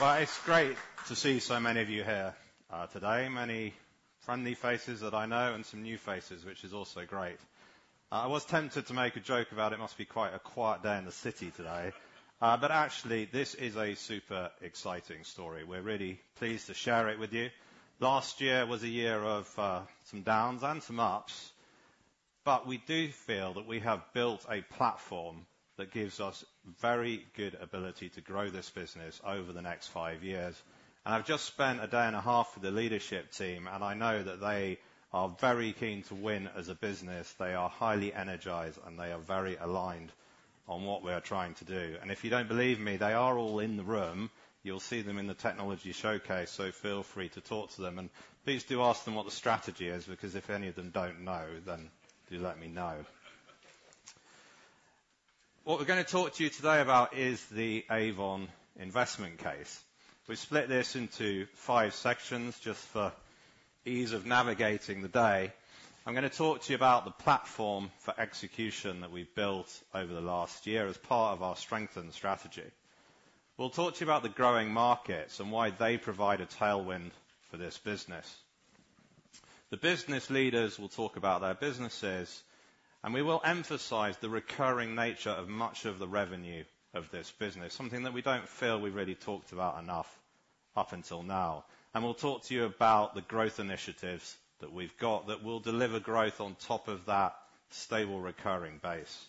Well, it's great to see so many of you here today. Many friendly faces that I know, and some new faces, which is also great. I was tempted to make a joke about it must be quite a quiet day in the city today, but actually, this is a super exciting story. We're really pleased to share it with you. Last year was a year of some downs and some ups, but we do feel that we have built a platform that gives us very good ability to grow this business over the next five years. I've just spent a day and a half with the leadership team, and I know that they are very keen to win as a business. They are highly energized, and they are very aligned on what we are trying to do. If you don't believe me, they are all in the room. You'll see them in the technology showcase, so feel free to talk to them, and please do ask them what the strategy is, because if any of them don't know, then do let me know. What we're gonna talk to you today about is the Avon investment case. We've split this into five sections, just for ease of navigating the day. I'm gonna talk to you about the platform for execution that we've built over the last year as part of our strengthened strategy. We'll talk to you about the growing markets and why they provide a tailwind for this business. The business leaders will talk about their businesses, and we will emphasize the recurring nature of much of the revenue of this business, something that we don't feel we've really talked about enough up until now. We'll talk to you about the growth initiatives that we've got that will deliver growth on top of that stable, recurring base.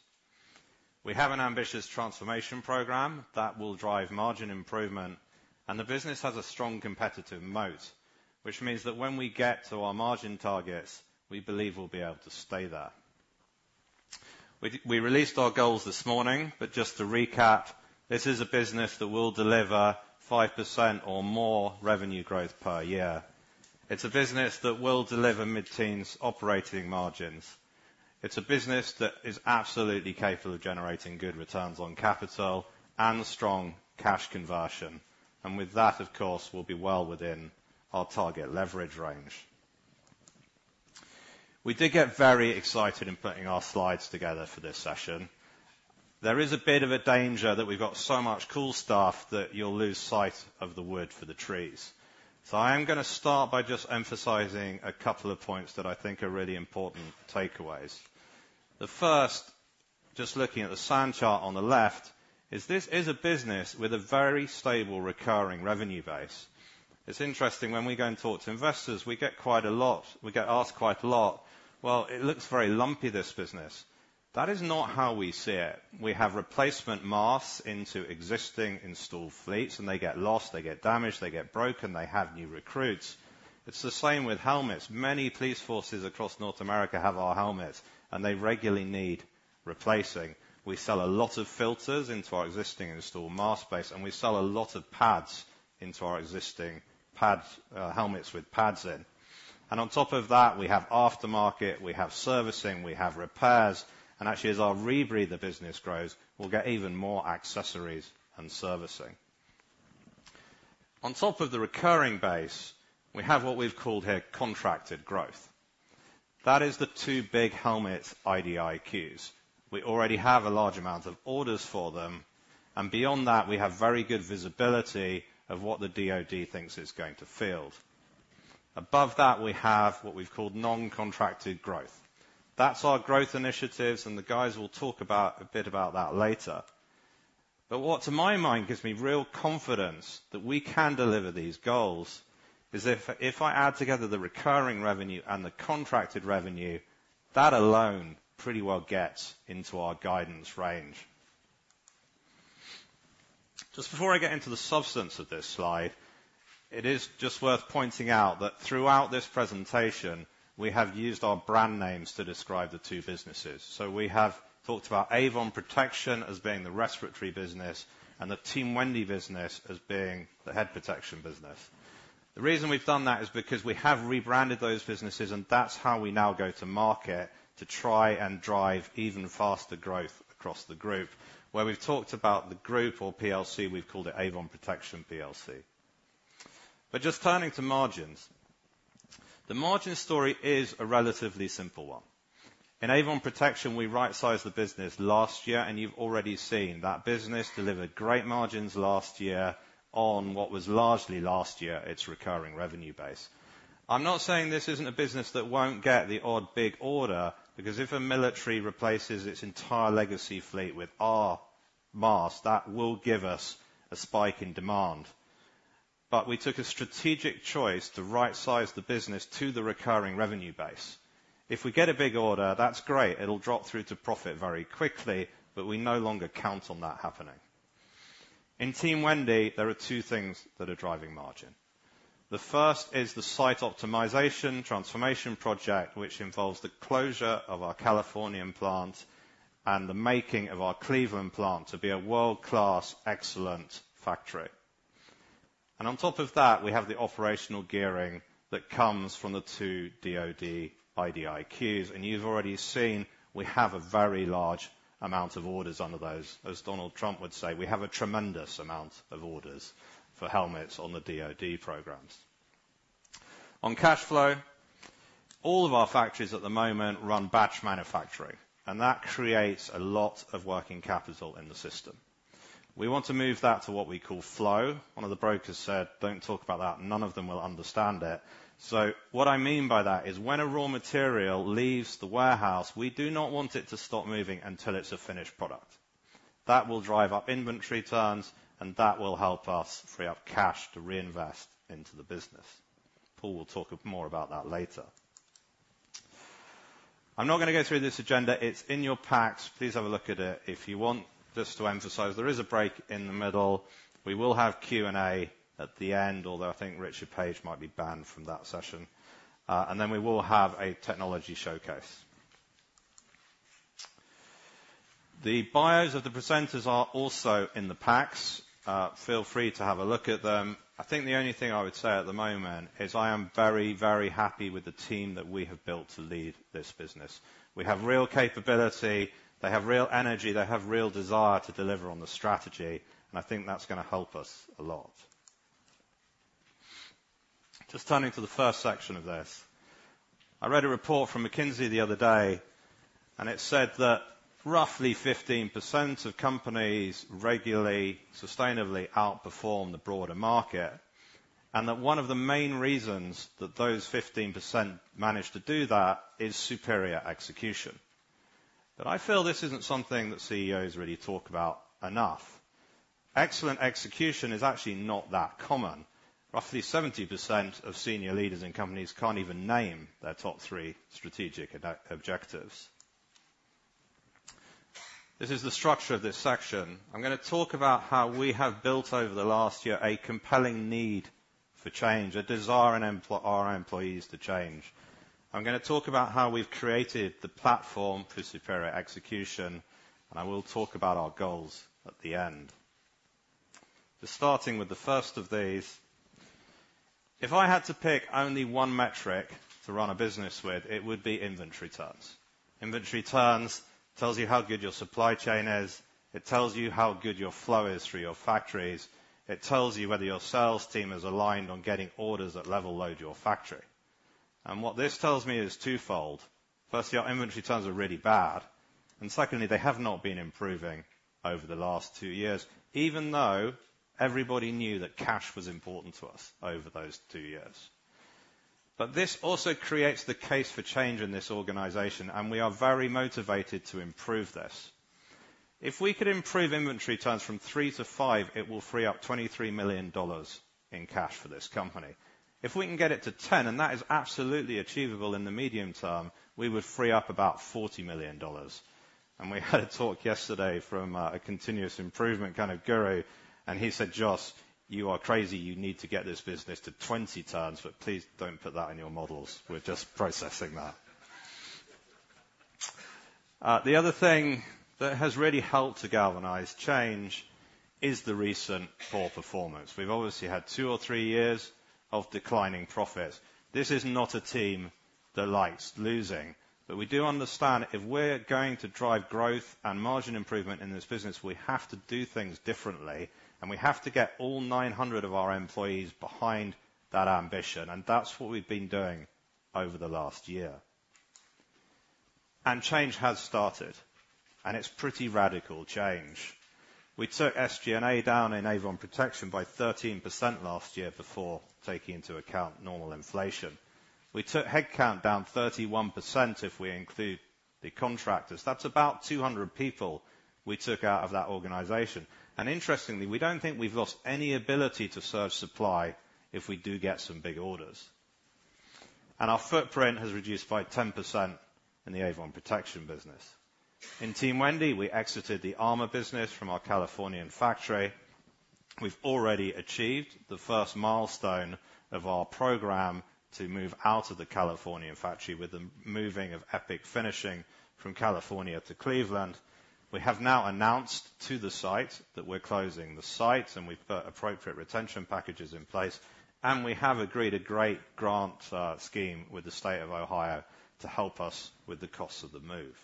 We have an ambitious transformation program that will drive margin improvement, and the business has a strong competitive moat, which means that when we get to our margin targets, we believe we'll be able to stay there. We released our goals this morning, but just to recap, this is a business that will deliver 5% or more revenue growth per year. It's a business that will deliver mid-teens operating margins. It's a business that is absolutely capable of generating good returns on capital and strong cash conversion, and with that, of course, we'll be well within our target leverage range. We did get very excited in putting our slides together for this session. There is a bit of a danger that we've got so much cool stuff that you'll lose sight of the wood for the trees, so I am gonna start by just emphasizing a couple of points that I think are really important takeaways. The first, just looking at the sand chart on the left, is this is a business with a very stable, recurring revenue base. It's interesting, when we go and talk to investors, we get quite a lot, we get asked quite a lot, "Well, it looks very lumpy, this business." That is not how we see it. We have replacement masks into existing installed fleets, and they get lost, they get damaged, they get broken, they have new recruits. It's the same with helmets. Many police forces across North America have our helmets, and they regularly need replacing. We sell a lot of filters into our existing installed mask base, and we sell a lot of pads into our existing pad, helmets with pads in. And on top of that, we have aftermarket, we have servicing, we have repairs, and actually, as our rebreather business grows, we'll get even more accessories and servicing. On top of the recurring base, we have what we've called here contracted growth. That is the two big helmets, IDIQs. We already have a large amount of orders for them, and beyond that, we have very good visibility of what the DoD thinks it's going to field. Above that, we have what we've called non-contracted growth. That's our growth initiatives, and the guys will talk about a bit about that later. But what, to my mind, gives me real confidence that we can deliver these goals is if, if I add together the recurring revenue and the contracted revenue, that alone pretty well gets into our guidance range. Just before I get into the substance of this slide, it is just worth pointing out that throughout this presentation, we have used our brand names to describe the two businesses. So we have talked about Avon Protection as being the respiratory business and the Team Wendy business as being the head protection business. The reason we've done that is because we have rebranded those businesses, and that's how we now go to market to try and drive even faster growth across the group. Where we've talked about the group or PLC, we've called it Avon Protection PLC. But just turning to margins, the margin story is a relatively simple one. In Avon Protection, we right-sized the business last year, and you've already seen that business delivered great margins last year on what was largely last year its recurring revenue base. I'm not saying this isn't a business that won't get the odd big order, because if a military replaces its entire legacy fleet with our masks, that will give us a spike in demand. But we took a strategic choice to rightsize the business to the recurring revenue base. If we get a big order, that's great. It'll drop through to profit very quickly, but we no longer count on that happening. In Team Wendy, there are two things that are driving margin. The first is the site optimization transformation project, which involves the closure of our Californian plant and the making of our Cleveland plant to be a world-class, excellent factory. On top of that, we have the operational gearing that comes from the two DoD IDIQs, and you've already seen we have a very large amount of orders under those. As Donald Trump would say, we have a tremendous amount of orders for helmets on the DoD programs. On cash flow, all of our factories at the moment run batch manufacturing, and that creates a lot of working capital in the system. We want to move that to what we call flow. One of the brokers said, "Don't talk about that, none of them will understand it." So what I mean by that is when a raw material leaves the warehouse, we do not want it to stop moving until it's a finished product. That will drive up inventory turns, and that will help us free up cash to reinvest into the business. Paul will talk more about that later. I'm not gonna go through this agenda. It's in your packs. Please have a look at it. If you want just to emphasize, there is a break in the middle. We will have Q&A at the end, although I think Richard Page might be banned from that session. And then we will have a technology showcase. The bios of the presenters are also in the packs. Feel free to have a look at them. I think the only thing I would say at the moment is I am very, very happy with the team that we have built to lead this business. We have real capability, they have real energy, they have real desire to deliver on the strategy, and I think that's gonna help us a lot. Just turning to the first section of this. I read a report from McKinsey the other day, and it said that roughly 15% of companies regularly, sustainably outperform the broader market, and that one of the main reasons that those 15% manage to do that is superior execution. But I feel this isn't something that CEOs really talk about enough. Excellent execution is actually not that common. Roughly 70% of senior leaders in companies can't even name their top three strategic objectives. This is the structure of this section. I'm gonna talk about how we have built over the last year, a compelling need for change, a desire in our employees to change. I'm gonna talk about how we've created the platform for superior execution, and I will talk about our goals at the end. Just starting with the first of these, if I had to pick only one metric to run a business with, it would be inventory turns. Inventory turns tells you how good your supply chain is, it tells you how good your flow is through your factories, it tells you whether your sales team is aligned on getting orders that level load your factory. What this tells me is twofold. First, your inventory turns are really bad, and secondly, they have not been improving over the last two years, even though everybody knew that cash was important to us over those two years. This also creates the case for change in this organization, and we are very motivated to improve this. If we could improve inventory turns from three to five, it will free up $23 million in cash for this company. If we can get it to 10, and that is absolutely achievable in the medium term, we would free up about $40 million. And we had a talk yesterday from, a continuous improvement kind of guru, and he said, "Jos, you are crazy. You need to get this business to 20 turns, but please don't put that in your models. We're just processing that." The other thing that has really helped to galvanize change is the recent poor performance. We've obviously had two or three years of declining profits. This is not a team that likes losing, but we do understand if we're going to drive growth and margin improvement in this business, we have to do things differently, and we have to get all 900 of our employees behind that ambition, and that's what we've been doing over the last year. Change has started, and it's pretty radical change. We took SG&A down in Avon Protection by 13% last year before taking into account normal inflation. We took headcount down 31% if we include the contractors. That's about 200 people we took out of that organization. And interestingly, we don't think we've lost any ability to serve supply if we do get some big orders. And our footprint has reduced by 10% in the Avon Protection business. In Team Wendy, we exited the armor business from our Californian factory. We've already achieved the first milestone of our program to move out of the Californian factory with the moving of Epic Finishing from California to Cleveland. We have now announced to the site that we're closing the site, and we've put appropriate retention packages in place, and we have agreed a great grant scheme with the State of Ohio to help us with the cost of the move.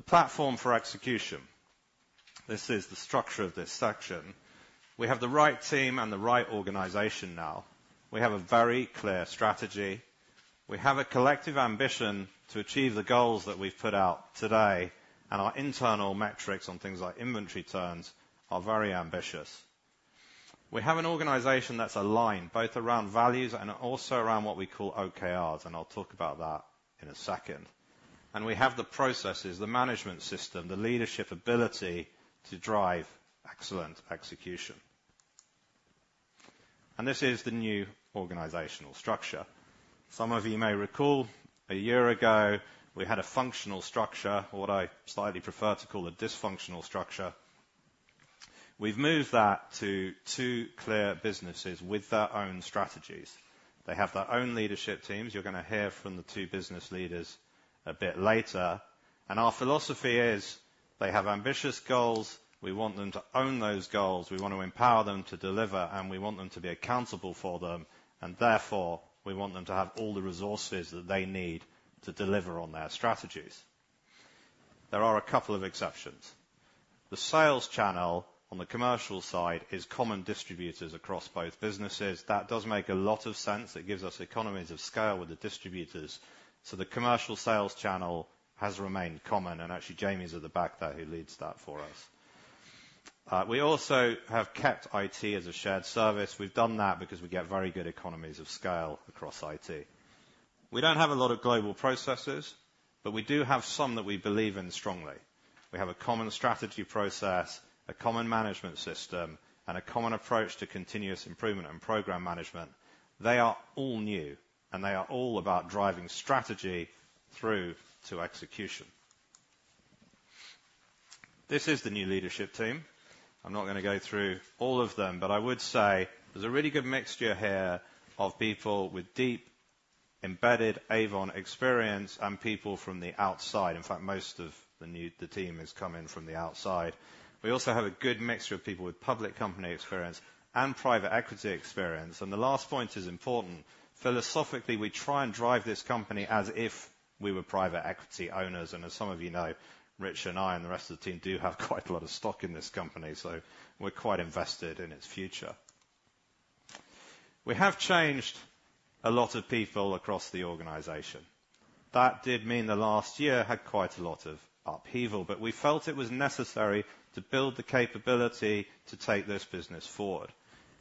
The platform for execution. This is the structure of this section. We have the right team and the right organization now. We have a very clear strategy. We have a collective ambition to achieve the goals that we've put out today, and our internal metrics on things like inventory turns are very ambitious. We have an organization that's aligned both around values and also around what we call OKRs, and I'll talk about that in a second. And we have the processes, the management system, the leadership ability to drive excellent execution. And this is the new organizational structure. Some of you may recall, a year ago, we had a functional structure, what I slightly prefer to call a dysfunctional structure. We've moved that to two clear businesses with their own strategies. They have their own leadership teams. You're gonna hear from the two business leaders a bit later. Our philosophy is they have ambitious goals, we want them to own those goals, we want to empower them to deliver, and we want them to be accountable for them, and therefore, we want them to have all the resources that they need to deliver on their strategies. There are a couple of exceptions. The sales channel on the commercial side is common distributors across both businesses. That does make a lot of sense. It gives us economies of scale with the distributors, so the commercial sales channel has remained common, and actually, Jamie's at the back there, who leads that for us. We also have kept IT as a shared service. We've done that because we get very good economies of scale across IT. We don't have a lot of global processes, but we do have some that we believe in strongly. We have a common strategy process, a common management system, and a common approach to continuous improvement and program management. They are all new, and they are all about driving strategy through to execution. This is the new leadership team. I'm not going to go through all of them, but I would say there's a really good mixture here of people with deep, embedded Avon experience and people from the outside. In fact, most of the new team has come in from the outside. We also have a good mixture of people with public company experience and private equity experience, and the last point is important. Philosophically, we try and drive this company as if we were private equity owners, and as some of you know, Rich, and I, and the rest of the team do have quite a lot of stock in this company, so we're quite invested in its future. We have changed a lot of people across the organization. That did mean the last year had quite a lot of upheaval, but we felt it was necessary to build the capability to take this business forward.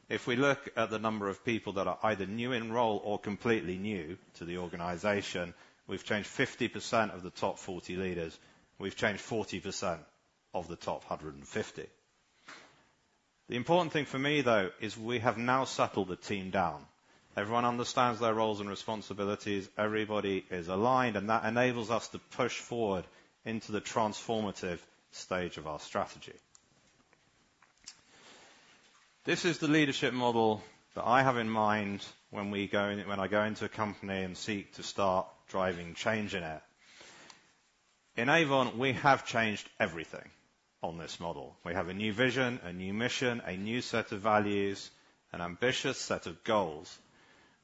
If we look at the number of people that are either new in role or completely new to the organization, we've changed 50% of the top 40 leaders, we've changed 40% of the top 150. The important thing for me, though, is we have now settled the team down. Everyone understands their roles and responsibilities, everybody is aligned, and that enables us to push forward into the transformative stage of our strategy. This is the leadership model that I have in mind when we go in, when I go into a company and seek to start driving change in it. In Avon, we have changed everything on this model. We have a new vision, a new mission, a new set of values, an ambitious set of goals.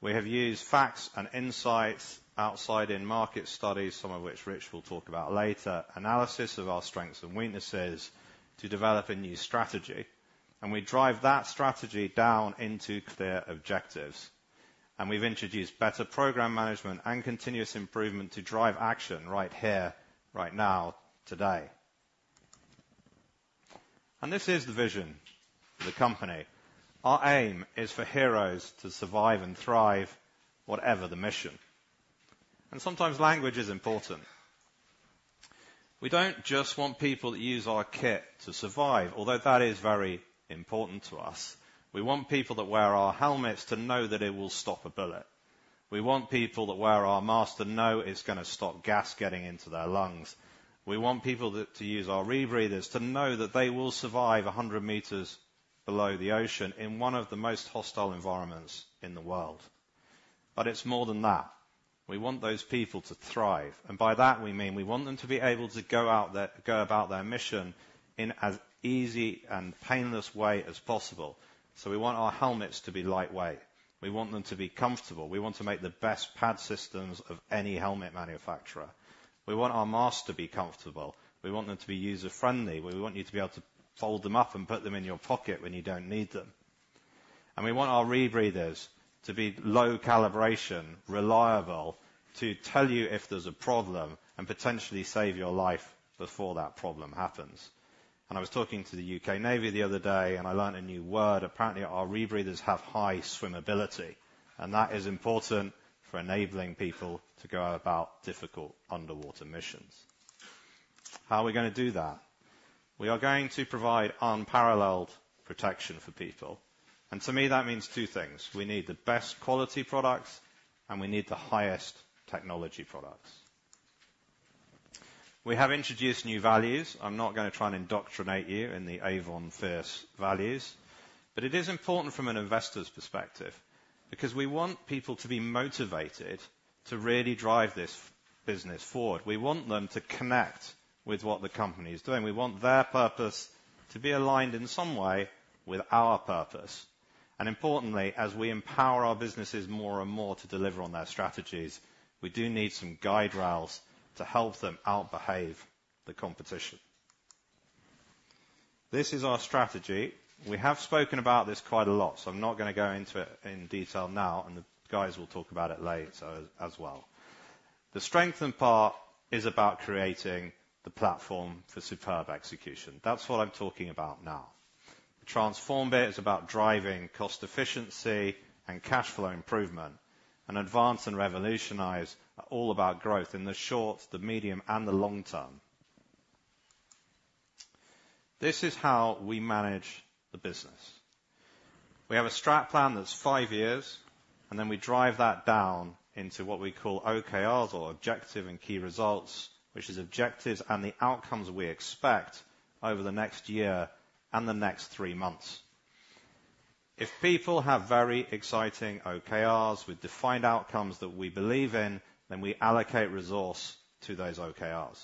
We have used facts and insights, outside-in market studies, some of which Rich will talk about later, analysis of our strengths and weaknesses to develop a new strategy, and we drive that strategy down into clear objectives. We've introduced better program management and continuous improvement to drive action right here, right now, today. This is the vision of the company. Our aim is for heroes to survive and thrive, whatever the mission. Sometimes language is important. We don't just want people to use our kit to survive, although that is very important to us. We want people that wear our helmets to know that it will stop a bullet. We want people that wear our mask to know it's going to stop gas getting into their lungs. We want people that to use our rebreathers to know that they will survive 100 meters below the ocean in one of the most hostile environments in the world. But it's more than that. We want those people to thrive, and by that, we mean we want them to be able to go about their mission in as easy and painless way as possible. So we want our helmets to be lightweight. We want them to be comfortable. We want to make the best pad systems of any helmet manufacturer. We want our masks to be comfortable. We want them to be user-friendly, where we want you to be able to fold them up and put them in your pocket when you don't need them. We want our rebreathers to be low calibration, reliable, to tell you if there's a problem and potentially save your life before that problem happens. I was talking to the UK Navy the other day, and I learned a new word. Apparently, our rebreathers have high swim ability, and that is important for enabling people to go about difficult underwater missions. How are we going to do that? We are going to provide unparalleled protection for people, and to me, that means two things. We need the best quality products, and we need the highest technology products. We have introduced new values. I'm not going to try and indoctrinate you in the Avon First values, but it is important from an investor's perspective because we want people to be motivated to really drive this business forward. We want them to connect with what the company is doing. We want their purpose to be aligned in some way with our purpose. Importantly, as we empower our businesses more and more to deliver on their strategies, we do need some guide rails to help them outbehave the competition. This is our strategy. We have spoken about this quite a lot, so I'm not going to go into it in detail now, and the guys will talk about it later as, as well. The strengthen part is about creating the platform for superb execution. That's what I'm talking about now. The transform bit is about driving cost efficiency and cash flow improvement, and advance and revolutionize are all about growth in the short, the medium, and the long term. This is how we manage the business. We have a strategic plan that's 5 years, and then we drive that down into what we call OKRs or objectives and key results, which is objectives and the outcomes we expect over the next year and the next 3 months. If people have very exciting OKRs with defined outcomes that we believe in, then we allocate resource to those OKRs.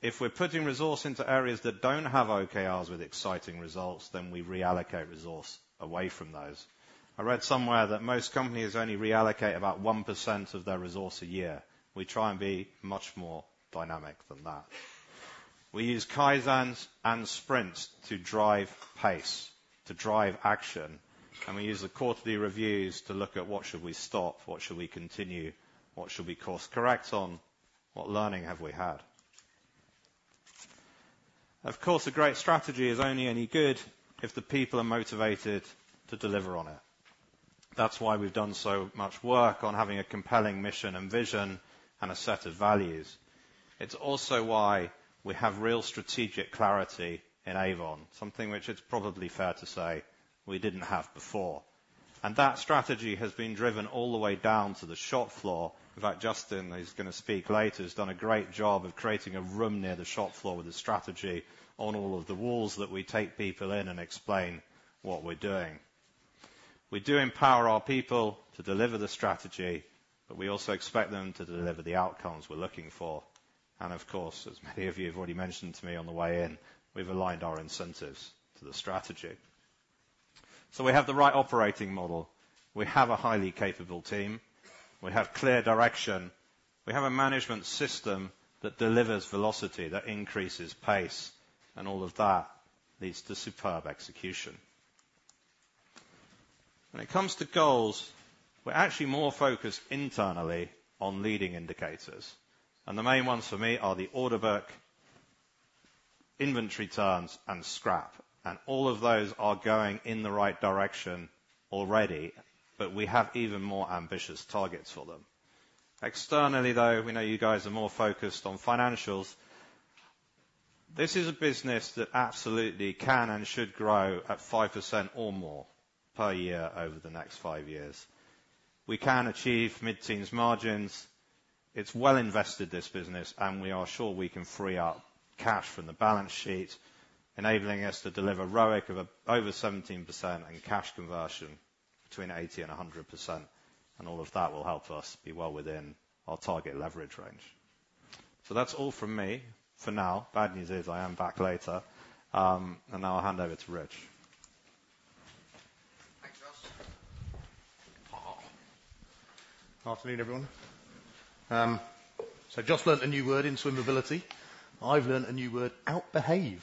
If we're putting resource into areas that don't have OKRs with exciting results, then we reallocate resource away from those. I read somewhere that most companies only reallocate about 1% of their resource a year. We try and be much more dynamic than that. We use Kaizens and sprints to drive pace, to drive action, and we use the quarterly reviews to look at what should we stop, what should we continue, what should we course-correct on, what learning have we had? Of course, a great strategy is only any good if the people are motivated to deliver on it. That's why we've done so much work on having a compelling mission and vision and a set of values. It's also why we have real strategic clarity in Avon, something which it's probably fair to say we didn't have before, and that strategy has been driven all the way down to the shop floor. In fact, Justin, who is going to speak later, has done a great job of creating a room near the shop floor with a strategy on all of the walls that we take people in and explain what we're doing. We do empower our people to deliver the strategy, but we also expect them to deliver the outcomes we're looking for. Of course, as many of you have already mentioned to me on the way in, we've aligned our incentives to the strategy. So we have the right operating model, we have a highly capable team, we have clear direction, we have a management system that delivers velocity, that increases pace, and all of that leads to superb execution. When it comes to goals, we're actually more focused internally on leading indicators, and the main ones for me are the order book, inventory turns, and scrap. And all of those are going in the right direction already, but we have even more ambitious targets for them. Externally, though, we know you guys are more focused on financials. This is a business that absolutely can and should grow at 5% or more per year over the next five years. We can achieve mid-teens margins. It's well invested, this business, and we are sure we can free up cash from the balance sheet, enabling us to deliver ROIC of over 17% and cash conversion between 80%-100%, and all of that will help us be well within our target leverage range. So that's all from me for now. Bad news is I am back later, and now I'll hand over to Rich. Thanks, Jos. Good afternoon, everyone. So Jos learned a new word in swimmability. I've learned a new word, outbehave.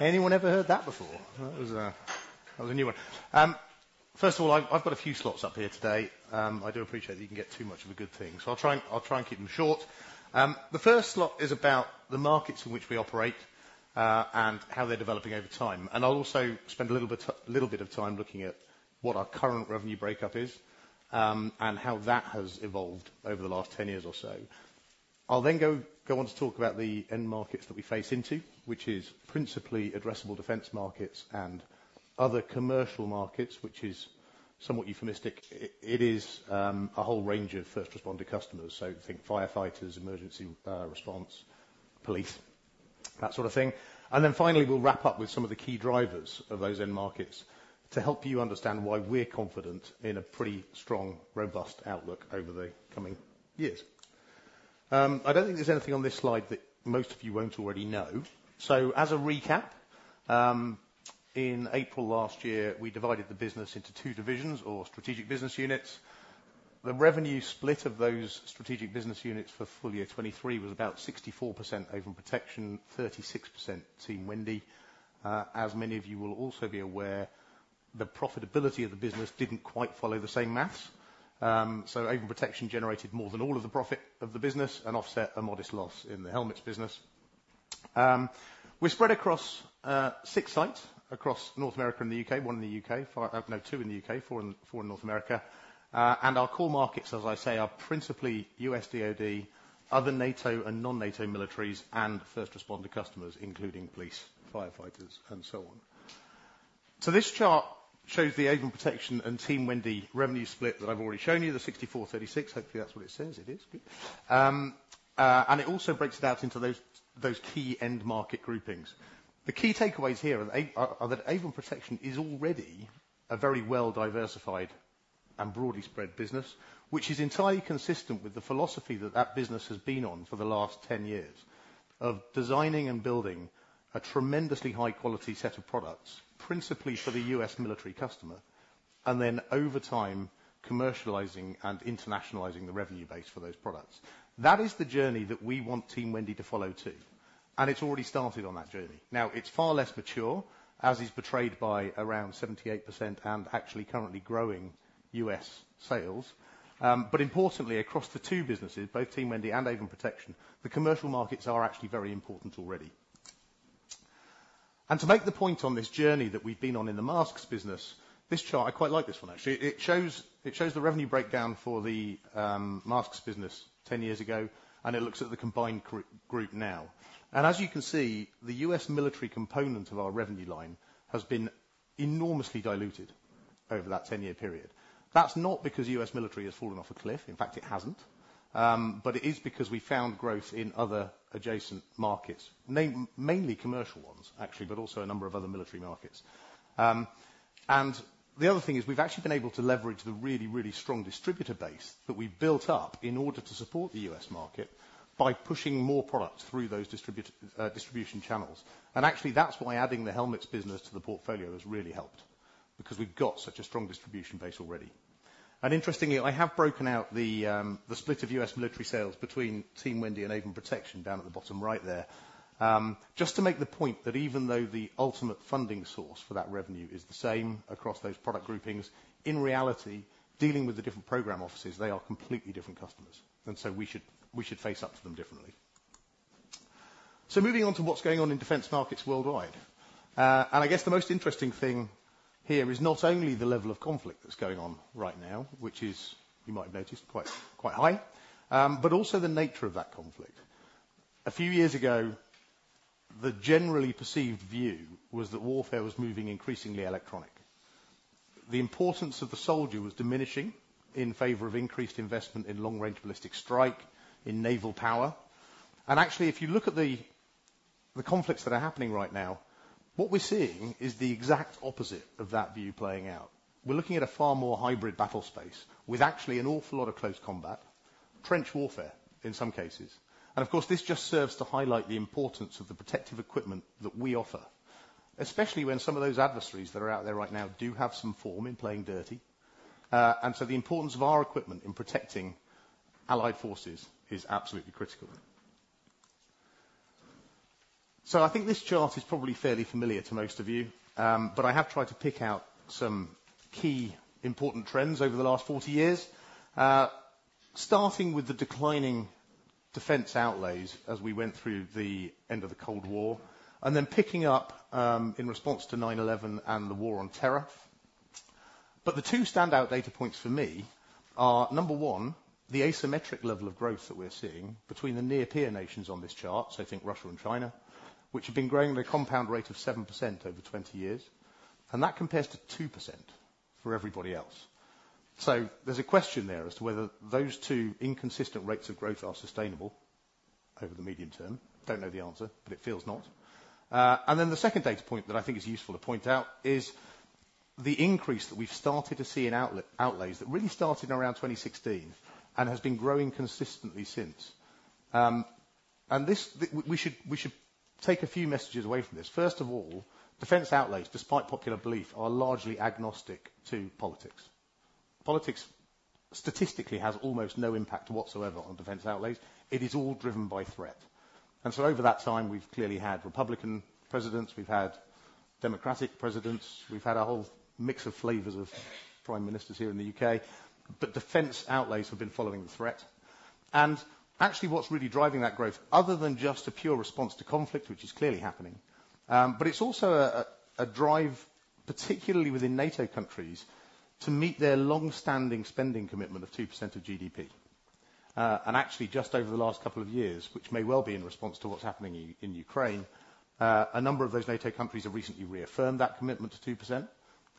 Anyone ever heard that before? That was a, that was a new one. First of all, I've got a few slots up here today. I do appreciate that you can get too much of a good thing, so I'll try and, I'll try and keep them short. The first slot is about the markets in which we operate, and how they're developing over time. I'll also spend a little bit, little bit of time looking at what our current revenue breakup is, and how that has evolved over the last 10 years or so. I'll then go on to talk about the end markets that we face into, which is principally addressable defense markets and other commercial markets, which is somewhat euphemistic. It is a whole range of first responder customers, so think firefighters, emergency response, police, that sort of thing. And then finally, we'll wrap up with some of the key drivers of those end markets to help you understand why we're confident in a pretty strong, robust outlook over the coming years. I don't think there's anything on this slide that most of you won't already know. So as a recap, in April last year, we divided the business into two divisions or strategic business units. The revenue split of those strategic business units for full year 2023 was about 64% Avon Protection, 36% Team Wendy. As many of you will also be aware, the profitability of the business didn't quite follow the same math. So Avon Protection generated more than all of the profit of the business and offset a modest loss in the helmets business. We're spread across six sites across North America and the UK, one in the UK, no, two in the UK, four in North America. And our core markets, as I say, are principally U.S. DoD, other NATO and non-NATO militaries, and first responder customers, including police, firefighters, and so on. So this chart shows the Avon Protection and Team Wendy revenue split that I've already shown you, the 64-36. Hopefully, that's what it says. It is. And it also breaks it out into those key end market groupings. The key takeaways here are that Avon Protection is already a very well-diversified and broadly spread business, which is entirely consistent with the philosophy that that business has been on for the last 10 years of designing and building a tremendously high quality set of products, principally for the U.S. military customer, and then over time, commercializing and internationalizing the revenue base for those products. That is the journey that we want Team Wendy to follow, too, and it's already started on that journey. Now, it's far less mature, as is portrayed by around 78% and actually currently growing U.S. sales. But importantly, across the two businesses, both Team Wendy and Avon Protection, the commercial markets are actually very important already. To make the point on this journey that we've been on in the masks business, this chart. I quite like this one, actually. It shows the revenue breakdown for the masks business 10 years ago, and it looks at the combined group now. As you can see, the U.S. military component of our revenue line has been enormously diluted over that 10-year period. That's not because U.S. military has fallen off a cliff. In fact, it hasn't. But it is because we found growth in other adjacent markets, mainly commercial ones, actually, but also a number of other military markets. The other thing is, we've actually been able to leverage the really, really strong distributor base that we've built up in order to support the U.S. market by pushing more product through those distribution channels. Actually, that's why adding the helmets business to the portfolio has really helped, because we've got such a strong distribution base already. And interestingly, I have broken out the, the split of U.S. military sales between Team Wendy and Avon Protection down at the bottom right there. Just to make the point that even though the ultimate funding source for that revenue is the same across those product groupings, in reality, dealing with the different program offices, they are completely different customers, and so we should, we should face up to them differently. So moving on to what's going on in defense markets worldwide. And I guess the most interesting thing here is not only the level of conflict that's going on right now, which is, you might have noticed, quite, quite high, but also the nature of that conflict. A few years ago, the generally perceived view was that warfare was moving increasingly electronic. The importance of the soldier was diminishing in favor of increased investment in long-range ballistic strike, in naval power, and actually, if you look at the conflicts that are happening right now, what we're seeing is the exact opposite of that view playing out. We're looking at a far more hybrid battle space with actually an awful lot of close combat, trench warfare in some cases. And of course, this just serves to highlight the importance of the protective equipment that we offer, especially when some of those adversaries that are out there right now do have some form in playing dirty. And so the importance of our equipment in protecting allied forces is absolutely critical. So I think this chart is probably fairly familiar to most of you, but I have tried to pick out some key important trends over the last 40 years. Starting with the declining defense outlays as we went through the end of the Cold War, and then picking up in response to 9/11 and the War on Terror. But the two standout data points for me are, number one, the asymmetric level of growth that we're seeing between the near peer nations on this chart, so I think Russia and China, which have been growing at a compound rate of 7% over 20 years, and that compares to 2% for everybody else. So there's a question there as to whether those two inconsistent rates of growth are sustainable over the medium term. Don't know the answer, but it feels not. And then the second data point that I think is useful to point out is the increase that we've started to see in outlays that really started around 2016 and has been growing consistently since. And this, we should take a few messages away from this. First of all, defense outlays, despite popular belief, are largely agnostic to politics. Politics, statistically, has almost no impact whatsoever on defense outlays. It is all driven by threat. And so over that time, we've clearly had Republican presidents, we've had Democratic presidents, we've had a whole mix of flavors of prime ministers here in the U.K., but defense outlays have been following the threat. Actually, what's really driving that growth, other than just a pure response to conflict, which is clearly happening, but it's also a drive, particularly within NATO countries, to meet their long-standing spending commitment of 2% of GDP. Actually, just over the last couple of years, which may well be in response to what's happening in Ukraine, a number of those NATO countries have recently reaffirmed that commitment to 2%,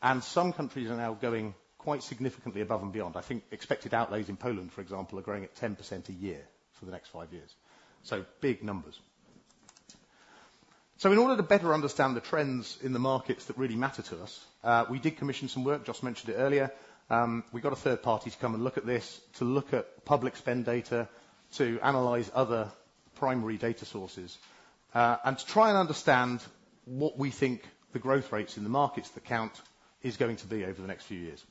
and some countries are now going quite significantly above and beyond. I think expected outlays in Poland, for example, are growing at 10% a year for the next five years. So big numbers. So in order to better understand the trends in the markets that really matter to us, we did commission some work. Joss mentioned it earlier. We got a third party to come and look at this, to look at public spend data, to analyze other primary data sources, and to try and understand what we think the growth rates in the markets that count is going to be over the next few years.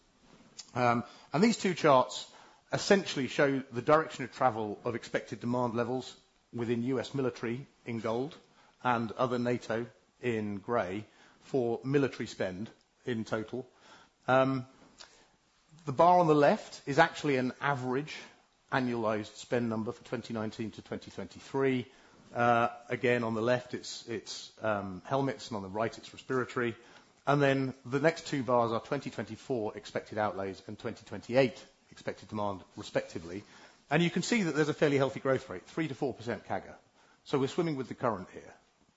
These two charts essentially show the direction of travel of expected demand levels within U.S. military in gold and other NATO in gray for military spend in total. The bar on the left is actually an average annualized spend number for 2019 to 2023. Again, on the left, it's helmets, and on the right, it's respiratory. Then the next two bars are 2024 expected outlays and 2028 expected demand, respectively. You can see that there's a fairly healthy growth rate, 3%-4% CAGR. So we're swimming with the current here.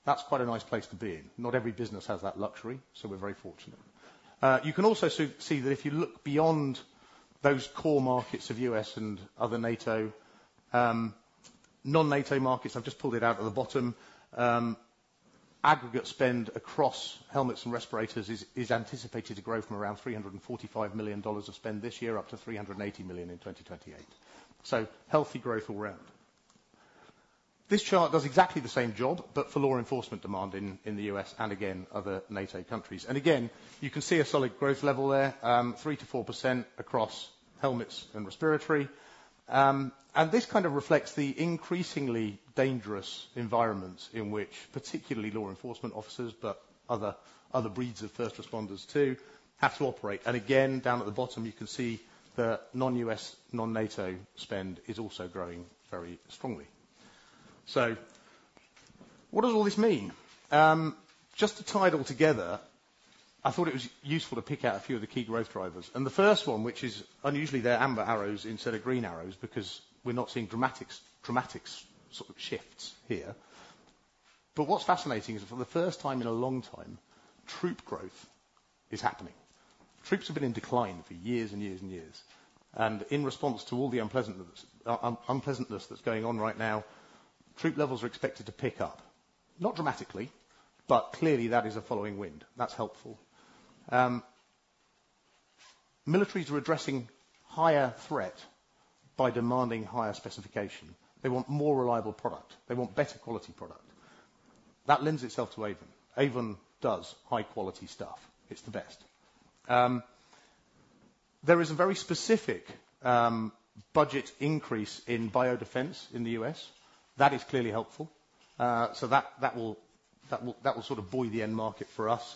That's quite a nice place to be. Not every business has that luxury, so we're very fortunate. You can also see that if you look beyond those core markets of U.S. and other NATO, non-NATO markets, I've just pulled it out at the bottom, aggregate spend across helmets and respirators is anticipated to grow from around $345 million of spend this year up to $380 million in 2028. So healthy growth all round. This chart does exactly the same job, but for law enforcement demand in the U.S. and again, other NATO countries. And again, you can see a solid growth level there, 3%-4% across helmets and respiratory. And this kind of reflects the increasingly dangerous environments in which, particularly law enforcement officers, but other breeds of first responders, too, have to operate. And again, down at the bottom, you can see the non-U.S., non-NATO spend is also growing very strongly. So what does all this mean? Just to tie it all together, I thought it was useful to pick out a few of the key growth drivers. And the first one, which is unusually, they're amber arrows instead of green arrows, because we're not seeing dramatic sort of shifts here. But what's fascinating is for the first time in a long time, troop growth is happening. Troops have been in decline for years and years and years, and in response to all the unpleasantness that's going on right now, troop levels are expected to pick up. Not dramatically, but clearly, that is a following wind. That's helpful. Militaries are addressing higher threat by demanding higher specification. They want more reliable product. They want better quality product. That lends itself to Avon. Avon does high-quality stuff. It's the best. There is a very specific budget increase in Biodefense in the U.S. That is clearly helpful. So that will sort of buoy the end market for us.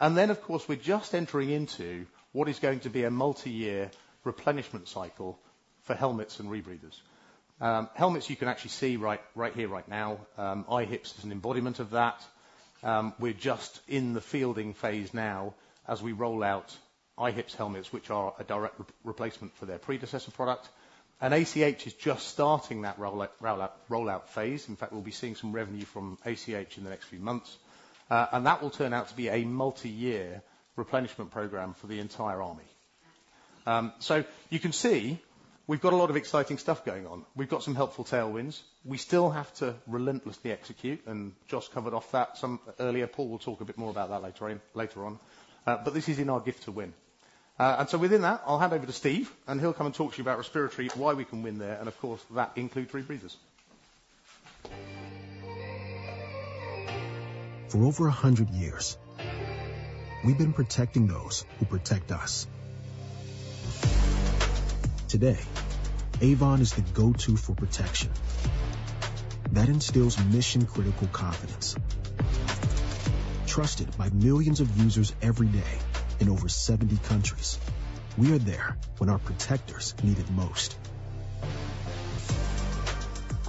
And then, of course, we're just entering into what is going to be a multi-year replenishment cycle for helmets and rebreathers. Helmets, you can actually see right here, right now. IHPS is an embodiment of that. We're just in the fielding phase now as we roll out IHPS helmets, which are a direct replacement for their predecessor product, and ACH is just starting that rollout phase. In fact, we'll be seeing some revenue from ACH in the next few months, and that will turn out to be a multi-year replenishment program for the entire army. So you can see we've got a lot of exciting stuff going on. We've got some helpful tailwinds. We still have to relentlessly execute, and Jos covered off that some earlier. Paul will talk a bit more about that later on, but this is in our gift to win. And so within that, I'll hand over to Steve, and he'll come and talk to you about respiratory, why we can win there, and of course, that includes rebreathers. For over 100 years, we've been protecting those who protect us. Today, Avon is the go-to for protection. That instills mission-critical confidence. Trusted by millions of users every day in over 70 countries, we are there when our protectors need it most.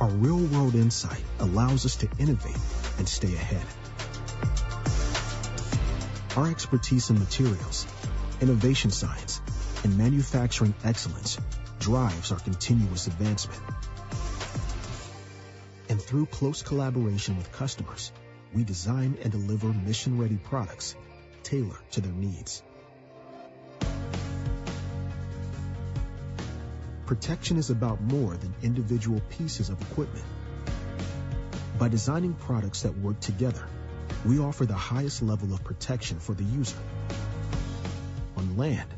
Our real-world insight allows us to innovate and stay ahead. Our expertise in materials, innovation, science, and manufacturing excellence drives our continuous advancement. Through close collaboration with customers, we design and deliver mission-ready products tailored to their needs. Protection is about more than individual pieces of equipment. By designing products that work together, we offer the highest level of protection for the user on land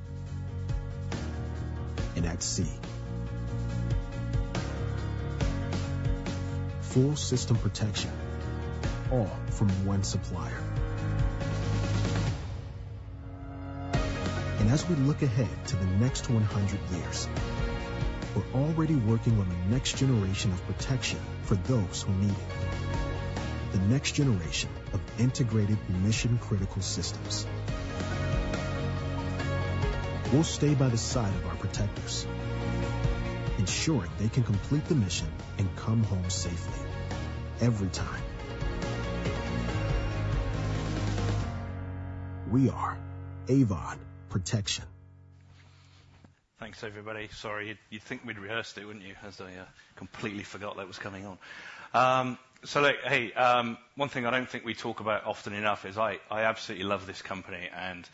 and at sea. Full system protection, all from one supplier. As we look ahead to the next 100 years, we're already working on the next generation of protection for those who need it, the next generation of integrated mission-critical systems. We'll stay by the side of our protectors, ensuring they can complete the mission and come home safely every time. We are Avon Protection. Thanks, everybody. Sorry, you'd think we'd rehearsed it, wouldn't you? As I completely forgot that was coming on. So look, hey, one thing I don't think we talk about often enough is I absolutely love this company, and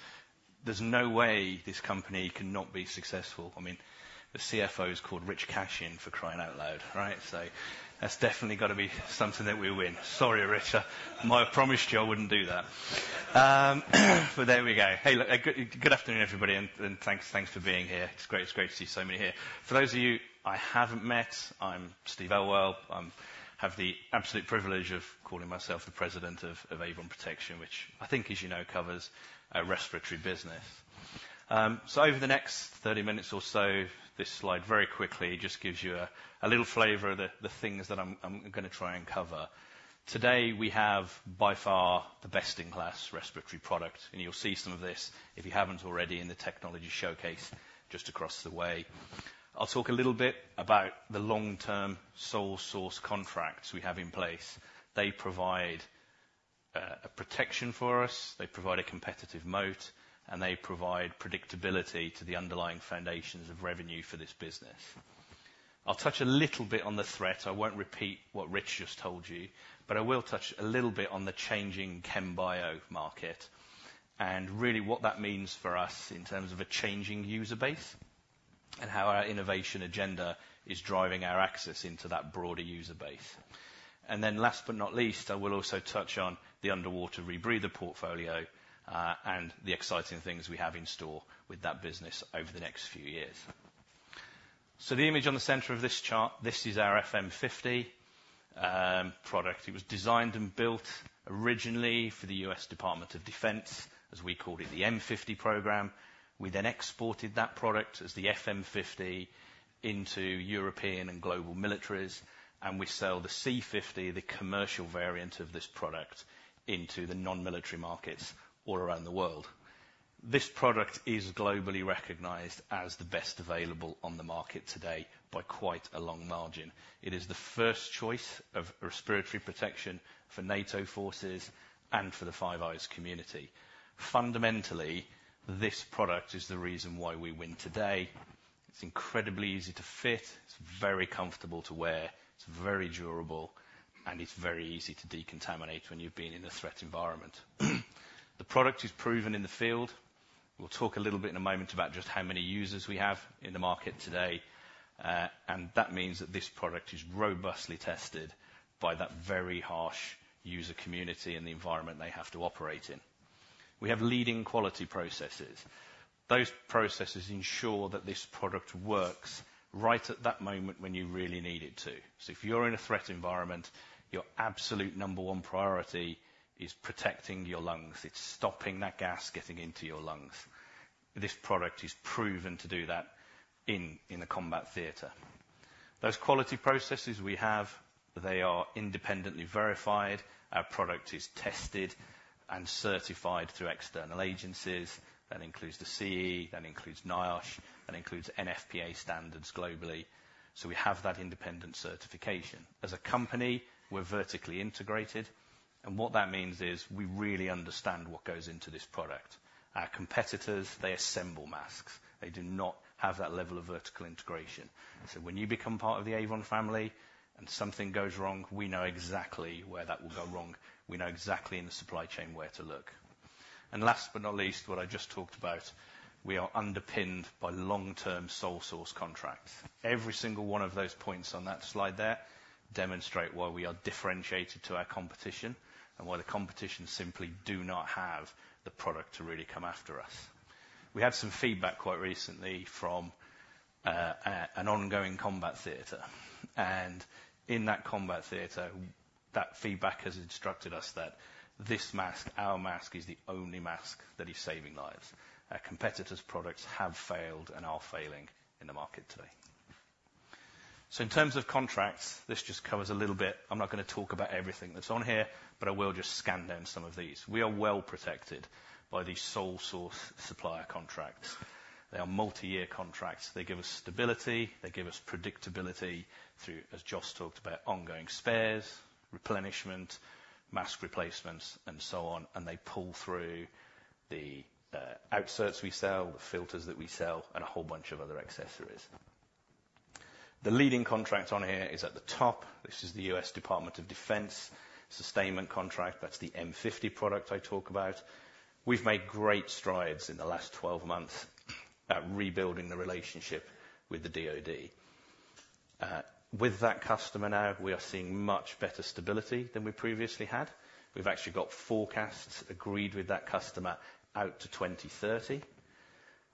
there's no way this company cannot be successful. I mean, the CFO is called Rich Cashin, for crying out loud, right? So that's definitely got to be something that we win. Sorry, Rich. My. I promised you I wouldn't do that. But there we go. Hey, look, good afternoon, everybody, and thanks for being here. It's great to see so many here. For those of you I haven't met, I'm Steve Elwell. I have the absolute privilege of calling myself the President of Avon Protection, which I think, as you know, covers our respiratory business. So over the next 30 minutes or so, this slide very quickly just gives you a little flavor of the things that I'm gonna try and cover. Today, we have, by far, the best-in-class respiratory product, and you'll see some of this, if you haven't already, in the technology showcase just across the way. I'll talk a little bit about the long-term sole source contracts we have in place. They provide a protection for us, they provide a competitive moat, and they provide predictability to the underlying foundations of revenue for this business. I'll touch a little bit on the threat. I won't repeat what Rich just told you, but I will touch a little bit on the changing chem-bio market, and really what that means for us in terms of a changing user base and how our innovation agenda is driving our access into that broader user base. Then, last but not least, I will also touch on the underwater rebreather portfolio, and the exciting things we have in store with that business over the next few years. So the image on the center of this chart, this is our FM50 product. It was designed and built originally for the U.S. Department of Defense, as we called it, the M50 program. We then exported that product as the FM50 into European and global militaries, and we sell the C50, the commercial variant of this product, into the non-military markets all around the world. This product is globally recognized as the best available on the market today by quite a long margin. It is the first choice of respiratory protection for NATO forces and for the Five Eyes community. Fundamentally, this product is the reason why we win today. It's incredibly easy to fit, it's very comfortable to wear, it's very durable, and it's very easy to decontaminate when you've been in a threat environment. The product is proven in the field. We'll talk a little bit in a moment about just how many users we have in the market today, and that means that this product is robustly tested by that very harsh user community and the environment they have to operate in.. We have leading quality processes. Those processes ensure that this product works right at that moment when you really need it to. So if you're in a threat environment, your absolute number one priority is protecting your lungs. It's stopping that gas getting into your lungs. This product is proven to do that in the combat theater. Those quality processes we have, they are independently verified. Our product is tested and certified through external agencies. That includes the CE, that includes NIOSH, that includes NFPA standards globally. So we have that independent certification. As a company, we're vertically integrated, and what that means is we really understand what goes into this product. Our competitors, they assemble masks. They do not have that level of vertical integration. So when you become part of the Avon family and something goes wrong, we know exactly where that will go wrong. We know exactly in the supply chain where to look. And last but not least, what I just talked about, we are underpinned by long-term sole source contracts. Every single one of those points on that slide there demonstrate why we are differentiated to our competition, and why the competition simply do not have the product to really come after us. We had some feedback quite recently from an ongoing combat theater, and in that combat theater, that feedback has instructed us that this mask, our mask, is the only mask that is saving lives. Our competitors' products have failed and are failing in the market today. So in terms of contracts, this just covers a little bit. I'm not gonna talk about everything that's on here, but I will just scan down some of these. We are well protected by these sole source supplier contracts. They are multi-year contracts. They give us stability, they give us predictability through, as Joss talked about, ongoing spares, replenishment, mask replacements, and so on, and they pull through the outserts we sell, the filters that we sell, and a whole bunch of other accessories. The leading contract on here is at the top. This is the U.S. Department of Defense sustainment contract. That's the M50 product I talk about. We've made great strides in the last 12 months at rebuilding the relationship with the DoD. With that customer now, we are seeing much better stability than we previously had. We've actually got forecasts agreed with that customer out to 2030,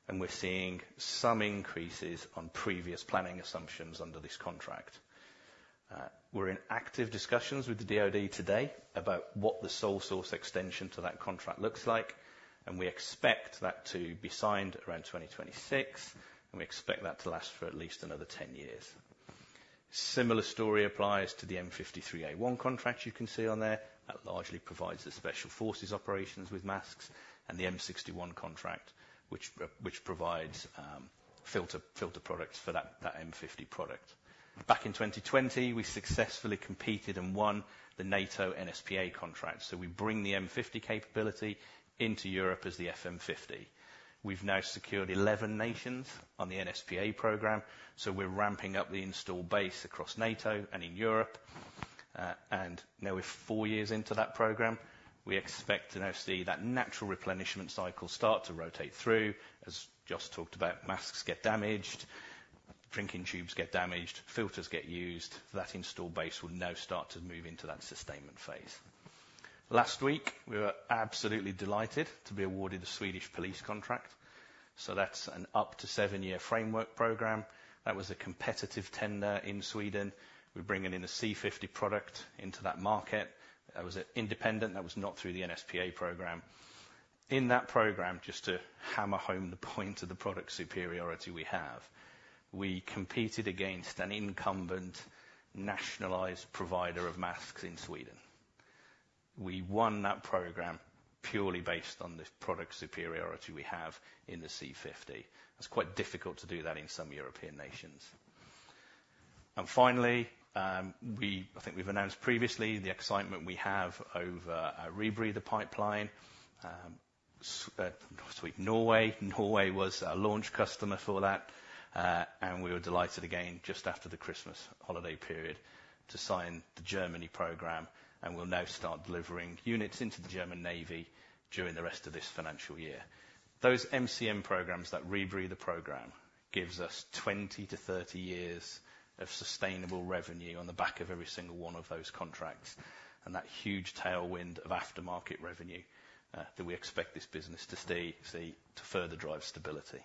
and we're seeing some increases on previous planning assumptions under this contract. We're in active discussions with the DoD today about what the sole source extension to that contract looks like, and we expect that to be signed around 2026, and we expect that to last for at least another 10 years. Similar story applies to the M53A1 contract you can see on there. That largely provides the special forces operations with masks, and the M61 contract, which which provides filter products for that M50 product. Back in 2020, we successfully competed and won the NATO NSPA contract, so we bring the M50 capability into Europe as the FM50. We've now secured 11 nations on the NSPA program, so we're ramping up the install base across NATO and in Europe, and now we're four years into that program. We expect to now see that natural replenishment cycle start to rotate through. As Joss talked about, masks get damaged, drinking tubes get damaged, filters get used. That install base will now start to move into that sustainment phase. Last week, we were absolutely delighted to be awarded the Swedish police contract, so that's an up to 7-year framework program. That was a competitive tender in Sweden. We're bringing in a C50 product into that market. That was independent. That was not through the NSPA program. In that program, just to hammer home the point of the product superiority we have, we competed against an incumbent nationalized provider of masks in Sweden. We won that program purely based on the product superiority we have in the C50. It's quite difficult to do that in some European nations. And finally, we. I think we've announced previously the excitement we have over our rebreather pipeline. Norway was our launch customer for that, and we were delighted again just after the Christmas holiday period to sign the Germany program, and we'll now start delivering units into the German Navy during the rest of this financial year. Those MCM programs, that rebreather program, gives us 20-30 years of sustainable revenue on the back of every single one of those contracts, and that huge tailwind of aftermarket revenue that we expect this business to stay to further drive stability.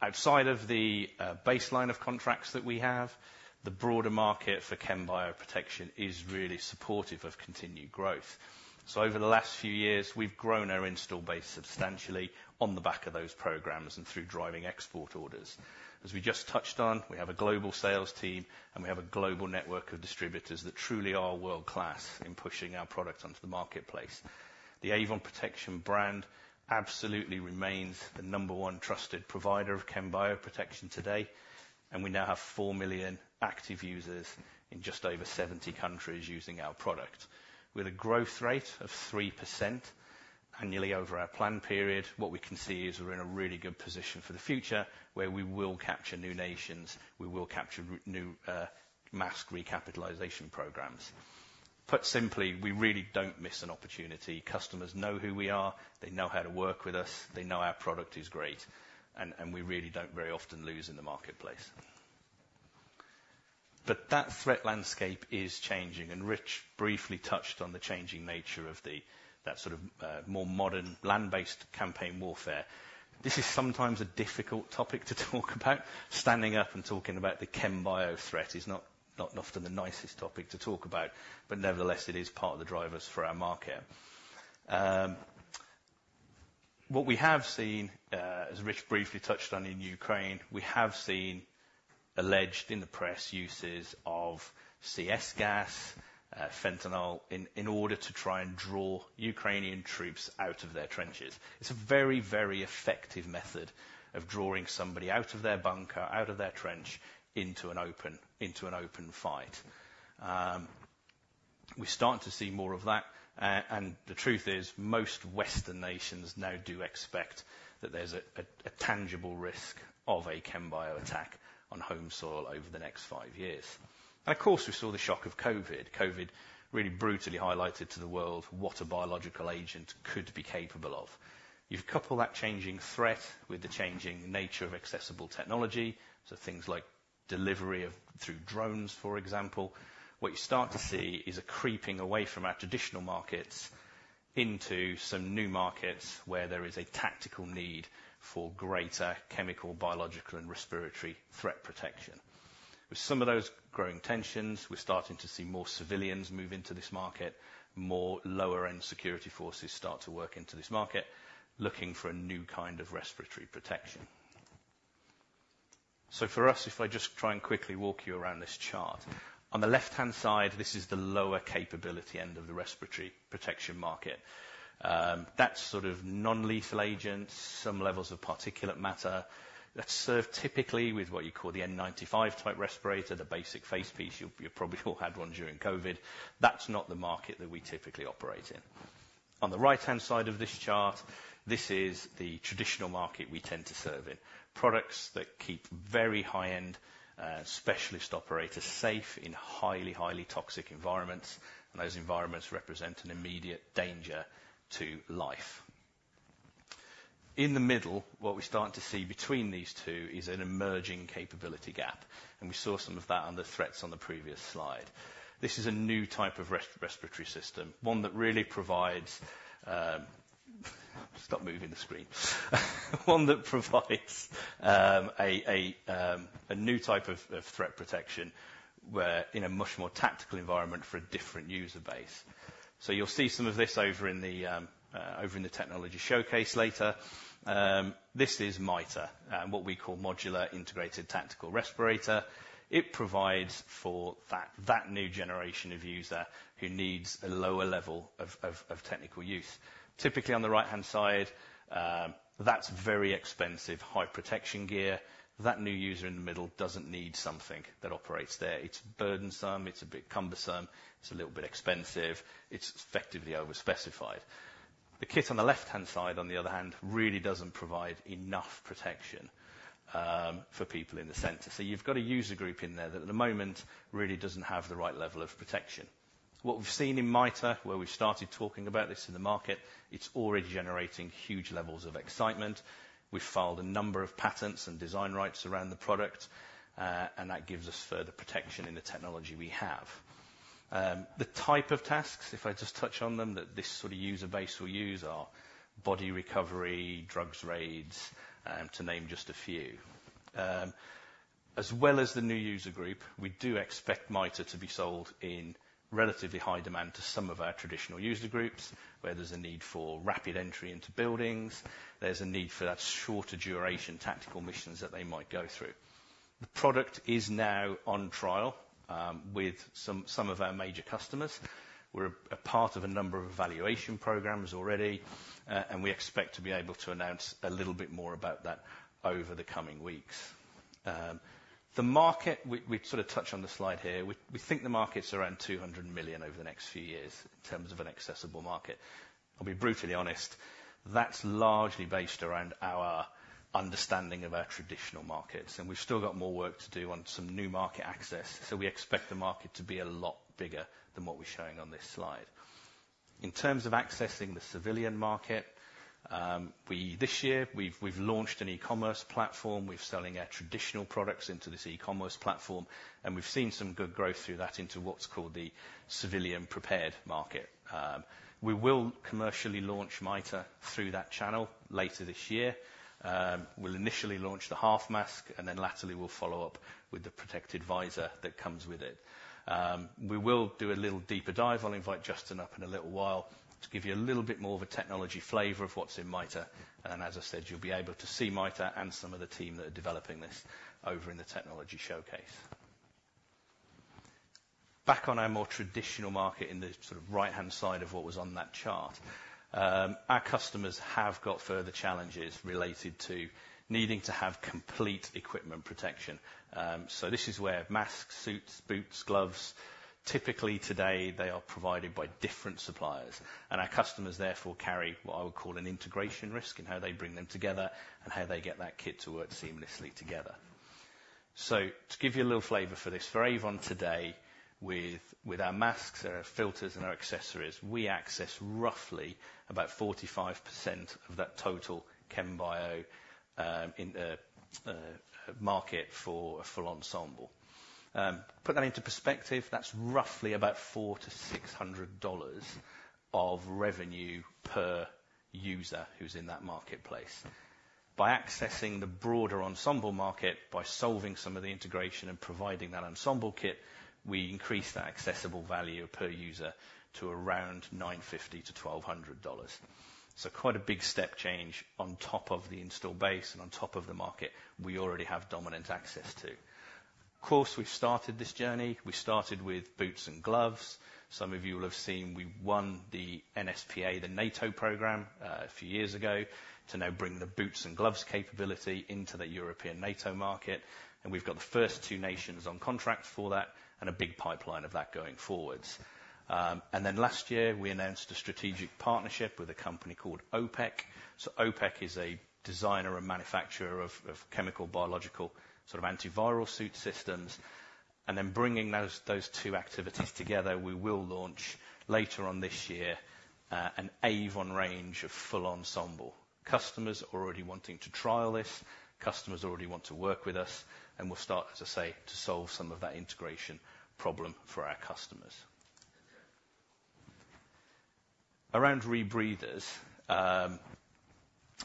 Outside of the baseline of contracts that we have, the broader market for chem-bio protection is really supportive of continued growth. So over the last few years, we've grown our install base substantially on the back of those programs and through driving export orders. As we just touched on, we have a global sales team, and we have a global network of distributors that truly are world-class in pushing our products onto the marketplace. The Avon Protection brand absolutely remains the number one trusted provider of chem-bio protection today, and we now have 4 million active users in just over 70 countries using our product. With a growth rate of 3% annually over our plan period, what we can see is we're in a really good position for the future, where we will capture new nations, we will capture new mask recapitalization programs. Put simply, we really don't miss an opportunity. Customers know who we are, they know how to work with us, they know our product is great, and, and we really don't very often lose in the marketplace. But that threat landscape is changing, and Rich briefly touched on the changing nature of the, that sort of, more modern land-based campaign warfare. This is sometimes a difficult topic to talk about. Standing up and talking about the chem, bio threat is not, not often the nicest topic to talk about, but nevertheless, it is part of the drivers for our market. What we have seen, as Rich briefly touched on in Ukraine, we have seen alleged, in the press, uses of CS gas, fentanyl, in, in order to try and draw Ukrainian troops out of their trenches. It's a very, very effective method of drawing somebody out of their bunker, out of their trench, into an open, into an open fight. We're starting to see more of that, and the truth is, most Western nations now do expect that there's a tangible risk of a chem, bio attack on home soil over the next five years. Of course, we saw the shock of COVID. COVID really brutally highlighted to the world what a biological agent could be capable of. You couple that changing threat with the changing nature of accessible technology, so things like delivery of through drones, for example. What you start to see is a creeping away from our traditional markets into some new markets, where there is a tactical need for greater chemical, biological, and respiratory threat protection. With some of those growing tensions, we're starting to see more civilians move into this market, more lower-end security forces start to work into this market, looking for a new kind of respiratory protection. So for us, if I just try and quickly walk you around this chart. On the left-hand side, this is the lower capability end of the respiratory protection market. That's sort of non-lethal agents, some levels of particulate matter, that's served typically with what you call the N95-type respirator, the basic face piece. You've probably all had one during COVID. That's not the market that we typically operate in. On the right-hand side of this chart, this is the traditional market we tend to serve in, products that keep very high-end, specialist operators safe in highly, highly toxic environments, and those environments represent an immediate danger to life. In the middle, what we're starting to see between these two is an emerging capability gap, and we saw some of that on the threats on the previous slide. This is a new type of respiratory system, one that really provides, stop moving the screen. One that provides a new type of threat protection, where in a much more tactical environment for a different user base. So you'll see some of this over in the technology showcase later. This is MITR, what we call Modular Integrated Tactical Respirator. It provides for that new generation of user who needs a lower level of technical use. Typically, on the right-hand side, that's very expensive, high protection gear. That new user in the middle doesn't need something that operates there. It's burdensome, it's a bit cumbersome, it's a little bit expensive, it's effectively overspecified. The kit on the left-hand side, on the other hand, really doesn't provide enough protection for people in the center. So you've got a user group in there that at the moment really doesn't have the right level of protection. What we've seen in MITR, where we've started talking about this in the market, it's already generating huge levels of excitement. We've filed a number of patents and design rights around the product, and that gives us further protection in the technology we have. The type of tasks, if I just touch on them, that this sort of user base will use are body recovery, drugs raids, to name just a few. As well as the new user group, we do expect MITR to be sold in relatively high demand to some of our traditional user groups, where there's a need for rapid entry into buildings. There's a need for that shorter duration, tactical missions that they might go through. The product is now on trial with some of our major customers. We're a part of a number of evaluation programs already, and we expect to be able to announce a little bit more about that over the coming weeks. The market, we sort of touch on the slide here. We think the market's around 200 million over the next few years in terms of an accessible market. I'll be brutally honest, that's largely based around our understanding of our traditional markets, and we've still got more work to do on some new market access, so we expect the market to be a lot bigger than what we're showing on this slide. In terms of accessing the civilian market, we this year, we've launched an e-commerce platform. We're selling our traditional products into this e-commerce platform, and we've seen some good growth through that into what's called the civilian prepared market. We will commercially launch MITR through that channel later this year. We'll initially launch the half mask, and then latterly, we'll follow up with the protected visor that comes with it. We will do a little deeper dive. I'll invite Justin up in a little while to give you a little bit more of a technology flavor of what's in MITR. And as I said, you'll be able to see MITR and some of the team that are developing this over in the technology showcase. Back on our more traditional market, in the sort of right-hand side of what was on that chart, our customers have got further challenges related to needing to have complete equipment protection. So this is where masks, suits, boots, gloves, typically today they are provided by different suppliers, and our customers therefore carry what I would call an integration risk in how they bring them together and how they get that kit to work seamlessly together. So to give you a little flavor for this, for Avon today with our masks, our filters, and our accessories, we access roughly about 45% of that total chem bio in the market for a full ensemble. Put that into perspective, that's roughly about $400-$600 of revenue per user who's in that marketplace. By accessing the broader ensemble market, by solving some of the integration and providing that ensemble kit, we increase that accessible value per user to around $950-$1,200. So quite a big step change on top of the install base and on top of the market we already have dominant access to. Of course, we've started this journey. We started with boots and gloves. Some of you will have seen, we won the NSPA, the NATO program, a few years ago, to now bring the boots and gloves capability into the European NATO market, and we've got the first two nations on contract for that, and a big pipeline of that going forwards. And then last year, we announced a strategic partnership with a company called OPEC. So OPEC is a designer and manufacturer of chemical, biological, sort of antiviral suit systems, and then bringing those two activities together, we will launch later on this year an Avon range of full ensemble. Customers are already wanting to trial this. Customers already want to work with us, and we'll start, as I say, to solve some of that integration problem for our customers. Around rebreathers,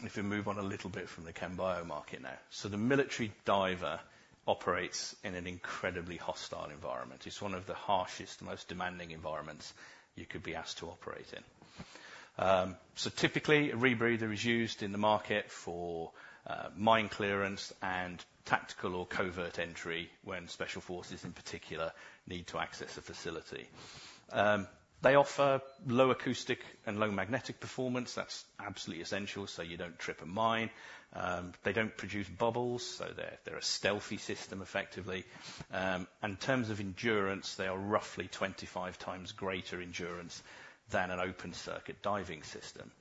if we move on a little bit from the chem bio market now. So the military diver operates in an incredibly hostile environment. It's one of the harshest, most demanding environments you could be asked to operate in. So typically, a rebreather is used in the market for mine clearance and tactical or covert entry when special forces, in particular, need to access a facility. They offer low acoustic and low magnetic performance. That's absolutely essential, so you don't trip a mine. They don't produce bubbles, so they're, they're a stealthy system, effectively. And in terms of endurance, they are roughly 25 times greater endurance than an open circuit diving system.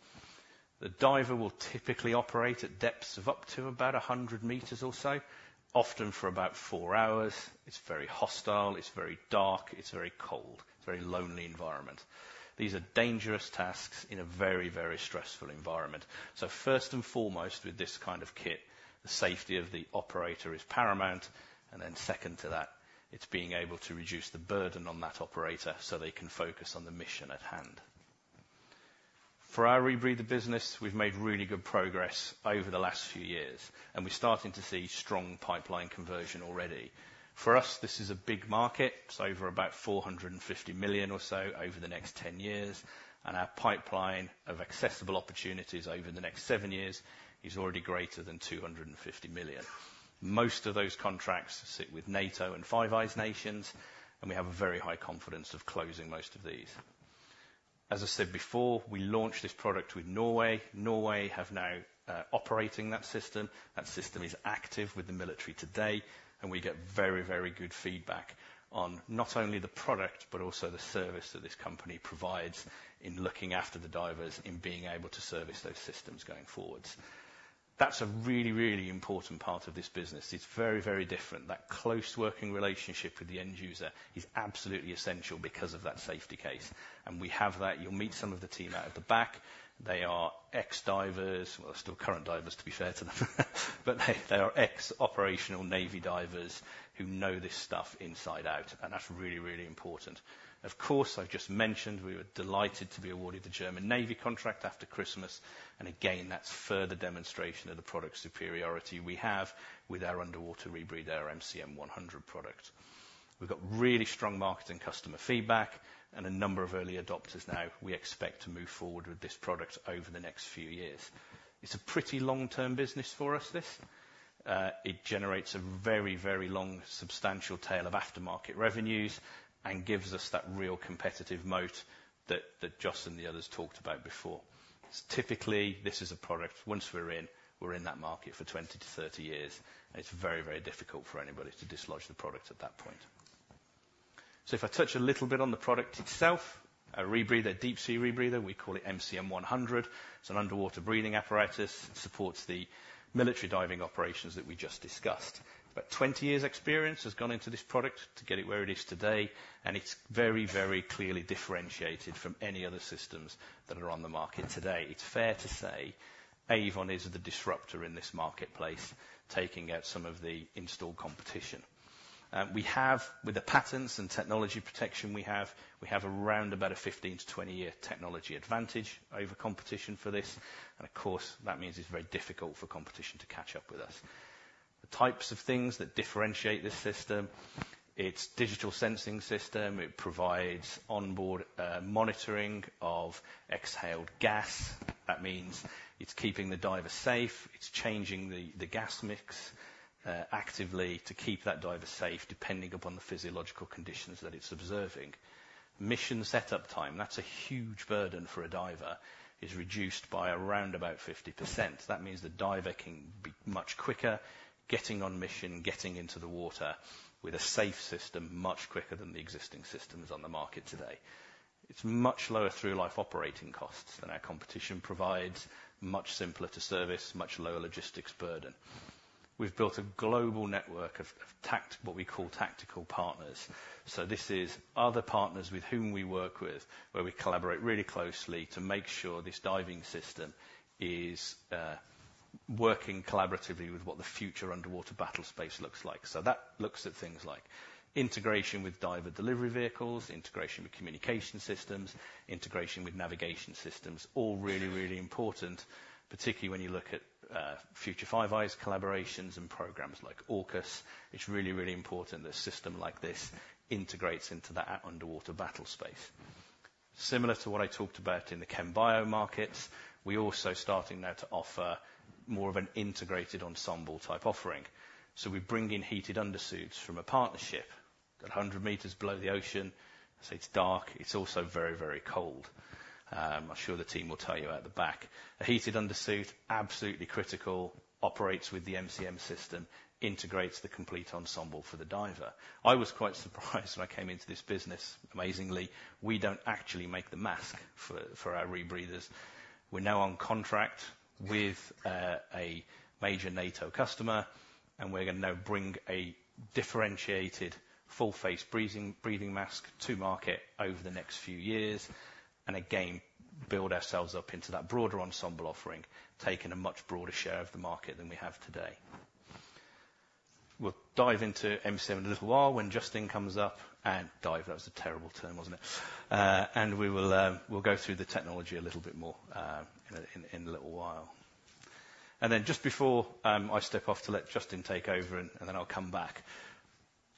The diver will typically operate at depths of up to about 100 meters or so, often for about 4 hours. It's very hostile, it's very dark, it's very cold, it's a very lonely environment. These are dangerous tasks in a very, very stressful environment. So first and foremost, with this kind of kit, the safety of the operator is paramount, and then second to that, it's being able to reduce the burden on that operator so they can focus on the mission at hand. For our rebreather business, we've made really good progress over the last few years, and we're starting to see strong pipeline conversion already. For us, this is a big market. It's over about $450 million or so over the next 10 years, and our pipeline of accessible opportunities over the next 7 years is already greater than $250 million. Most of those contracts sit with NATO and Five Eyes nations, and we have a very high confidence of closing most of these. As I said before, we launched this product with Norway. Norway have now operating that system. That system is active with the military today, and we get very, very good feedback on not only the product, but also the service that this company provides in looking after the divers, in being able to service those systems going forwards. That's a really, really important part of this business. It's very, very different. That close working relationship with the end user is absolutely essential because of that safety case, and we have that. You'll meet some of the team out at the back. They are ex-divers, well, still current divers, to be fair to them, but they are ex-operational Navy divers who know this stuff inside out, and that's really, really important. Of course, I've just mentioned we were delighted to be awarded the German Navy contract after Christmas, and again, that's further demonstration of the product superiority we have with our underwater rebreather, our MCM100 product. We've got really strong marketing customer feedback and a number of early adopters, now we expect to move forward with this product over the next few years. It's a pretty long-term business for us, this. It generates a very, very long, substantial tail of aftermarket revenues and gives us that real competitive moat that, that Justin and the others talked about before. So typically, this is a product, once we're in, we're in that market for 20-30 years. It's very, very difficult for anybody to dislodge the product at that point. So if I touch a little bit on the product itself, a rebreather, deep sea rebreather, we call it MCM100. It's an underwater breathing apparatus, supports the military diving operations that we just discussed. About 20 years experience has gone into this product to get it where it is today, and it's very, very clearly differentiated from any other systems that are on the market today. It's fair to say, Avon is the disruptor in this marketplace, taking out some of the installed competition. We have. With the patents and technology protection we have, we have around about a 15- to 20-year technology advantage over competition for this, and of course, that means it's very difficult for competition to catch up with us. The types of things that differentiate this system, it's digital sensing system. It provides onboard monitoring of exhaled gas. That means it's keeping the diver safe, it's changing the gas mix actively to keep that diver safe, depending upon the physiological conditions that it's observing. Mission setup time, that's a huge burden for a diver, is reduced by around about 50%. That means the diver can be much quicker getting on mission, getting into the water with a safe system, much quicker than the existing systems on the market today. It's much lower through life operating costs than our competition provides, much simpler to service, much lower logistics burden. We've built a global network of tactical partners. So this is other partners with whom we work with, where we collaborate really closely to make sure this diving system is working collaboratively with what the future underwater battle space looks like. So that looks at things like integration with diver delivery vehicles, integration with communication systems, integration with navigation systems. All really, really important, particularly when you look at future Five Eyes collaborations and programs like AUKUS. It's really, really important that a system like this integrates into that underwater battle space. Similar to what I talked about in the Chembio markets, we're also starting now to offer more of an integrated ensemble type offering. So we bring in heated under suits from a partnership. At 100 meters below the ocean, so it's dark, it's also very, very cold. I'm sure the team will tell you out the back. A heated under suit, absolutely critical, operates with the MCM system, integrates the complete ensemble for the diver. I was quite surprised when I came into this business. Amazingly, we don't actually make the mask for our rebreathers. We're now on contract with a major NATO customer, and we're gonna now bring a differentiated full face breathing, breathing mask to market over the next few years, and again, build ourselves up into that broader ensemble offering, taking a much broader share of the market than we have today. We'll dive into MCM in a little while when Justin comes up and Dive, that was a terrible term, wasn't it? And we will, we'll go through the technology a little bit more, in a little while. And then just before I step off to let Justin take over and then I'll come back.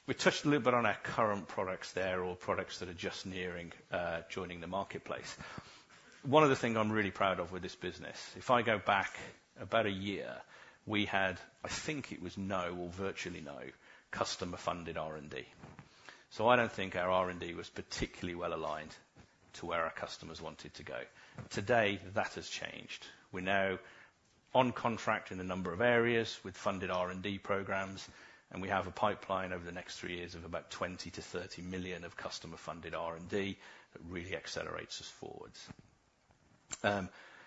We touched a little bit on our current products there, or products that are just nearing joining the marketplace. One of the things I'm really proud of with this business, if I go back about a year, we had, I think it was no or virtually no customer-funded R&D. So I don't think our R&D was particularly well aligned to where our customers wanted to go. Today, that has changed. We're now on contract in a number of areas with funded R&D programs, and we have a pipeline over the next three years of about 20 million-30 million of customer-funded R&D that really accelerates us forward.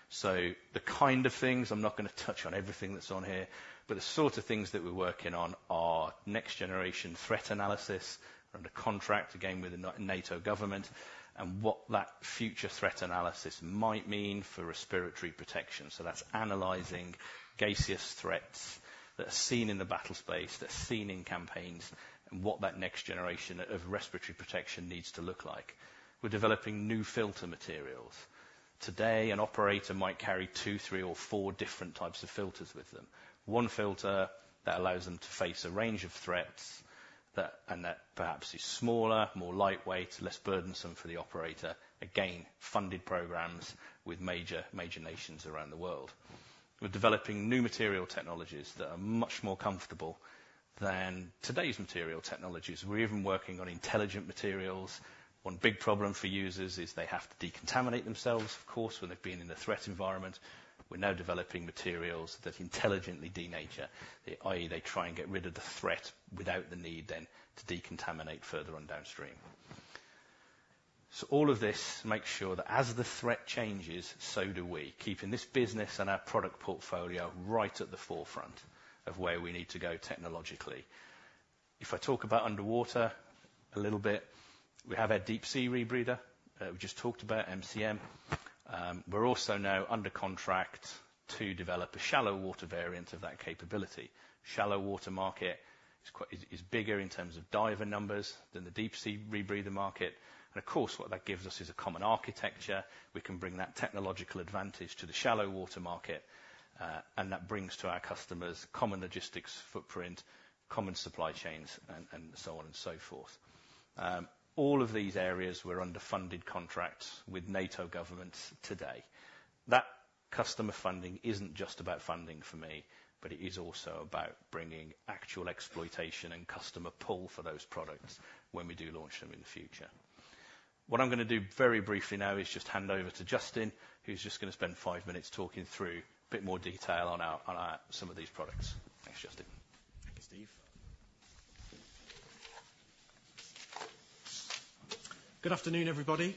So the kind of things, I'm not gonna touch on everything that's on here, but the sort of things that we're working on are next generation threat analysis. We're under contract, again, with a NATO government, and what that future threat analysis might mean for respiratory protection. So that's analyzing gaseous threats that are seen in the battle space, that are seen in campaigns, and what that next generation of respiratory protection needs to look like. We're developing new filter materials. Today, an operator might carry two, three, or four different types of filters with them. One filter that allows them to face a range of threats, that and that perhaps is smaller, more lightweight, less burdensome for the operator. Again, funded programs with major, major nations around the world. We're developing new material technologies that are much more comfortable than today's material technologies. We're even working on intelligent materials. One big problem for users is they have to decontaminate themselves, of course, when they've been in a threat environment. We're now developing materials that intelligently denature, i.e., they try and get rid of the threat without the need then to decontaminate further on downstream. So all of this makes sure that as the threat changes, so do we, keeping this business and our product portfolio right at the forefront of where we need to go technologically. If I talk about underwater a little bit, we have our deep sea rebreather, we just talked about MCM. We're also now under contract to develop a shallow water variant of that capability. Shallow water market is quite bigger in terms of diver numbers than the deep sea rebreather market, and of course, what that gives us is a common architecture. We can bring that technological advantage to the shallow water market, and that brings to our customers common logistics footprint, common supply chains, and so on and so forth. All of these areas, we're under funded contracts with NATO governments today. That customer funding isn't just about funding for me, but it is also about bringing actual exploitation and customer pull for those products when we do launch them in the future. What I'm gonna do very briefly now is just hand over to Justin, who's just gonna spend five minutes talking through a bit more detail on our some of these products. Thanks, Justin. Thank you, Steve. Good afternoon, everybody.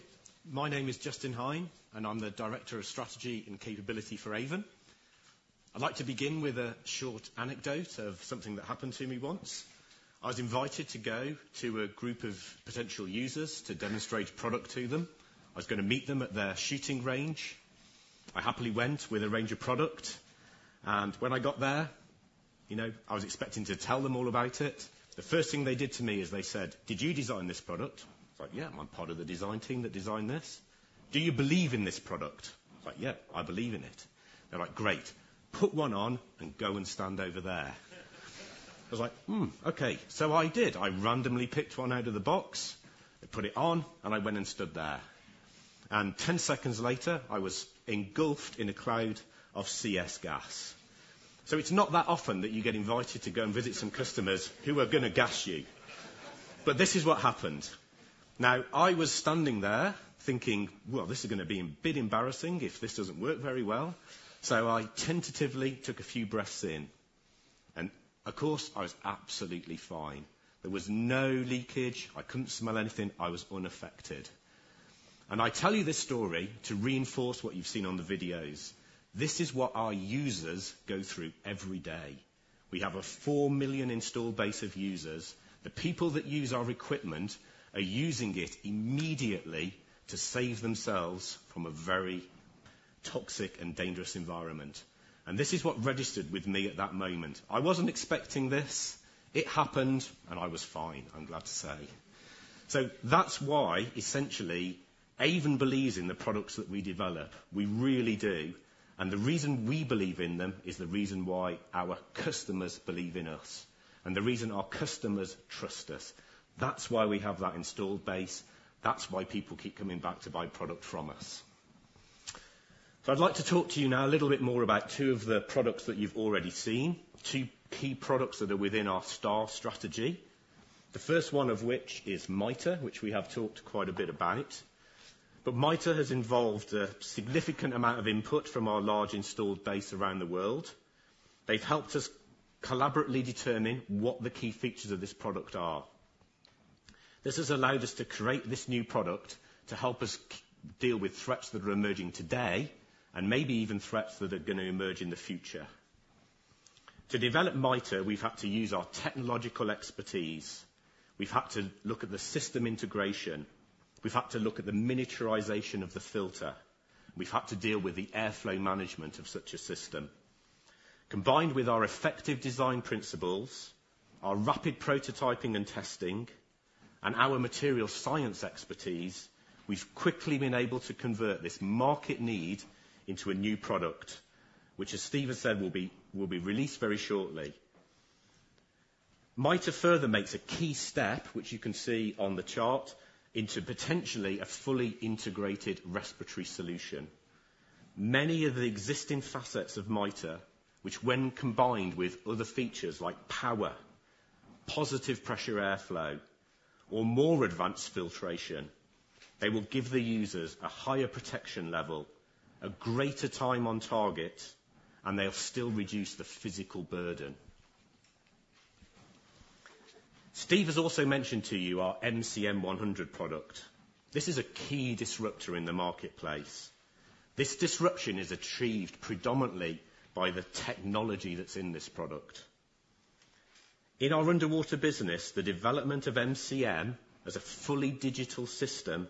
My name is Justin Hine, and I'm the Director of Strategy and Capability for Avon. I'd like to begin with a short anecdote of something that happened to me once. I was invited to go to a group of potential users to demonstrate a product to them. I was gonna meet them at their shooting range. I happily went with a range of product, and when I got there, you know, I was expecting to tell them all about it. The first thing they did to me is they said: "Did you design this product?" I was like, "Yeah, I'm part of the design team that designed this." "Do you believe in this product?" I was like, "Yeah, I believe in it." They're like, "Great, put one on and go and stand over there." I was like, "Hmm, okay." So I did. I randomly picked one out of the box, I put it on, and I went and stood there. 10 seconds later, I was engulfed in a cloud of CS gas. It's not that often that you get invited to go and visit some customers who are gonna gas you. This is what happened. Now, I was standing there thinking, "Well, this is gonna be a bit embarrassing if this doesn't work very well." I tentatively took a few breaths in.. Of course, I was absolutely fine. There was no leakage, I couldn't smell anything, I was unaffected. I tell you this story to reinforce what you've seen on the videos. This is what our users go through every day. We have a 4 million install base of users. The people that use our equipment are using it immediately to save themselves from a very toxic and dangerous environment, and this is what registered with me at that moment. I wasn't expecting this. It happened, and I was fine, I'm glad to say. So that's why, essentially, Avon believes in the products that we develop. We really do, and the reason we believe in them is the reason why our customers believe in us, and the reason our customers trust us. That's why we have that installed base. That's why people keep coming back to buy product from us. So I'd like to talk to you now a little bit more about two of the products that you've already seen, two key products that are within our Star strategy. The first one of which is MITR, which we have talked quite a bit about. But MITR has involved a significant amount of input from our large installed base around the world. They've helped us collaboratively determine what the key features of this product are. This has allowed us to create this new product to help us deal with threats that are emerging today and maybe even threats that are gonna emerge in the future. To develop MITR, we've had to use our technological expertise. We've had to look at the system integration. We've had to look at the miniaturization of the filter. We've had to deal with the airflow management of such a system. Combined with our effective design principles, our rapid prototyping and testing, and our material science expertise, we've quickly been able to convert this market need into a new product, which, as Steve has said, will be, will be released very shortly. MITR further makes a key step, which you can see on the chart, into potentially a fully integrated respiratory solution. Many of the existing facets of MITR, which when combined with other features like power, positive pressure airflow, or more advanced filtration, they will give the users a higher protection level, a greater time on target, and they'll still reduce the physical burden. Steve has also mentioned to you our MCM100 product. This is a key disruptor in the marketplace. This disruption is achieved predominantly by the technology that's in this product. In our underwater business, the development of MCM as a fully digital system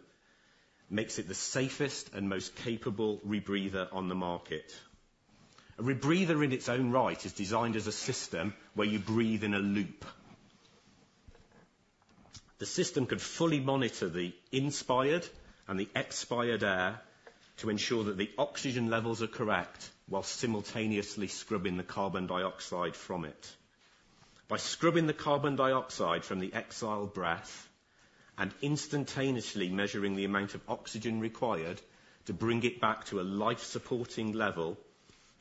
makes it the safest and most capable rebreather on the market. A rebreather in its own right is designed as a system where you breathe in a loop. The system could fully monitor the inspired and the expired air to ensure that the oxygen levels are correct, while simultaneously scrubbing the carbon dioxide from it. By scrubbing the carbon dioxide from the exhaled breath and instantaneously measuring the amount of oxygen required to bring it back to a life-supporting level,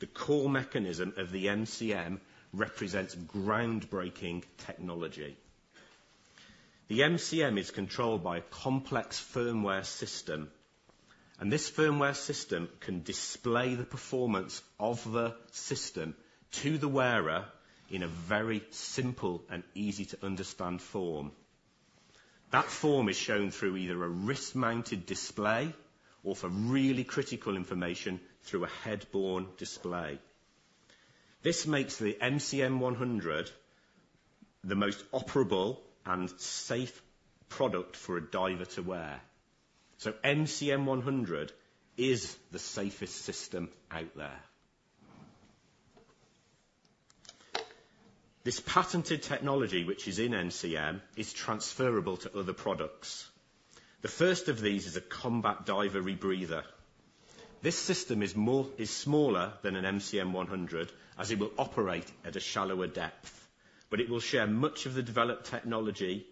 the core mechanism of the MCM represents groundbreaking technology. The MCM is controlled by a complex firmware system, and this firmware system can display the performance of the system to the wearer in a very simple and easy-to-understand form. That form is shown through either a wrist-mounted display or, for really critical information, through a head-borne display. This makes the MCM 100 the most operable and safe product for a diver to wear. So MCM 100 is the safest system out there. This patented technology, which is in MCM, is transferable to other products. The first of these is a combat diver rebreather. This system is smaller than an MCM100, as it will operate at a shallower depth, but it will share much of the developed technology,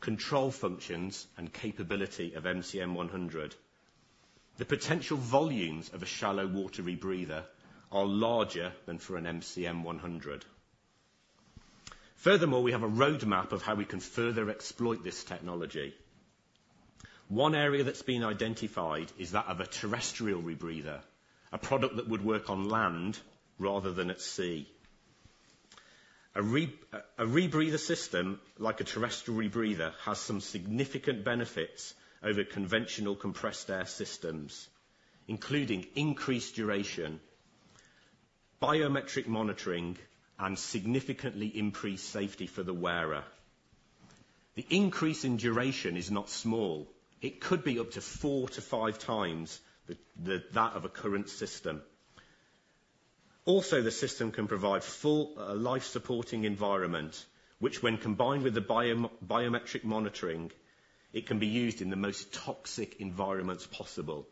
control functions, and capability of MCM100. The potential volumes of a shallow water rebreather are larger than for an MCM100. Furthermore, we have a roadmap of how we can further exploit this technology. One area that's been identified is that of a terrestrial rebreather, a product that would work on land rather than at sea. A rebreather system, like a terrestrial rebreather, has some significant benefits over conventional compressed air systems, including increased duration, biometric monitoring, and significantly increased safety for the wearer. The increase in duration is not small. It could be up to 4-5 times that of a current system. Also, the system can provide full life-supporting environment, which, when combined with the biometric monitoring, it can be used in the most toxic environments possible,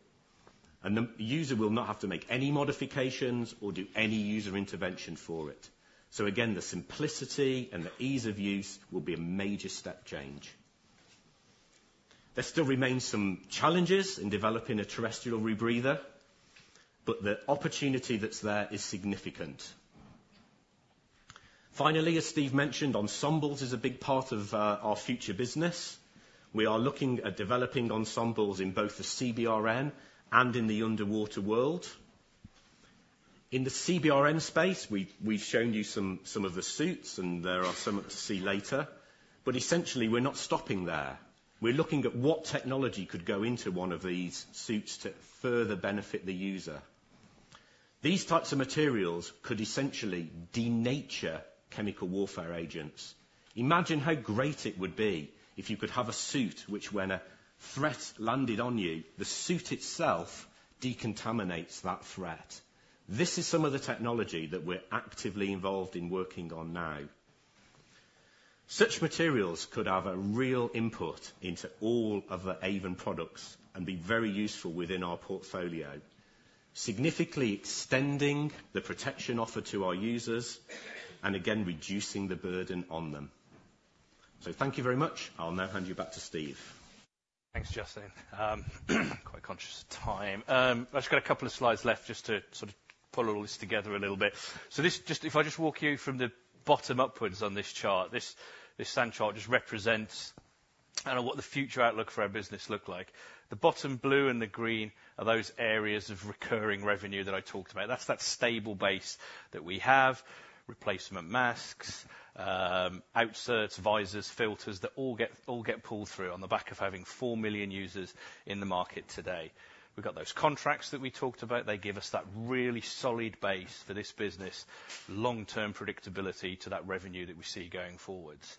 and the user will not have to make any modifications or do any user intervention for it. So again, the simplicity and the ease of use will be a major step change. There still remains some challenges in developing a terrestrial rebreather, but the opportunity that's there is significant. Finally, as Steve mentioned, ensembles is a big part of our future business. We are looking at developing ensembles in both the CBRN and in the underwater world. In the CBRN space, we've shown you some of the suits, and there are some to see later, but essentially, we're not stopping there. We're looking at what technology could go into one of these suits to further benefit the user. These types of materials could essentially denature chemical warfare agents. Imagine how great it would be if you could have a suit, which when a threat landed on you, the suit itself decontaminates that threat. This is some of the technology that we're actively involved in working on now. Such materials could have a real input into all of the Avon products and be very useful within our portfolio, significantly extending the protection offered to our users, and again, reducing the burden on them. So thank you very much. I'll now hand you back to Steve. Thanks, Justin. Quite conscious of time. I've just got a couple of slides left just to sort of pull all this together a little bit. So this -- just, if I just walk you from the bottom upwards on this chart, this sand chart just represents what the future outlook for our business look like. The bottom blue and the green are those areas of recurring revenue that I talked about. That's that stable base that we have, replacement masks, outserts, visors, filters, that all get pulled through on the back of having 4 million users in the market today. We've got those contracts that we talked about. They give us that really solid base for this business, long-term predictability to that revenue that we see going forwards.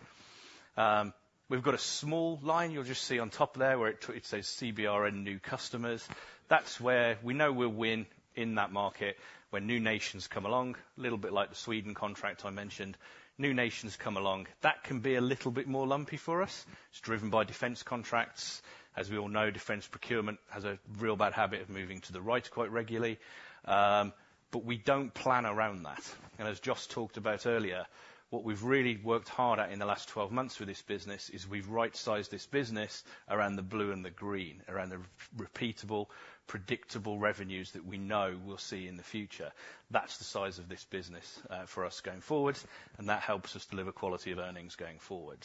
We've got a small line you'll just see on top there, where it says CBRN new customers. That's where we know we'll win in that market, when new nations come along, a little bit like the Sweden contract I mentioned. New nations come along. That can be a little bit more lumpy for us. It's driven by defense contracts. As we all know, defense procurement has a real bad habit of moving to the right quite regularly. But we don't plan around that. And as Jos talked about earlier, what we've really worked hard at in the last 12 months with this business, is we've right-sized this business around the blue and the green, around the repeatable, predictable revenues that we know we'll see in the future. That's the size of this business for us going forward, and that helps us deliver quality of earnings going forward.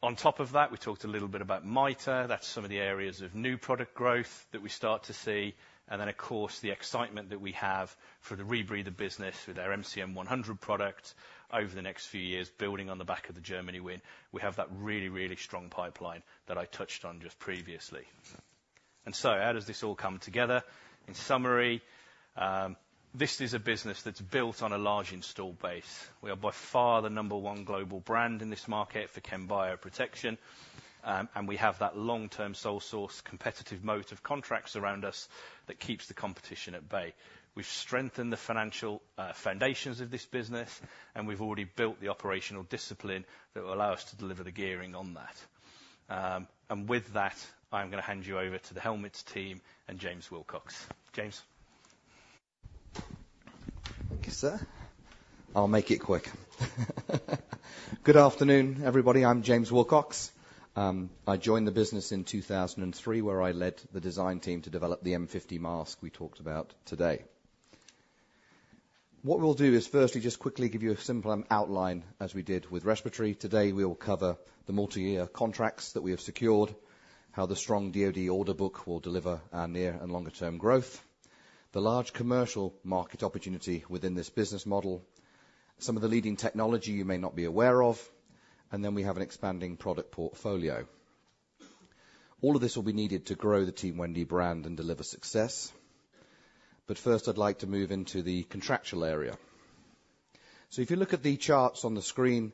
On top of that, we talked a little bit about MITR. That's some of the areas of new product growth that we start to see. And then, of course, the excitement that we have for the rebreather business with our MCM100 product over the next few years, building on the back of the Germany win. We have that really, really strong pipeline that I touched on just previously. And so how does this all come together? In summary, this is a business that's built on a large installed base. We are by far the number one global brand in this market for chem-bio protection. And we have that long-term sole source, competitive moat of contracts around us that keeps the competition at bay. We've strengthened the financial foundations of this business, and we've already built the operational discipline that will allow us to deliver the gearing on that. With that, I'm gonna hand you over to the helmets team and James Wilcox. James? Thank you, sir. I'll make it quick. Good afternoon, everybody. I'm James Wilcox. I joined the business in 2003, where I led the design team to develop the M50 mask we talked about today. What we'll do is firstly, just quickly give you a simple outline, as we did with respiratory. Today, we will cover the multi-year contracts that we have secured, how the strong DoD order book will deliver our near and longer-term growth, the large commercial market opportunity within this business model, some of the leading technology you may not be aware of, and then we have an expanding product portfolio. All of this will be needed to grow the Team Wendy brand and deliver success. But first, I'd like to move into the contractual area. So if you look at the charts on the screen,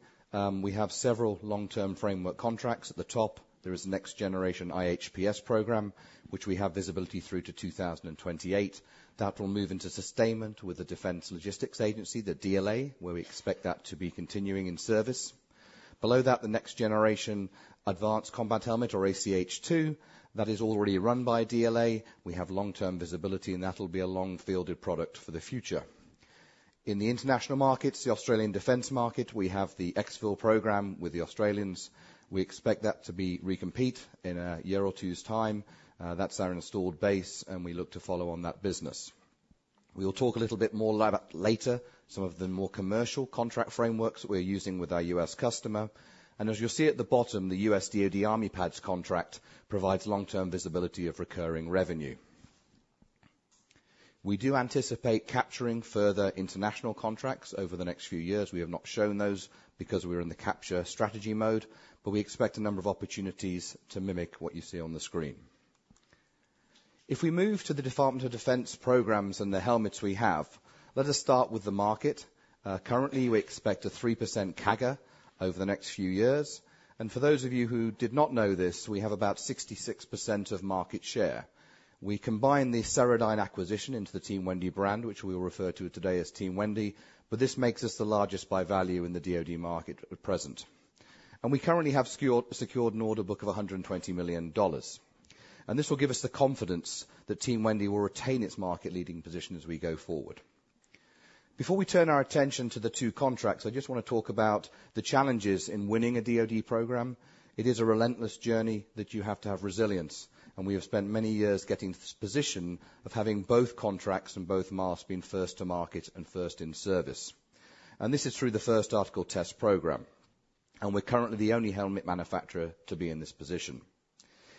we have several long-term framework contracts. At the top, there is Next Generation IHPS program, which we have visibility through to 2028. That will move into sustainment with the Defense Logistics Agency, the DLA, where we expect that to be continuing in service. Below that, the Next Generation Advanced Combat Helmet, or ACH/2, that is already run by DLA. We have long-term visibility, and that'll be a long-fielded product for the future. In the international markets, the Australian defense market, we have the EXFIL program with the Australians. We expect that to be recompeted in a year or two's time. That's our installed base, and we look to follow on that business. We will talk a little bit more later, some of the more commercial contract frameworks we're using with our U.S. customer. And as you'll see at the bottom, the U.S. DoD Army PADS contract provides long-term visibility of recurring revenue. We do anticipate capturing further international contracts over the next few years. We have not shown those, because we're in the capture strategy mode, but we expect a number of opportunities to mimic what you see on the screen. If we move to the Department of Defense programs and the helmets we have, let us start with the market. Currently, we expect a 3% CAGR over the next few years, and for those of you who did not know this, we have about 66% of market share. We combine the Ceradyne acquisition into the Team Wendy brand, which we will refer to today as Team Wendy, but this makes us the largest by value in the DoD market at present. And we currently have secured an order book of $120 million, and this will give us the confidence that Team Wendy will retain its market-leading position as we go forward. Before we turn our attention to the two contracts, I just want to talk about the challenges in winning a DoD program. It is a relentless journey that you have to have resilience, and we have spent many years getting to this position of having both contracts and both masks being first to market and first in service. And this is through the first article test program, and we're currently the only helmet manufacturer to be in this position.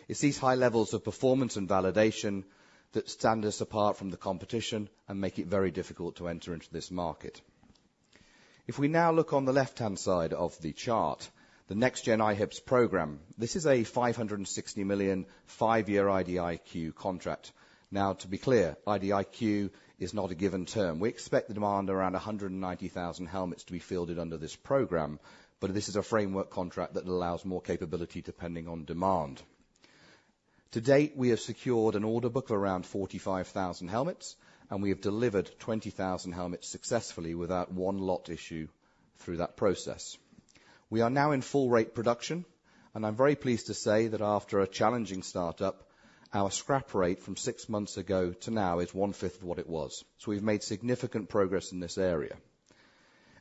It's these high levels of performance and validation that stand us apart from the competition and make it very difficult to enter into this market. If we now look on the left-hand side of the chart, the Next Gen IHPS program. This is a $560 million, five-year IDIQ contract. Now, to be clear, IDIQ is not a given term. We expect the demand around 190,000 helmets to be fielded under this program, but this is a framework contract that allows more capability depending on demand. To date, we have secured an order book of around 45,000 helmets, and we have delivered 20,000 helmets successfully without one lot issue through that process. We are now in full rate production, and I'm very pleased to say that after a challenging startup, our scrap rate from six months ago to now is one-fifth of what it was. So we've made significant progress in this area,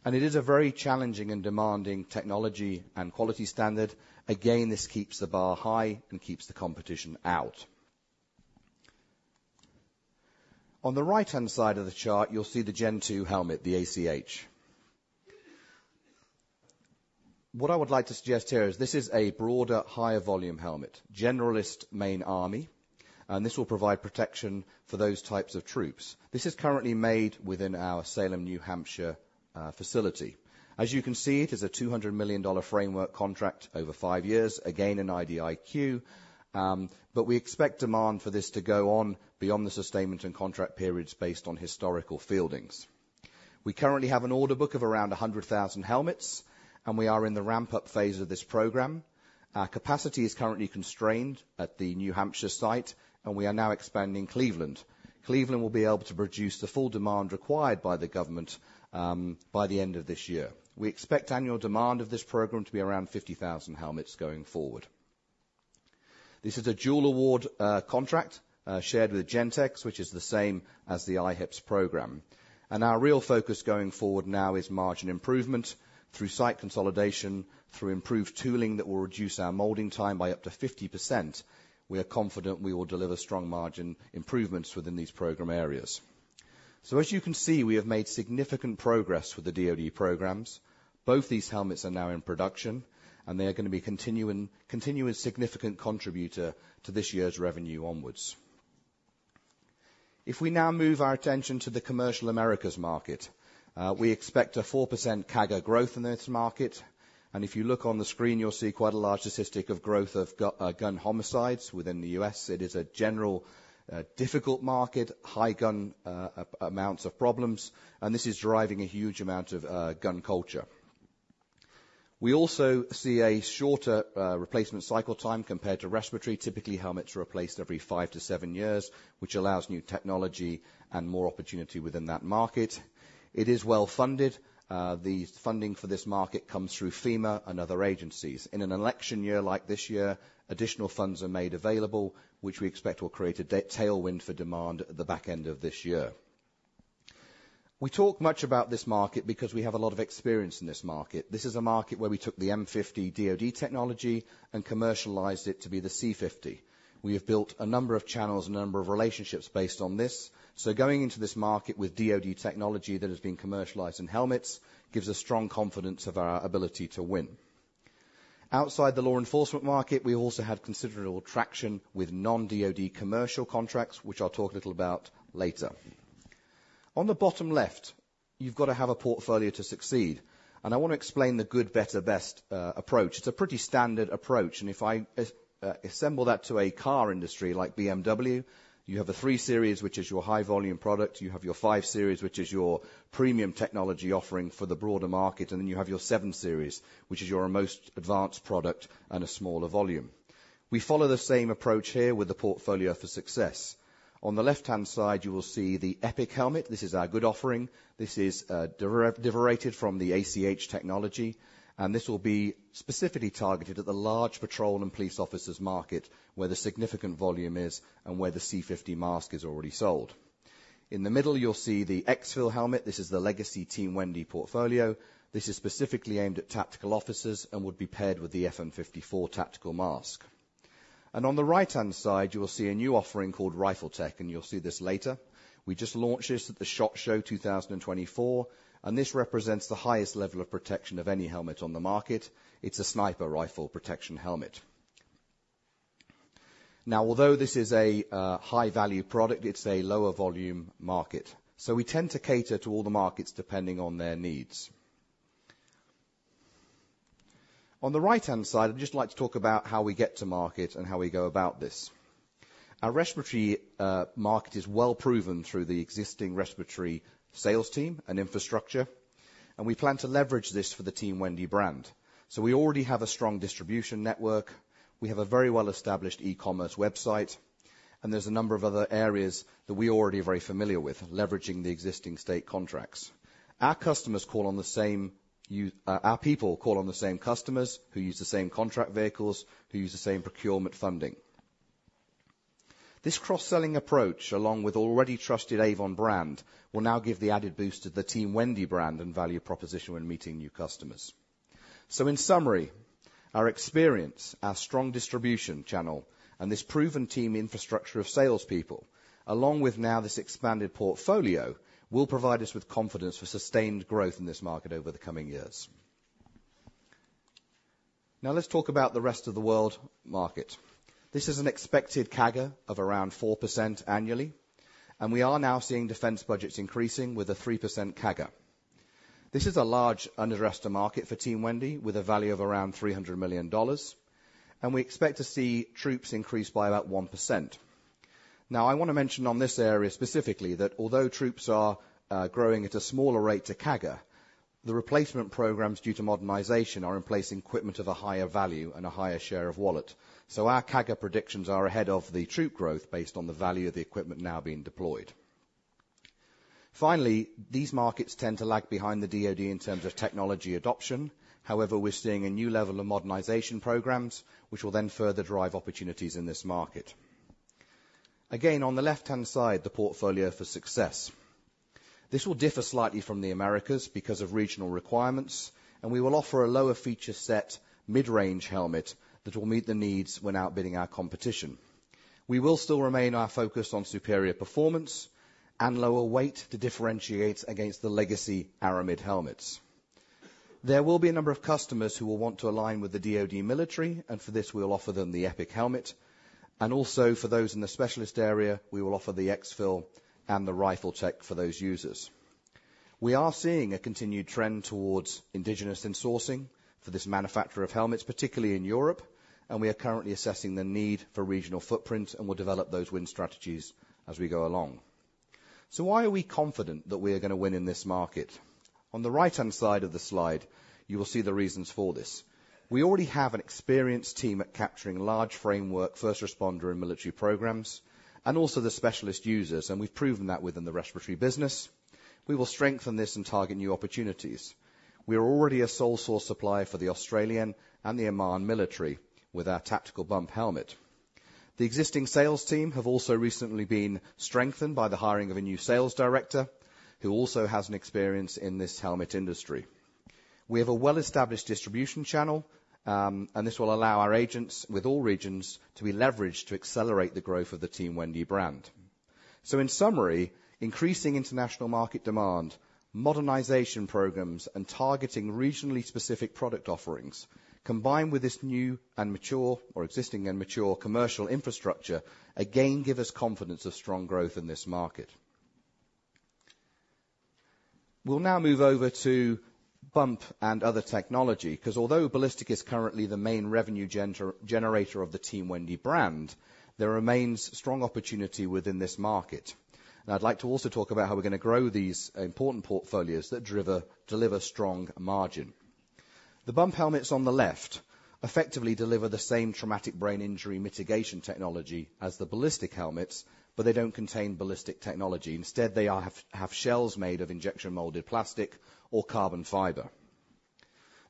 and it is a very challenging and demanding technology and quality standard. Again, this keeps the bar high and keeps the competition out. On the right-hand side of the chart, you'll see the Gen 2 helmet, the ACH. What I would like to suggest here is this is a broader, higher volume helmet, generalist Main Army, and this will provide protection for those types of troops. This is currently made within our Salem, New Hampshire, facility. As you can see, it is a $200 million framework contract over five years, again, an IDIQ, but we expect demand for this to go on beyond the sustainment and contract periods based on historical fieldings. We currently have an order book of around 100,000 helmets, and we are in the ramp-up phase of this program. Our capacity is currently constrained at the New Hampshire site, and we are now expanding Cleveland. Cleveland will be able to produce the full demand required by the government by the end of this year. We expect annual demand of this program to be around 50,000 helmets going forward. This is a dual award contract shared with Gentex, which is the same as the IHPS program. And our real focus going forward now is margin improvement through site consolidation, through improved tooling that will reduce our molding time by up to 50%. We are confident we will deliver strong margin improvements within these program areas. So as you can see, we have made significant progress with the DoD programs. Both these helmets are now in production, and they are gonna be continuing significant contributor to this year's revenue onwards. If we now move our attention to the commercial Americas market, we expect a 4% CAGR growth in this market, and if you look on the screen, you'll see quite a large statistic of growth of gun homicides within the U.S. It is a general difficult market, high gun amounts of problems, and this is driving a huge amount of gun culture. We also see a shorter replacement cycle time compared to respiratory. Typically, helmets are replaced every five to seven years, which allows new technology and more opportunity within that market. It is well-funded. The funding for this market comes through FEMA and other agencies. In an election year like this year, additional funds are made available, which we expect will create a tailwind for demand at the back end of this year. We talk much about this market because we have a lot of experience in this market. This is a market where we took the M50 DoD technology and commercialized it to be the C50. We have built a number of channels and a number of relationships based on this. So going into this market with DoD technology that has been commercialized in helmets, gives us strong confidence of our ability to win. Outside the law enforcement market, we also have considerable traction with non-DoD commercial contracts, which I'll talk a little about later. On the bottom left, you've got to have a portfolio to succeed, and I want to explain the good, better, best approach. It's a pretty standard approach, and if I assemble that to a car industry like BMW, you have the Three Series, which is your high-volume product. You have your Five Series, which is your premium technology offering for the broader market, and then you have your Seven Series, which is your most advanced product and a smaller volume. We follow the same approach here with the portfolio for success. On the left-hand side, you will see the EPIC helmet. This is our good offering. This is derived from the ACH technology, and this will be specifically targeted at the large patrol and police officers market, where the significant volume is and where the C50 mask is already sold. In the middle, you'll see the EXFIL helmet. This is the legacy Team Wendy portfolio. This is specifically aimed at tactical officers and would be paired with the FM 54 tactical mask. And on the right-hand side, you will see a new offering called RifleTech, and you'll see this later. We just launched this at the SHOT Show 2024, and this represents the highest level of protection of any helmet on the market. It's a sniper rifle protection helmet. Now, although this is a high-value product, it's a lower volume market, so we tend to cater to all the markets depending on their needs. On the right-hand side, I'd just like to talk about how we get to market and how we go about this. Our respiratory market is well proven through the existing respiratory sales team and infrastructure, and we plan to leverage this for the Team Wendy brand. So we already have a strong distribution network. We have a very well-established e-commerce website, and there's a number of other areas that we already are very familiar with, leveraging the existing state contracts. Our customers call on the same, our people call on the same customers, who use the same contract vehicles, who use the same procurement funding. This cross-selling approach, along with already trusted Avon brand, will now give the added boost to the Team Wendy brand and value proposition when meeting new customers. So in summary, our experience, our strong distribution channel, and this proven team infrastructure of salespeople, along with now this expanded portfolio, will provide us with confidence for sustained growth in this market over the coming years. Now let's talk about the rest of the world market. This is an expected CAGR of around 4% annually, and we are now seeing defense budgets increasing with a 3% CAGR. This is a large underserved market for Team Wendy, with a value of around $300 million, and we expect to see troops increase by about 1%. Now, I want to mention on this area specifically, that although troops are growing at a smaller rate to CAGR, the replacement programs due to modernization are in place in equipment of a higher value and a higher share of wallet. So our CAGR predictions are ahead of the troop growth based on the value of the equipment now being deployed. Finally, these markets tend to lag behind the DoD in terms of technology adoption. However, we're seeing a new level of modernization programs, which will then further drive opportunities in this market. Again, on the left-hand side, the portfolio for success. This will differ slightly from the Americas because of regional requirements, and we will offer a lower feature set, mid-range helmet that will meet the needs when outbidding our competition. We will still remain our focus on superior performance and lower weight to differentiate against the legacy aramid helmets. There will be a number of customers who will want to align with the DoD military, and for this, we'll offer them the EPIC helmet. Also for those in the specialist area, we will offer the EXFIL and the RifleTech for those users. We are seeing a continued trend towards indigenous insourcing for this manufacturer of helmets, particularly in Europe, and we are currently assessing the need for regional footprints, and we'll develop those win strategies as we go along. So why are we confident that we are gonna win in this market? On the right-hand side of the slide, you will see the reasons for this. We already have an experienced team at capturing large framework, first responder, and military programs, and also the specialist users, and we've proven that within the respiratory business, we will strengthen this and target new opportunities. We are already a sole source supplier for the Australian and the Oman military with our tactical bump helmet. The existing sales team have also recently been strengthened by the hiring of a new sales director, who also has an experience in this helmet industry. We have a well-established distribution channel, and this will allow our agents with all regions to be leveraged to accelerate the growth of the Team Wendy brand. So in summary, increasing international market demand, modernization programs, and targeting regionally specific product offerings, combined with this new and mature or existing and mature commercial infrastructure, again, give us confidence of strong growth in this market. We'll now move over to bump and other technology, 'cause although ballistic is currently the main revenue generator of the Team Wendy brand, there remains strong opportunity within this market. I'd like to also talk about how we're gonna grow these important portfolios that deliver strong margin. The bump helmets on the left effectively deliver the same traumatic brain injury mitigation technology as the ballistic helmets, but they don't contain ballistic technology. Instead, they have shells made of injection molded plastic or carbon fiber.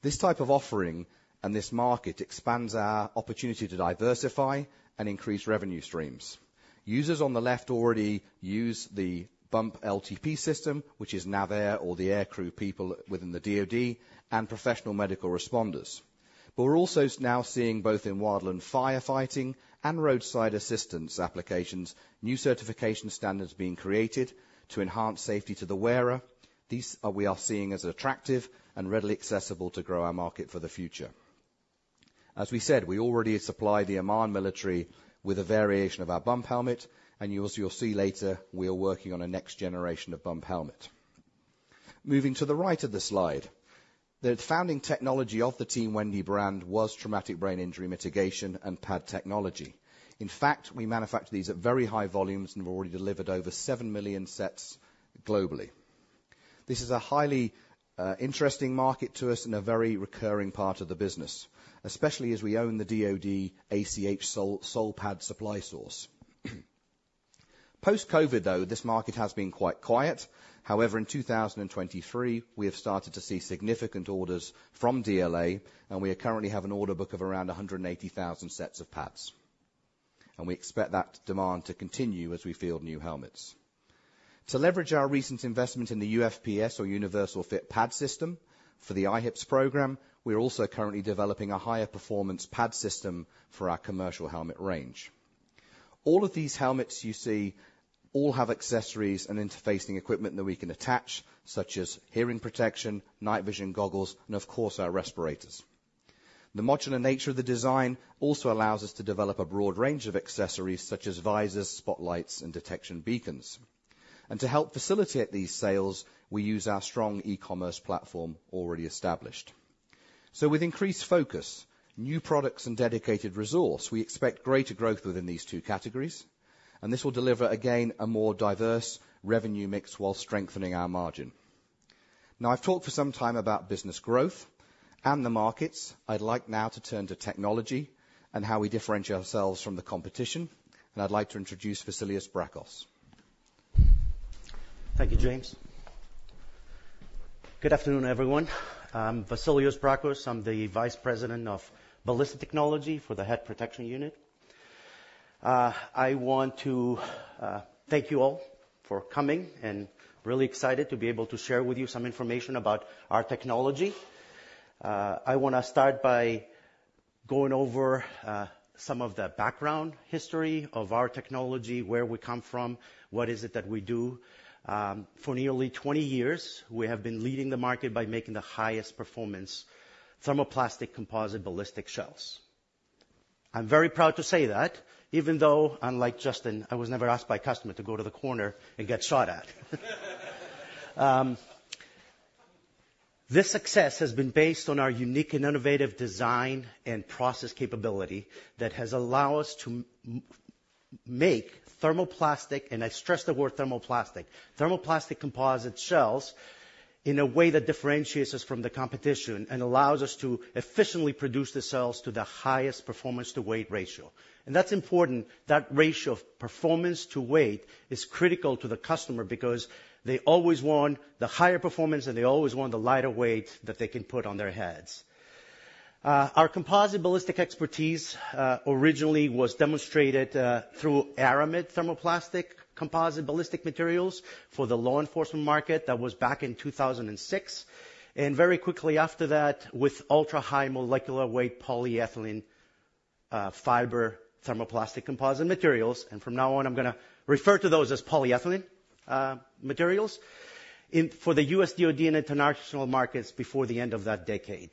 This type of offering and this market expands our opportunity to diversify and increase revenue streams. Users on the left already use the bump LTP system, which is NAVAIR or the aircrew people within the DoD and professional medical responders. But we're also now seeing, both in wildland firefighting and roadside assistance applications, new certification standards being created to enhance safety to the wearer. These are, we are seeing as attractive and readily accessible to grow our market for the future. As we said, we already supply the Oman military with a variation of our bump helmet, and you also, you'll see later, we are working on a next generation of bump helmet. Moving to the right of the slide, the founding technology of the Team Wendy brand was traumatic brain injury mitigation and pad technology. In fact, we manufacture these at very high volumes and have already delivered over 7 million sets globally. This is a highly interesting market to us and a very recurring part of the business, especially as we own the DoD ACH sole pad supply source. Post-COVID, though, this market has been quite quiet. However, in 2023, we have started to see significant orders from DLA, and we currently have an order book of around 180,000 sets of pads, and we expect that demand to continue as we field new helmets. To leverage our recent investment in the UFPS or Universal Fit Pad System for the IHPS program, we are also currently developing a higher performance pad system for our commercial helmet range. All of these helmets you see all have accessories and interfacing equipment that we can attach, such as hearing protection, night vision goggles, and of course, our respirators. The modular nature of the design also allows us to develop a broad range of accessories, such as visors, spotlights, and detection beacons. To help facilitate these sales, we use our strong e-commerce platform already established. With increased focus, new products, and dedicated resource, we expect greater growth within these two categories, and this will deliver, again, a more diverse revenue mix while strengthening our margin. Now, I've talked for some time about business growth and the markets. I'd like now to turn to technology and how we differentiate ourselves from the competition, and I'd like to introduce Vasilios Bracos. Thank you, James. Good afternoon, everyone. I'm Vasilios Bracos. I'm the Vice President of Ballistic Technology for the Head Protection Unit. I want to thank you all for coming, and really excited to be able to share with you some information about our technology. I wanna start by going over some of the background history of our technology, where we come from, what is it that we do. For nearly 20 years, we have been leading the market by making the highest performance thermoplastic composite ballistic shells. I'm very proud to say that, even though, unlike Justin, I was never asked by a customer to go to the corner and get shot at. This success has been based on our unique and innovative design and process capability that has allowed us to make thermoplastic, and I stress the word thermoplastic, thermoplastic composite shells in a way that differentiates us from the competition and allows us to efficiently produce the shells to the highest performance to weight ratio. And that's important. That ratio of performance to weight is critical to the customer because they always want the higher performance, and they always want the lighter weight that they can put on their heads. Our composite ballistic expertise originally was demonstrated through Aramid thermoplastic composite ballistic materials for the law enforcement market. That was back in 2006, and very quickly after that, with ultra-high molecular weight polyethylene fiber thermoplastic composite materials, and from now on, I'm gonna refer to those as polyethylene materials in for the U.S. DoD and international markets before the end of that decade.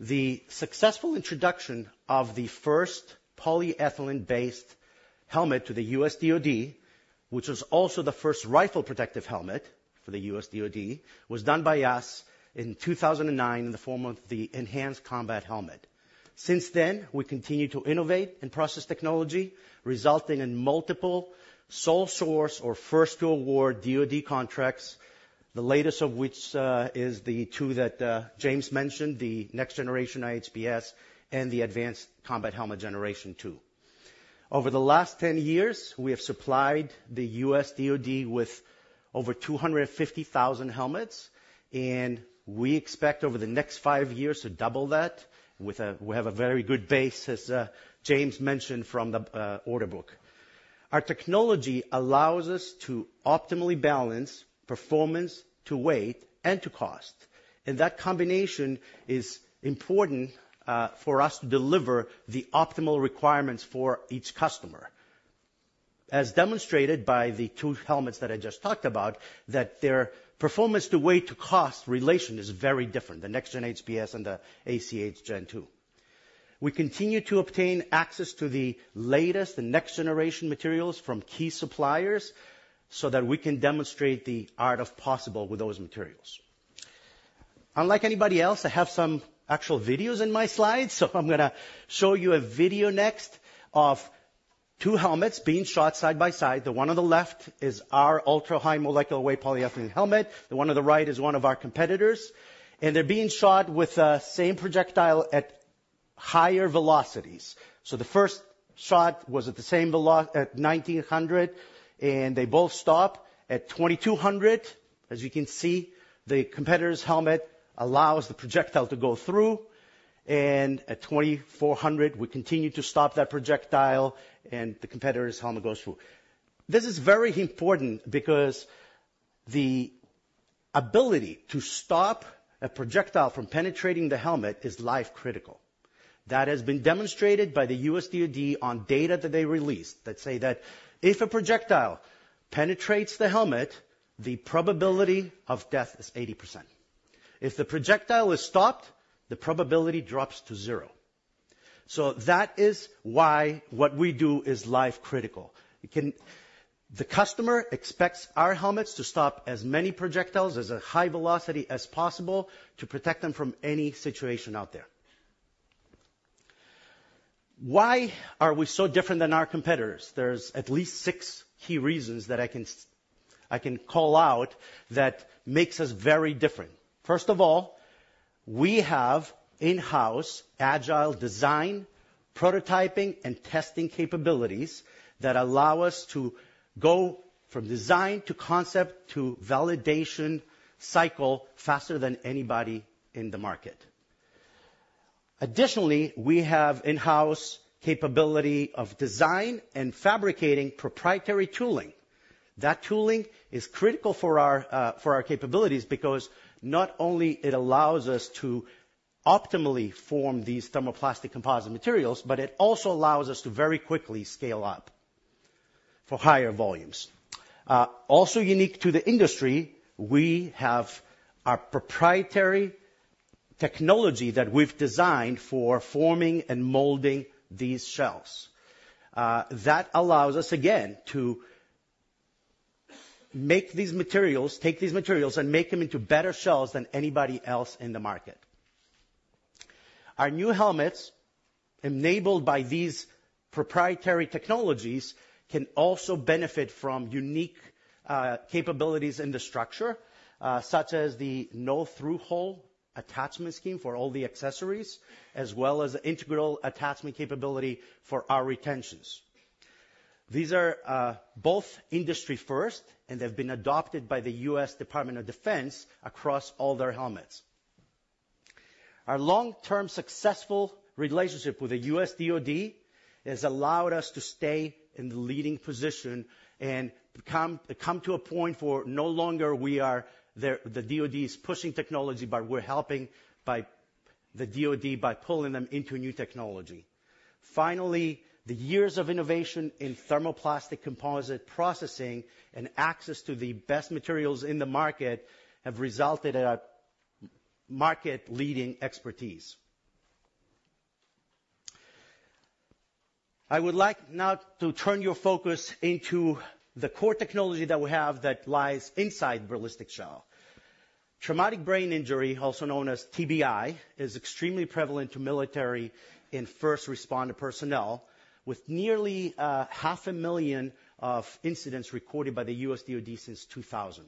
The successful introduction of the first polyethylene-based helmet to the U.S. DoD, which was also the first rifle protective helmet for the U.S. DoD, was done by us in 2009 in the form of the Enhanced Combat Helmet. Since then, we continue to innovate in process technology, resulting in multiple sole source or first to award DoD contracts, the latest of which is the two that James mentioned, the Next Generation IHPS and the Advanced Combat Helmet Generation 2. Over the last 10 years, we have supplied the U.S. DoD with over 250,000 helmets, and we expect over the next 5 years to double that with a, we have a very good base, as James mentioned from the order book. Our technology allows us to optimally balance performance to weight and to cost, and that combination is important for us to deliver the optimal requirements for each customer. As demonstrated by the two helmets that I just talked about, that their performance to weight to cost relation is very different, the Next Gen IHPS and the ACH Gen 2. We continue to obtain access to the latest and next generation materials from key suppliers so that we can demonstrate the art of possible with those materials. Unlike anybody else, I have some actual videos in my slides, so I'm gonna show you a video next of two helmets being shot side by side. The one on the left is our ultra-high molecular weight polyethylene helmet. The one on the right is one of our competitors', and they're being shot with the same projectile at higher velocities. So the first shot was at nineteen hundred, and they both stop. At twenty-two hundred, as you can see, the competitor's helmet allows the projectile to go through, and at twenty-four hundred, we continue to stop that projectile, and the competitor's helmet goes through. This is very important because the ability to stop a projectile from penetrating the helmet is life critical. That has been demonstrated by the U.S. DoD on data that they released, that say that if a projectile penetrates the helmet, the probability of death is 80%. If the projectile is stopped, the probability drops to zero. So that is why what we do is life critical. It can, the customer expects our helmets to stop as many projectiles as a high velocity as possible to protect them from any situation out there. Why are we so different than our competitors? There's at least six key reasons that I can call out that makes us very different. First of all, we have in-house agile design, prototyping, and testing capabilities that allow us to go from design to concept to validation cycle faster than anybody in the market. Additionally, we have in-house capability of design and fabricating proprietary tooling. That tooling is critical for our, for our capabilities because not only it allows us to optimally form these thermoplastic composite materials, but it also allows us to very quickly scale up for higher volumes. Also unique to the industry, we have a proprietary technology that we've designed for forming and molding these shells. That allows us, again, to make these materials, take these materials, and make them into better shells than anybody else in the market. Our new helmets, enabled by these proprietary technologies, can also benefit from unique capabilities in the structure, such as the no-through-hole attachment scheme for all the accessories, as well as integral attachment capability for our retentions. These are both industry first, and they've been adopted by the U.S. Department of Defense across all their helmets. Our long-term, successful relationship with the U.S. DoD has allowed us to stay in the leading position and become come to a point where no longer we are the DoD is pushing technology, but we're helping by the DoD by pulling them into new technology. Finally, the years of innovation in thermoplastic composite processing and access to the best materials in the market have resulted at a market-leading expertise. I would like now to turn your focus into the core technology that we have that lies inside ballistic shell. Traumatic brain injury, also known as TBI, is extremely prevalent to military and first responder personnel, with nearly half a million incidents recorded by the U.S. DoD since 2000.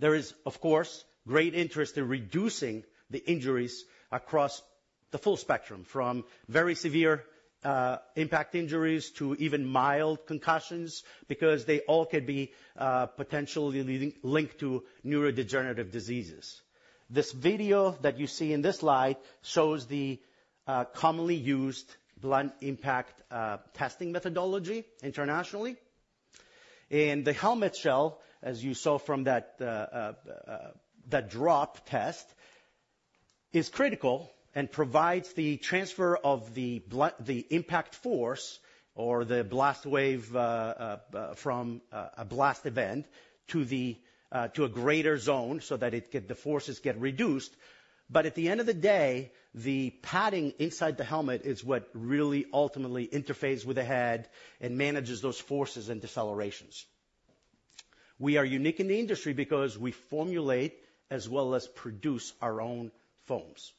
There is, of course, great interest in reducing the injuries across the full spectrum, from very severe impact injuries to even mild concussions, because they all could be potentially leading linked to neurodegenerative diseases. This video that you see in this slide shows the commonly used blunt impact testing methodology internationally. And the helmet shell, as you saw from that, the drop test, is critical and provides the transfer of the blunt, the impact force or the blast wave, from a blast event to a greater zone so that the forces get reduced. But at the end of the day, the padding inside the helmet is what really ultimately interfaces with the head and manages those forces and decelerations. We are unique in the industry because we formulate as well as produce our own foams.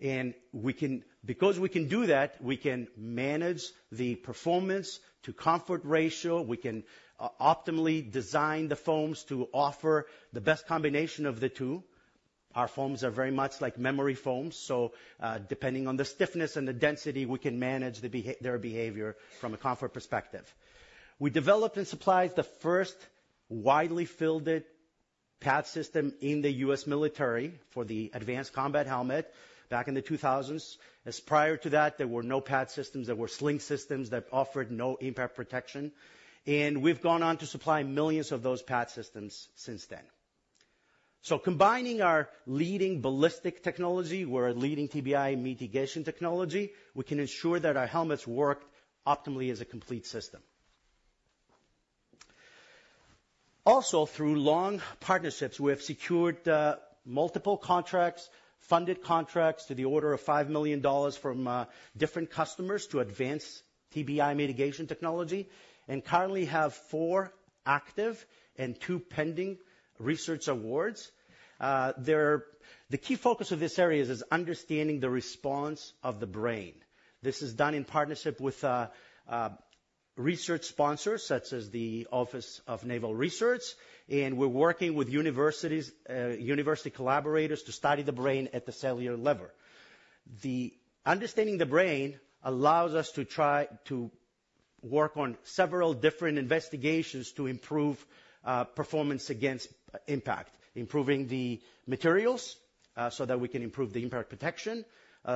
And we can, because we can do that, we can manage the performance to comfort ratio. We can optimally design the foams to offer the best combination of the two. Our foams are very much like memory foams, so, depending on the stiffness and the density, we can manage their behavior from a comfort perspective. We developed and supplied the first widely fielded pad system in the U.S. military for the Advanced Combat Helmet back in the 2000s, as prior to that, there were no pad systems, there were sling systems that offered no impact protection, and we've gone on to supply millions of those pad systems since then. So combining our leading ballistic technology, we're a leading TBI mitigation technology, we can ensure that our helmets work optimally as a complete system. Also, through long partnerships, we have secured multiple contracts, funded contracts to the order of $5 million from different customers to advance TBI mitigation technology, and currently have four active and two pending research awards. They're. The key focus of this area is understanding the response of the brain. This is done in partnership with research sponsors such as the Office of Naval Research, and we're working with universities, university collaborators to study the brain at the cellular level. The understanding the brain allows us to try to work on several different investigations to improve performance against impact. Improving the materials, so that we can improve the impact protection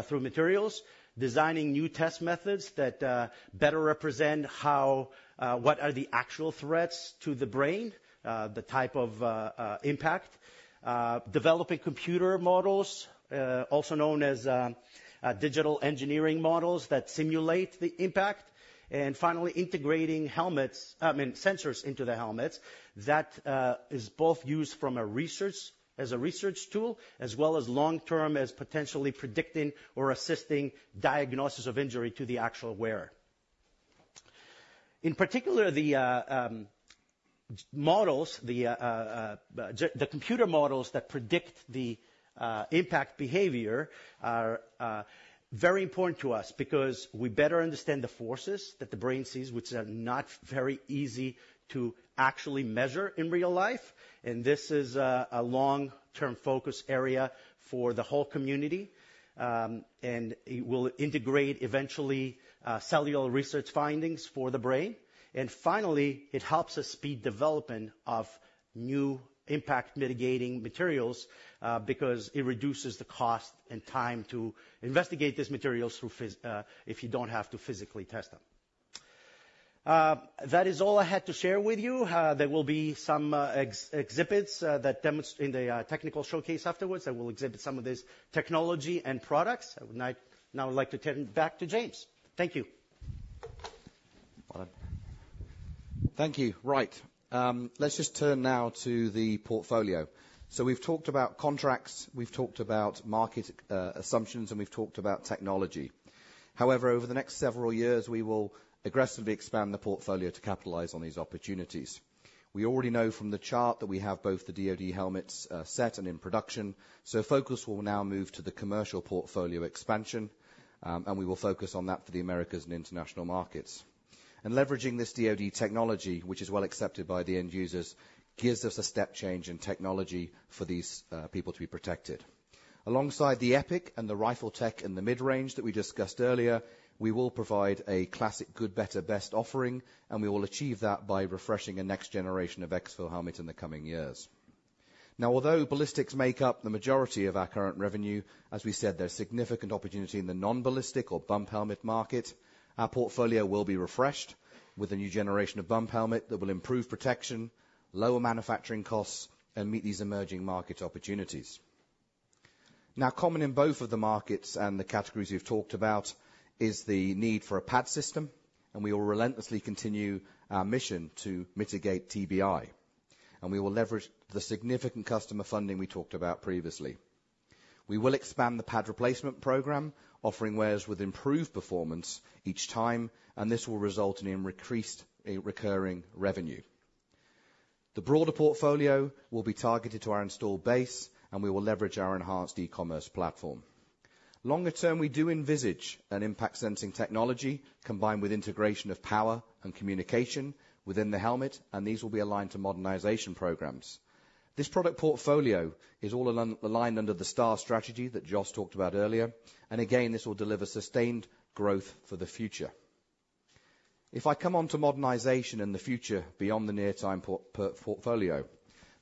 through materials. Designing new test methods that better represent how what are the actual threats to the brain, the type of impact. Developing computer models, also known as digital engineering models that simulate the impact. Finally, integrating helmets, I mean, sensors into the helmets that is both used from a research, as a research tool, as well as long term, as potentially predicting or assisting diagnosis of injury to the actual wearer. In particular, the models, the computer models that predict the impact behavior are very important to us because we better understand the forces that the brain sees, which are not very easy to actually measure in real life. This is a long-term focus area for the whole community. It will integrate eventually cellular research findings for the brain. Finally, it helps us speed development of new impact mitigating materials because it reduces the cost and time to investigate these materials if you don't have to physically test them. That is all I had to share with you. There will be some exhibits that demonstrate in the technical showcase afterwards, that will exhibit some of these technology and products. I would now like to turn back to James. Thank you. Thank you. Right. Let's just turn now to the portfolio. So we've talked about contracts, we've talked about market assumptions, and we've talked about technology. However, over the next several years, we will aggressively expand the portfolio to capitalize on these opportunities. We already know from the chart that we have both the DoD helmets set and in production, so focus will now move to the commercial portfolio expansion, and we will focus on that for the Americas and international markets. And leveraging this DoD technology, which is well accepted by the end users, gives us a step change in technology for these people to be protected. Alongside the EPIC and the RifleTech in the mid-range that we discussed earlier, we will provide a classic, good, better, best offering, and we will achieve that by refreshing the next generation of EXFIL helmet in the coming years. Now, although ballistics make up the majority of our current revenue, as we said, there's significant opportunity in the non-ballistic or bump helmet market. Our portfolio will be refreshed with a new generation of bump helmet that will improve protection, lower manufacturing costs, and meet these emerging market opportunities. Now, common in both of the markets and the categories we've talked about is the need for a pad system, and we will relentlessly continue our mission to mitigate TBI, and we will leverage the significant customer funding we talked about previously. We will expand the pad replacement program, offering wears with improved performance each time, and this will result in increased recurring revenue. The broader portfolio will be targeted to our installed base, and we will leverage our enhanced e-commerce platform. Longer term, we do envisage an impact-sensing technology, combined with integration of power and communication within the helmet, and these will be aligned to modernization programs. This product portfolio is all aligned under the STAR strategy that Jos talked about earlier, and again, this will deliver sustained growth for the future. If I come on to modernization and the future beyond the near-time portfolio,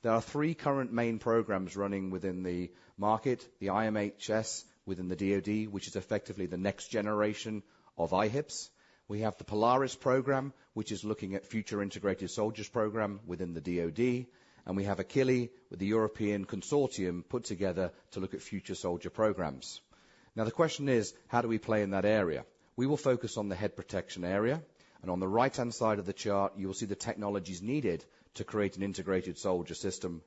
there are three current main programs running within the market, the IMHS within the DoD, which is effectively the next generation of IHPS. We have the Polaris program, which is looking at future integrated soldiers program within the DoD, and we have Achilles with the European consortium, put together to look at future soldier programs. Now, the question is: How do we play in that area? We will focus on the head protection area, and on the right-hand side of the chart, you will see the technologies needed to create an integrated soldier system,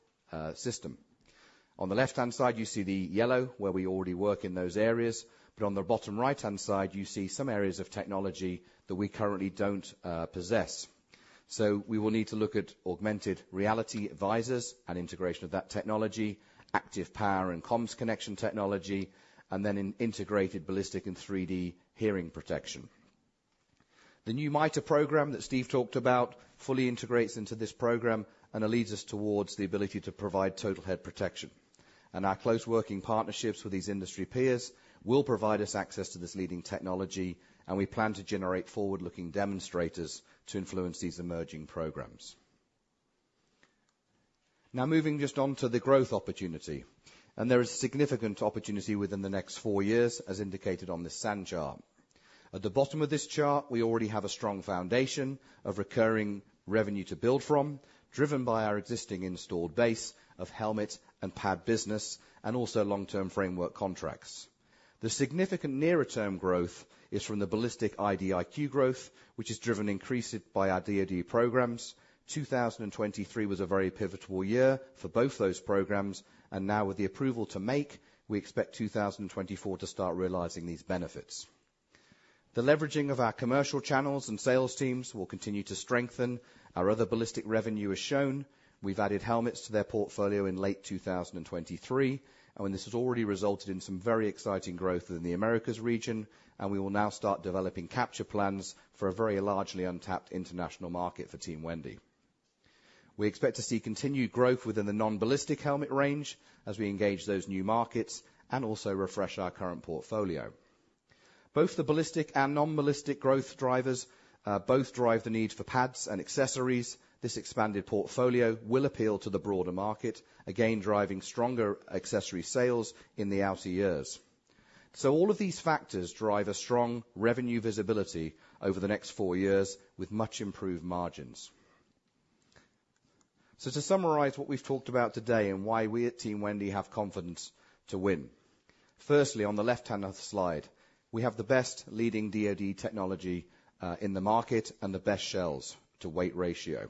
system. On the left-hand side, you see the yellow, where we already work in those areas, but on the bottom right-hand side, you see some areas of technology that we currently don't possess. So we will need to look at augmented reality advisors and integration of that technology, active power and comms connection technology, and then an integrated ballistic and 3D hearing protection. The new MITR program that Steve talked about fully integrates into this program and leads us towards the ability to provide total head protection. Our close working partnerships with these industry peers will provide us access to this leading technology, and we plan to generate forward-looking demonstrators to influence these emerging programs. Now, moving just on to the growth opportunity, there is significant opportunity within the next four years, as indicated on this sand chart. At the bottom of this chart, we already have a strong foundation of recurring revenue to build from, driven by our existing installed base of helmet and pad business, and also long-term framework contracts. The significant nearer term growth is from the ballistic IDIQ growth, which is driven increases by our DoD programs. 2023 was a very pivotal year for both those programs, and now with the approval to make, we expect 2024 to start realizing these benefits. The leveraging of our commercial channels and sales teams will continue to strengthen. Our other ballistic revenue is shown. We've added helmets to their portfolio in late 2023, and this has already resulted in some very exciting growth within the Americas region, and we will now start developing capture plans for a very largely untapped international market for Team Wendy. We expect to see continued growth within the non-ballistic helmet range as we engage those new markets and also refresh our current portfolio. Both the ballistic and non-ballistic growth drivers, both drive the need for pads and accessories. This expanded portfolio will appeal to the broader market, again, driving stronger accessory sales in the outer years. So all of these factors drive a strong revenue visibility over the next four years with much improved margins. To summarize what we've talked about today and why we at Team Wendy have confidence to win. Firstly, on the left-hand of the slide, we have the best leading DoD technology in the market and the best shells-to-weight ratio.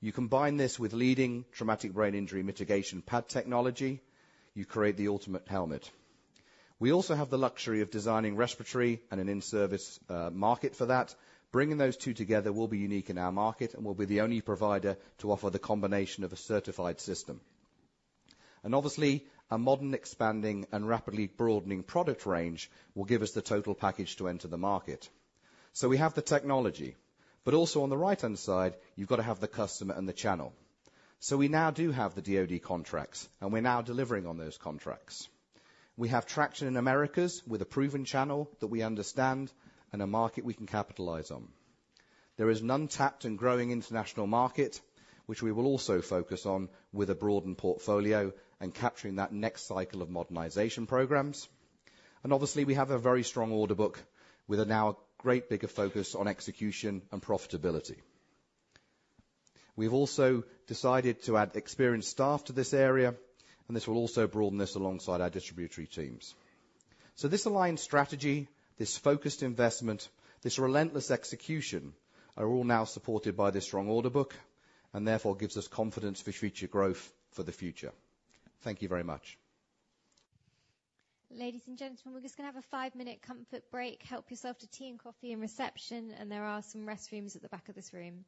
You combine this with leading traumatic brain injury mitigation pad technology, you create the ultimate helmet. We also have the luxury of designing respiratory and an in-service market for that. Bringing those two together will be unique in our market and will be the only provider to offer the combination of a certified system. And obviously, a modern, expanding, and rapidly broadening product range will give us the total package to enter the market. So we have the technology, but also on the right-hand side, you've got to have the customer and the channel. So we now do have the DoD contracts, and we're now delivering on those contracts. We have traction in Americas with a proven channel that we understand and a market we can capitalize on. There is an untapped and growing international market, which we will also focus on with a broadened portfolio and capturing that next cycle of modernization programs. And obviously, we have a very strong order book with now a great bigger focus on execution and profitability. We've also decided to add experienced staff to this area, and this will also broaden this alongside our distributory teams. So this aligned strategy, this focused investment, this relentless execution, are all now supported by this strong order book and therefore gives us confidence for future growth for the future. Thank you very much. Ladies and gentlemen, we're just gonna have a 5-minute comfort break. Help yourself to tea and coffee in reception, and there are some restrooms at the back of this room.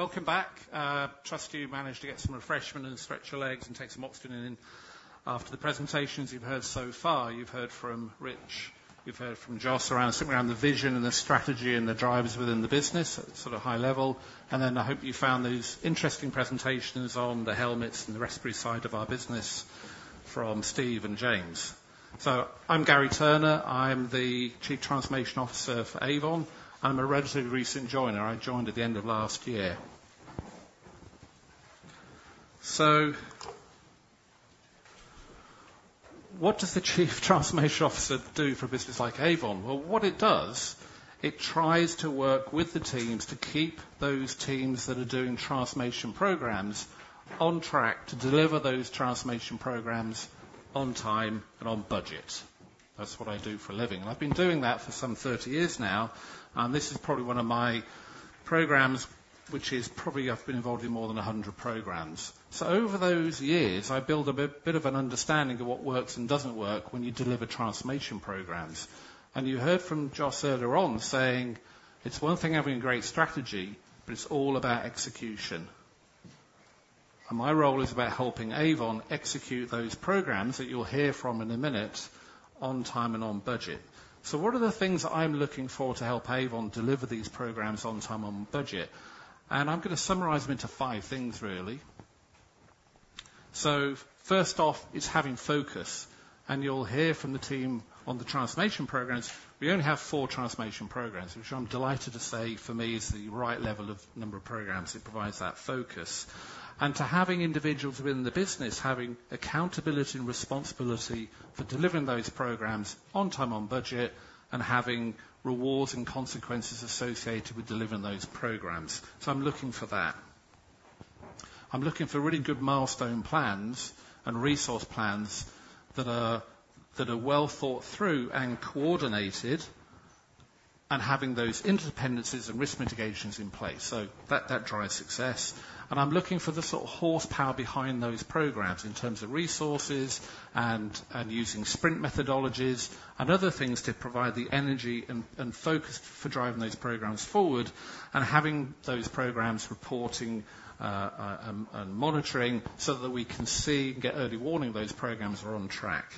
Good afternoon. Welcome back. Trust you managed to get some refreshment and stretch your legs and take some oxygen in after the presentations you've heard so far. You've heard from Rich, you've heard from Jos around the vision and the strategy and the drivers within the business at sort of high level. Then I hope you found those interesting presentations on the helmets and the respiratory side of our business from Steve and James. So I'm Gary Turner. I'm the Chief Transformation Officer for Avon. I'm a relatively recent joiner. I joined at the end of last year. So what does the Chief Transformation Officer do for a business like Avon? Well, what it does, it tries to work with the teams to keep those teams that are doing transformation programs on track to deliver those transformation programs on time and on budget. That's what I do for a living, and I've been doing that for some 30 years now, and this is probably one of my programs, which is probably I've been involved in more than 100 programs. So over those years, I built a bit, bit of an understanding of what works and doesn't work when you deliver transformation programs. And you heard from Jos earlier on saying, "It's one thing having a great strategy, but it's all about execution." And my role is about helping Avon execute those programs, that you'll hear from in a minute, on time and on budget. So what are the things I'm looking for to help Avon deliver these programs on time, on budget? And I'm gonna summarize them into five things, really. So first off, is having focus, and you'll hear from the team on the transformation programs. We only have four transformation programs, which I'm delighted to say, for me, is the right level of number of programs. It provides that focus. And to having individuals within the business, having accountability and responsibility for delivering those programs on time, on budget, and having rewards and consequences associated with delivering those programs. So I'm looking for that. I'm looking for really good milestone plans and resource plans that are well thought through and coordinated, and having those interdependencies and risk mitigations in place. So that drives success. I'm looking for the sort of horsepower behind those programs in terms of resources and using sprint methodologies and other things to provide the energy and focus for driving those programs forward, and having those programs reporting and monitoring so that we can see and get early warning those programs are on track.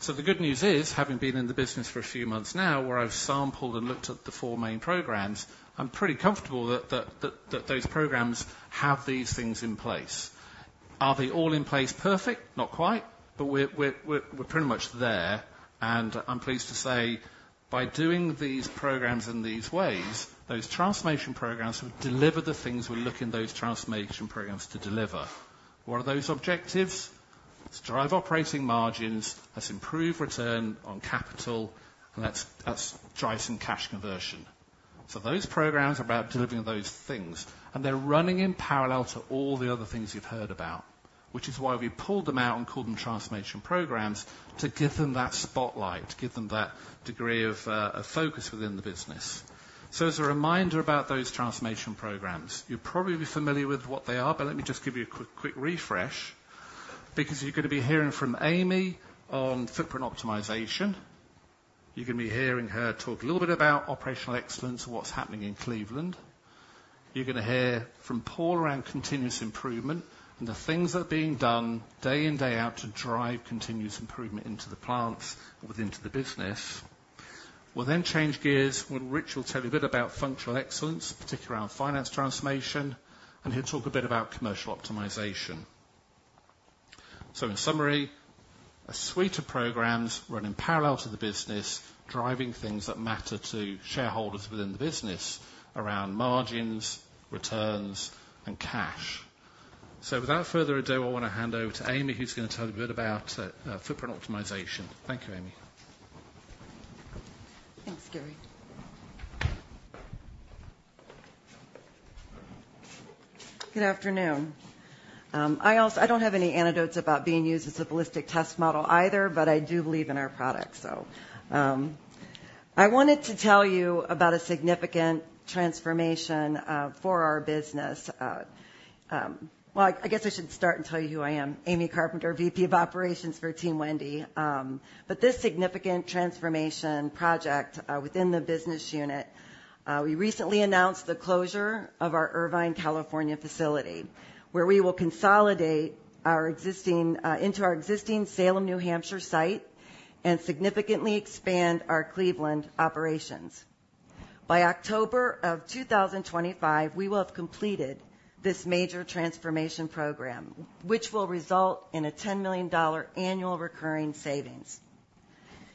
So the good news is, having been in the business for a few months now, where I've sampled and looked at the four main programs, I'm pretty comfortable that those programs have these things in place. Are they all in place perfect? Not quite, but we're pretty much there. I'm pleased to say, by doing these programs in these ways, those transformation programs have delivered the things we look in those transformation programs to deliver. What are those objectives? It's drive operating margins, that's improve return on capital, and that's, that's drive some cash conversion. So those programs are about delivering those things, and they're running in parallel to all the other things you've heard about. Which is why we pulled them out and called them transformation programs to give them that spotlight, to give them that degree of, of focus within the business. So as a reminder about those transformation programs, you'll probably be familiar with what they are, but let me just give you a quick, quick refresh, because you're gonna be hearing from Amy on footprint optimization. You're gonna be hearing her talk a little bit about operational excellence and what's happening in Cleveland. You're gonna hear from Paul around continuous improvement and the things that are being done day in, day out to drive continuous improvement into the plants and within to the business. We'll then change gears when Rich will tell you a bit about functional excellence, particularly around finance transformation, and he'll talk a bit about commercial optimization. So in summary, a suite of programs running parallel to the business, driving things that matter to shareholders within the business around margins, returns, and cash. So without further ado, I want to hand over to Amy, who's going to tell you a bit about footprint optimization. Thank you, Amy. Thanks, Gary. Good afternoon. I also. I don't have any anecdotes about being used as a ballistic test model either, but I do believe in our product. So, I wanted to tell you about a significant transformation for our business. Well, I guess I should start and tell you who I am, Amy Carpenter, VP of Operations for Team Wendy. But this significant transformation project within the business unit, we recently announced the closure of our Irvine, California, facility, where we will consolidate our existing into our existing Salem, New Hampshire, site, and significantly expand our Cleveland operations. By October of 2025, we will have completed this major transformation program, which will result in a $10 million annual recurring savings.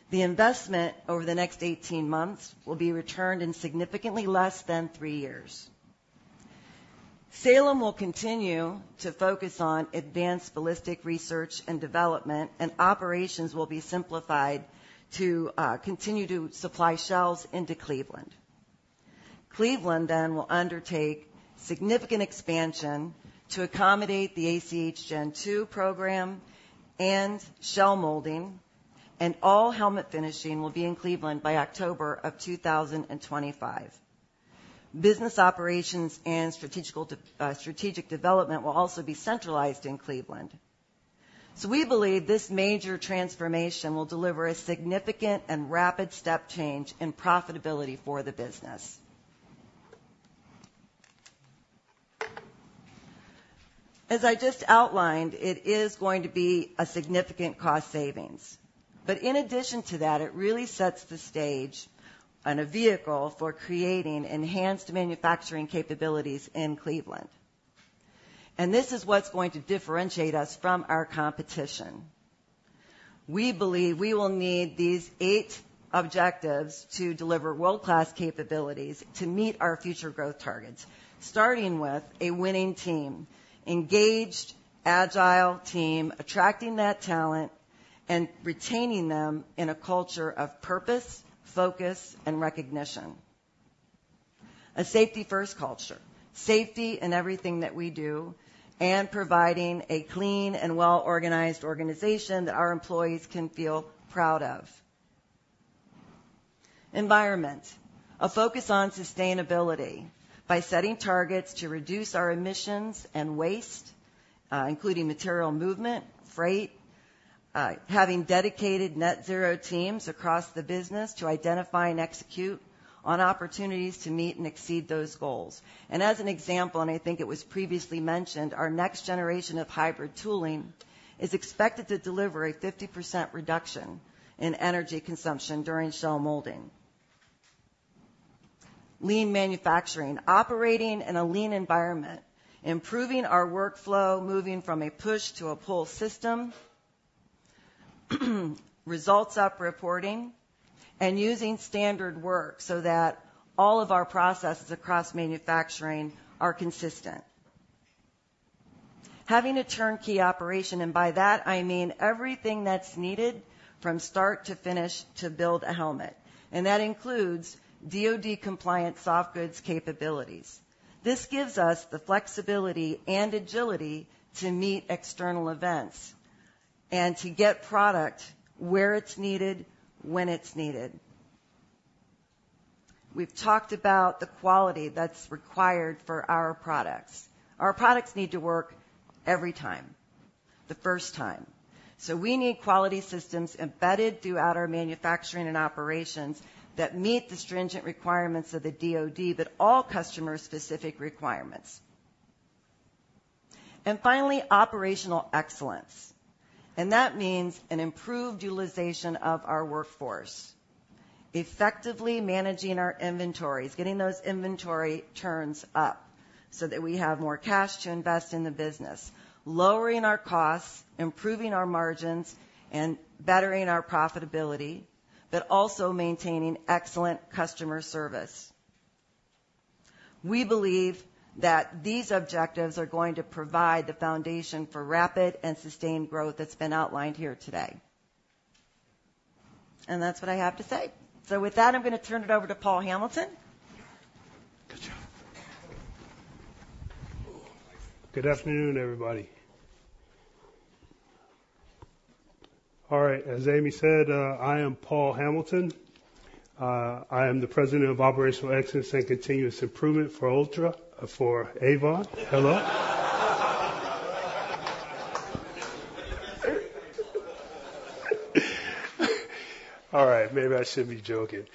The investment over the next 18 months will be returned in significantly less than 3 years. Salem will continue to focus on advanced ballistic research and development, and operations will be simplified to continue to supply shells into Cleveland. Cleveland, then, will undertake significant expansion to accommodate the ACH Gen II program and shell molding, and all helmet finishing will be in Cleveland by October of 2025. Business operations and strategic development will also be centralized in Cleveland. So we believe this major transformation will deliver a significant and rapid step change in profitability for the business. As I just outlined, it is going to be a significant cost savings, but in addition to that, it really sets the stage and a vehicle for creating enhanced manufacturing capabilities in Cleveland. And this is what's going to differentiate us from our competition. We believe we will need these eight objectives to deliver world-class capabilities to meet our future growth targets, starting with a winning team. Engaged, agile team, attracting that talent and retaining them in a culture of purpose, focus, and recognition. A safety-first culture, safety in everything that we do, and providing a clean and well-organized organization that our employees can feel proud of. Environment. A focus on sustainability by setting targets to reduce our emissions and waste, including material movement, freight, having dedicated net zero teams across the business to identify and execute on opportunities to meet and exceed those goals. And as an example, and I think it was previously mentioned, our next generation of hybrid tooling is expected to deliver a 50% reduction in energy consumption during shell molding. Lean manufacturing. Operating in a lean environment, improving our workflow, moving from a push to a pull system, results up reporting, and using standard work so that all of our processes across manufacturing are consistent. Having a turnkey operation, and by that, I mean everything that's needed from start to finish to build a helmet, and that includes DoD-compliant soft goods capabilities. This gives us the flexibility and agility to meet external events and to get product where it's needed, when it's needed. We've talked about the quality that's required for our products. Our products need to work every time, the first time. So we need quality systems embedded throughout our manufacturing and operations that meet the stringent requirements of the DoD, but all customer-specific requirements. Finally, operational excellence, and that means an improved utilization of our workforce, effectively managing our inventories, getting those inventory turns up so that we have more cash to invest in the business, lowering our costs, improving our margins, and bettering our profitability, but also maintaining excellent customer service. We believe that these objectives are going to provide the foundation for rapid and sustained growth that's been outlined here today. That's what I have to say. With that, I'm gonna turn it over to Paul Hamilton. Good job. Good afternoon, everybody. All right, as Amy said, I am Paul Hamilton. I am the President of Operational Excellence and Continuous Improvement for Ultra, for Avon. Hello? All right, maybe I shouldn't be joking.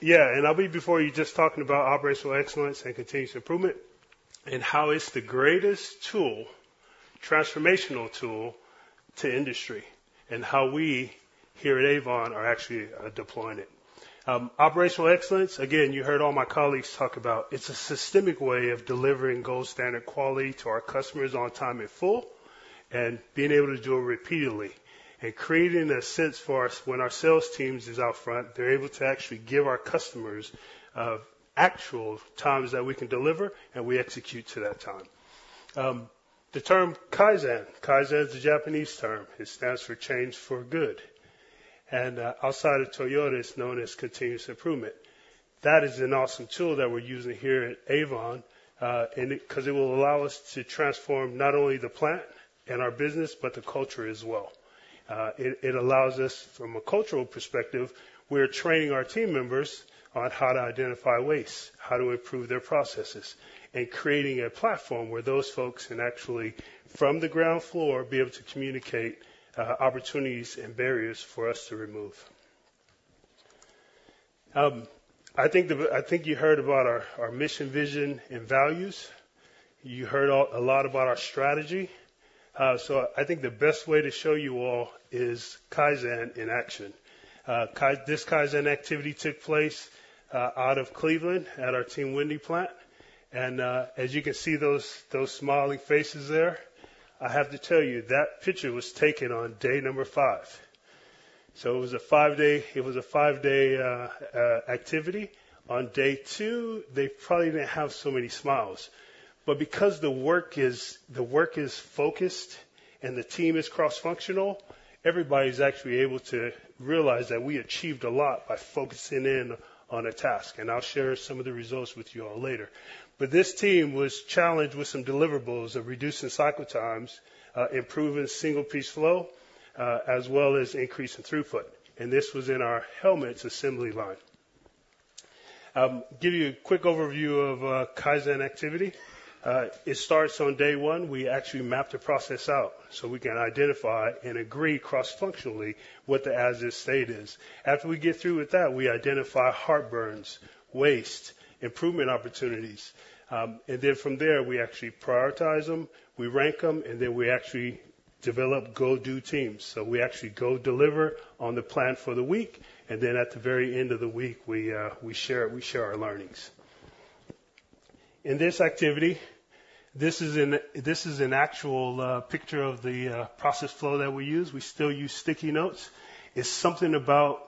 Yeah, and I'll be before you just talking about operational excellence and continuous improvement, and how it's the greatest tool, transformational tool, to industry, and how we here at Avon are actually deploying it. Operational excellence, again, you heard all my colleagues talk about, it's a systemic way of delivering gold standard quality to our customers on time, in full, and being able to do it repeatedly and creating a sense for us when our sales teams is out front, they're able to actually give our customers actual times that we can deliver, and we execute to that time. The term Kaizen. Kaizen is a Japanese term. It stands for change for good, and, outside of Toyota, it's known as continuous improvement. That is an awesome tool that we're using here at Avon, and it 'cause it will allow us to transform not only the plant and our business, but the culture as well. It allows us, from a cultural perspective, we're training our team members on how to identify waste, how to improve their processes, and creating a platform where those folks can actually, from the ground floor, be able to communicate, opportunities and barriers for us to remove. I think you heard about our mission, vision, and values. You heard a lot about our strategy. So I think the best way to show you all is Kaizen in action. Kaizen activity took place out of Cleveland at our Team Wendy plant, and as you can see, those smiling faces there, I have to tell you, that picture was taken on day number 5. So it was a five-day, it was a five-day activity. On day 2, they probably didn't have so many smiles. But because the work is focused and the team is cross-functional, everybody's actually able to realize that we achieved a lot by focusing in on a task, and I'll share some of the results with you all later. But this team was challenged with some deliverables of reducing cycle times, improving single-piece flow, as well as increasing throughput. And this was in our helmets assembly line. Give you a quick overview of Kaizen activity. It starts on day 1. We actually map the process out, so we can identify and agree cross-functionally what the as-is state is. After we get through with that, we identify heart burns, waste, improvement opportunities, and then from there, we actually prioritize them, we rank them, and then we actually develop go-do teams. So we actually go deliver on the plan for the week, and then at the very end of the week, we, we share, we share our learnings. In this activity, this is an actual picture of the process flow that we use. We still use sticky notes. It's something about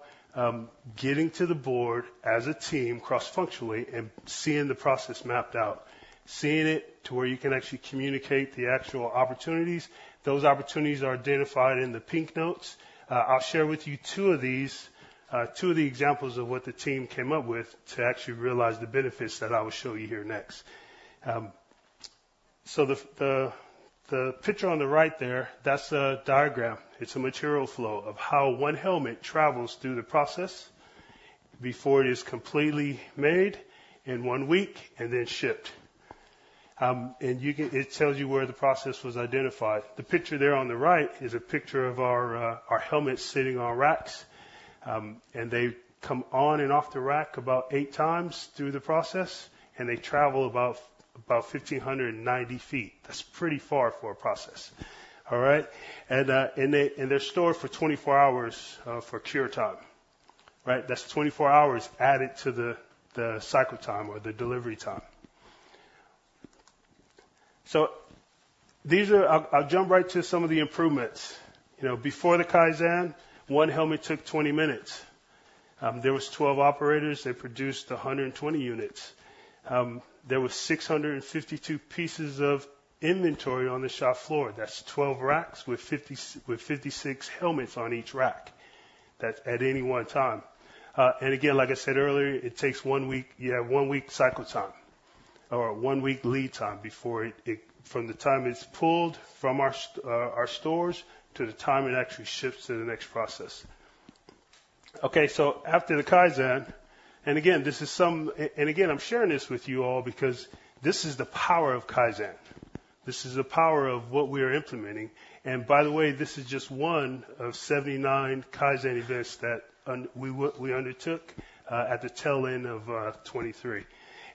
getting to the board as a team, cross-functionally, and seeing the process mapped out, seeing it to where you can actually communicate the actual opportunities. Those opportunities are identified in the pink notes. I'll share with you two of these, two of the examples of what the team came up with to actually realize the benefits that I will show you here next. So the picture on the right there, that's a diagram. It's a material flow of how one helmet travels through the process before it is completely made in one week, and then shipped. And it tells you where the process was identified. The picture there on the right is a picture of our helmets sitting on racks, and they come on and off the rack about eight times through the process, and they travel about 1,590 feet. That's pretty far for a process. All right? And they, and they're stored for 24 hours, for cure time. Right, that's 24 hours added to the cycle time or the delivery time. So these are. I'll jump right to some of the improvements. You know, before the Kaizen, one helmet took 20 minutes. There was 12 operators, they produced 120 units. There were 652 pieces of inventory on the shop floor. That's 12 racks with 56 helmets on each rack. That's at any one time. And again, like I said earlier, it takes 1 week. You have 1 week cycle time, or 1 week lead time before it from the time it's pulled from our stores, to the time it actually ships to the next process. Okay, so after the Kaizen, and again, I'm sharing this with you all because this is the power of Kaizen. This is the power of what we are implementing, and by the way, this is just one of 79 Kaizen events that we undertook at the tail end of 2023.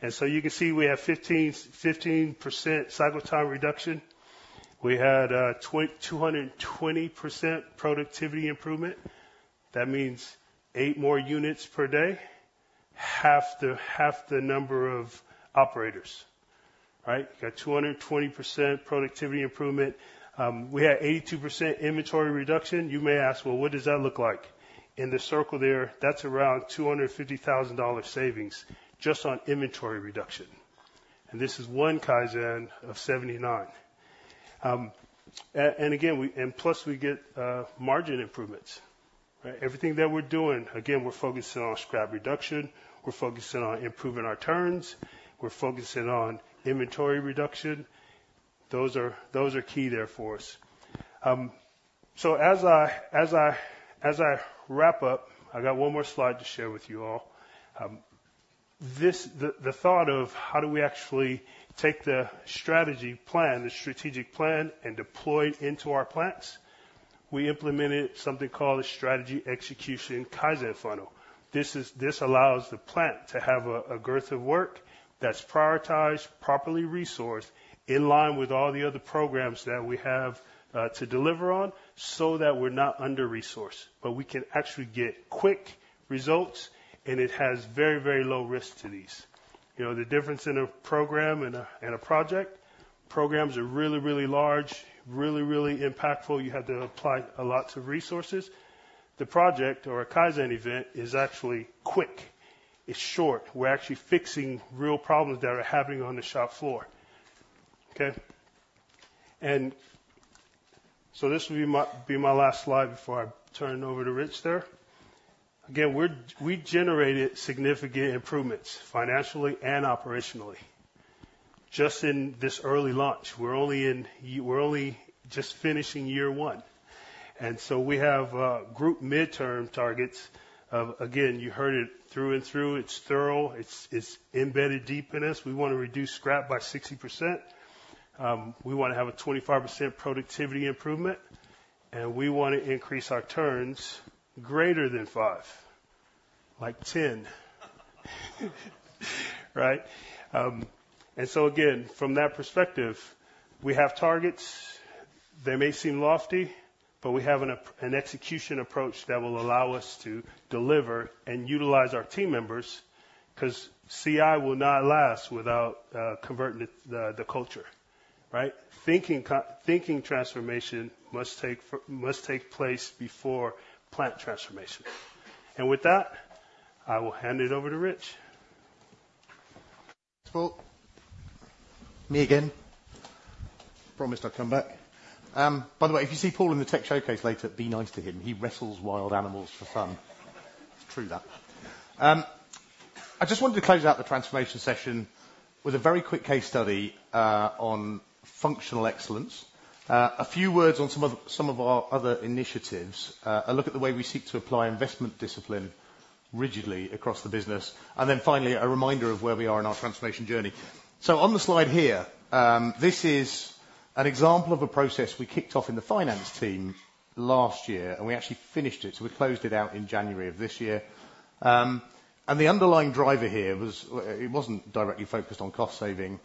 And so you can see we have 15% cycle time reduction. We had 220% productivity improvement. That means 8 more units per day, half the number of operators. Right? We got 220% productivity improvement. We had 82% inventory reduction. You may ask: Well, what does that look like? In the circle there, that's around $250,000 savings just on inventory reduction, and this is one Kaizen of 79. And again, and plus, we get margin improvements, right? Everything that we're doing, again, we're focusing on scrap reduction, we're focusing on improving our turns, we're focusing on inventory reduction. Those are key there for us. So as I wrap up, I've got one more slide to share with you all. The thought of how do we actually take the strategy plan, the strategic plan, and deploy it into our plants, we implemented something called a Strategy Execution Kaizen Funnel. This is, this allows the plant to have a girth of work that's prioritized, properly resourced, in line with all the other programs that we have to deliver on, so that we're not under-resourced, but we can actually get quick results, and it has very, very low risk to these. You know, the difference in a program and a project, programs are really, really large, really, really impactful. You have to apply lots of resources. The project or a Kaizen event is actually quick. It's short. We're actually fixing real problems that are happening on the shop floor. Okay? So this will be my last slide before I turn it over to Rich there. Again, we generated significant improvements, financially and operationally, just in this early launch. We're only just finishing year one, and so we have group midterm targets of. Again, you heard it through and through. It's thorough, it's embedded deep in us. We want to reduce scrap by 60%, we want to have a 25% productivity improvement, and we want to increase our turns greater than 5, like 10. Right? And so again, from that perspective, we have targets. They may seem lofty, but we have an execution approach that will allow us to deliver and utilize our team members, 'cause CI will not last without converting the culture, right? Thinking transformation must take place before plant transformation. And with that, I will hand it over to Rich. Thanks, Paul. Me again. Promised I'd come back. By the way, if you see Paul in the tech showcase later, be nice to him. He wrestles wild animals for fun. It's true, that. I just wanted to close out the transformation session with a very quick case study on functional excellence. A few words on some other, some of our other initiatives, a look at the way we seek to apply investment discipline rigidly across the business, and then finally, a reminder of where we are in our transformation journey. On the slide here, this is an example of a process we kicked off in the finance team last year, and we actually finished it, so we closed it out in January of this year. And the underlying driver here was, it wasn't directly focused on cost saving..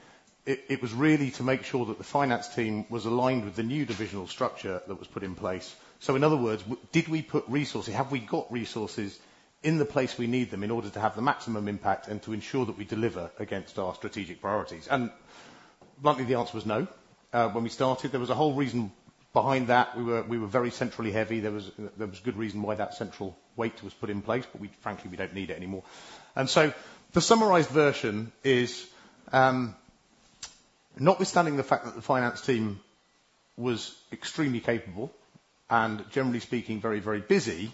It was really to make sure that the finance team was aligned with the new divisional structure that was put in place. So in other words, did we put resources? Have we got resources in the place we need them in order to have the maximum impact and to ensure that we deliver against our strategic priorities? And luckily, the answer was no. When we started, there was a whole reason behind that. We were very centrally heavy. There was good reason why that central weight was put in place, but we frankly don't need it anymore. And so the summarized version is, notwithstanding the fact that the finance team was extremely capable and generally speaking, very, very busy,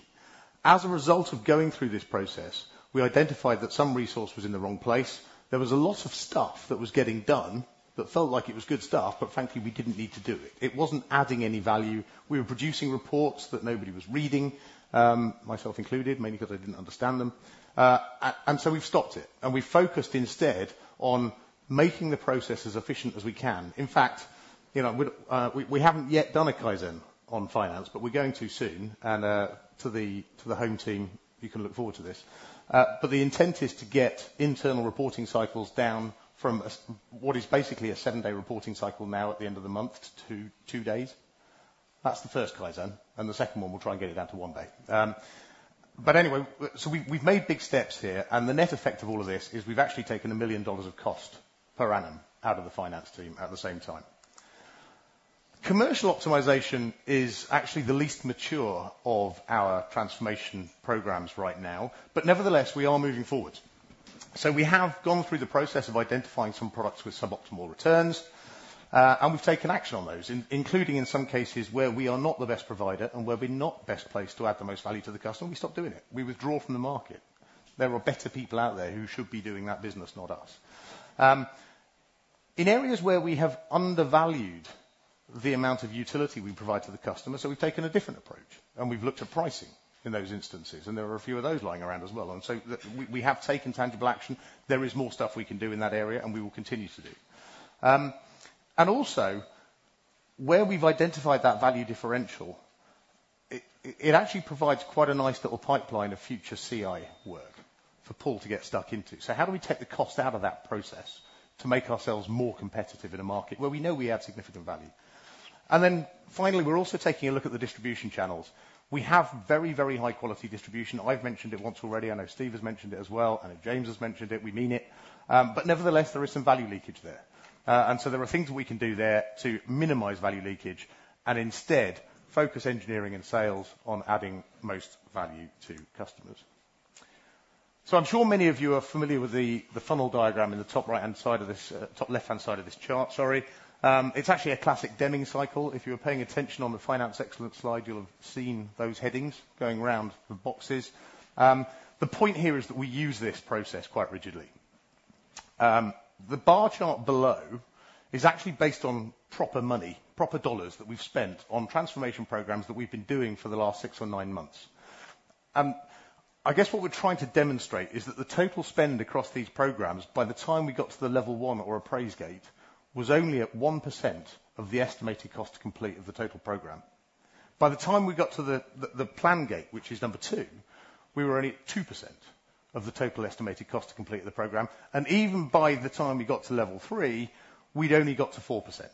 as a result of going through this process, we identified that some resource was in the wrong place. There was a lot of stuff that was getting done that felt like it was good stuff, but frankly, we didn't need to do it. It wasn't adding any value. We were producing reports that nobody was reading, myself included, mainly because I didn't understand them. And so we've stopped it, and we focused instead on making the process as efficient as we can. In fact, you know, we haven't yet done a Kaizen on finance, but we're going to soon. And to the home team, you can look forward to this. But the intent is to get internal reporting cycles down from what is basically a 7-day reporting cycle now at the end of the month to 2 days. That's the first Kaizen, and the second one, we'll try and get it down to 1 day. But anyway, so we, we've made big steps here, and the net effect of all of this is we've actually taken $1 million of cost per annum out of the finance team at the same time. Commercial optimization is actually the least mature of our transformation programs right now, but nevertheless, we are moving forward. So we have gone through the process of identifying some products with suboptimal returns, and we've taken action on those, including in some cases where we are not the best provider, and where we're not best placed to add the most value to the customer, we stop doing it. We withdraw from the market. There are better people out there who should be doing that business, not us. In areas where we have undervalued the amount of utility we provide to the customer, so we've taken a different approach, and we've looked at pricing in those instances, and there are a few of those lying around as well, and so we have taken tangible action. There is more stuff we can do in that area, and we will continue to do. And also, where we've identified that value differential, it, it actually provides quite a nice little pipeline of future CI work for Paul to get stuck into. So how do we take the cost out of that process to make ourselves more competitive in a market where we know we add significant value? And then finally, we're also taking a look at the distribution channels. We have very, very high-quality distribution. I've mentioned it once already. I know Steve has mentioned it as well, and James has mentioned it. We mean it. But nevertheless, there is some value leakage there. And so there are things that we can do there to minimize value leakage and instead focus engineering and sales on adding most value to customers. So I'm sure many of you are familiar with the funnel diagram in the top right-hand side of this, top left-hand side of this chart, sorry. It's actually a classic Deming Cycle. If you were paying attention on the finance excellent slide, you'll have seen those headings going around the boxes. The point here is that we use this process quite rigidly. The bar chart below is actually based on proper money, proper dollars that we've spent on transformation programs that we've been doing for the last 6 or 9 months. I guess what we're trying to demonstrate is that the total spend across these programs, by the time we got to the level 1 or Appraise gate, was only at 1% of the estimated cost to complete of the total program. By the time we got to the Plan gate, which is number 2, we were only at 2% of the total estimated cost to complete the program, and even by the time we got to level 3, we'd only got to 4%.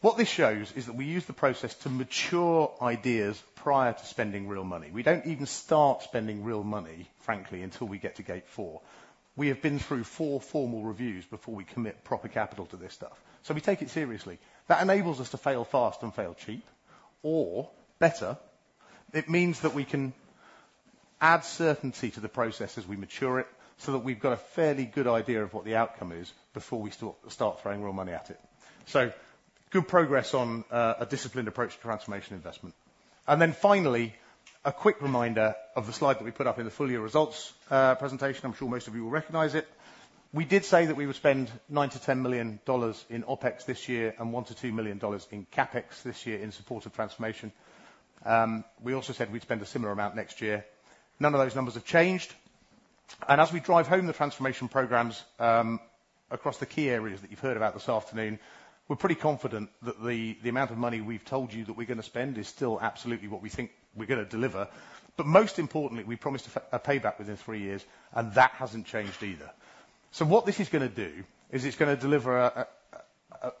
What this shows is that we use the process to mature ideas prior to spending real money. We don't even start spending real money, frankly, until we get to gate 4. We have been through 4 formal reviews before we commit proper capital to this stuff. So we take it seriously. That enables us to fail fast and fail cheap, or better, it means that we can add certainty to the process as we mature it, so that we've got a fairly good idea of what the outcome is before we start throwing real money at it. So good progress on a disciplined approach to transformation investment. And then finally, a quick reminder of the slide that we put up in the full year results presentation. I'm sure most of you will recognize it. We did say that we would spend $9 million-$10 million in OpEx this year and $1 million-$2 million in CapEx this year in support of transformation. We also said we'd spend a similar amount next year. None of those numbers have changed, and as we drive home the transformation programs across the key areas that you've heard about this afternoon, we're pretty confident that the amount of money we've told you that we're gonna spend is still absolutely what we think we're gonna deliver. But most importantly, we promised a payback within three years, and that hasn't changed either. So what this is gonna do is it's gonna deliver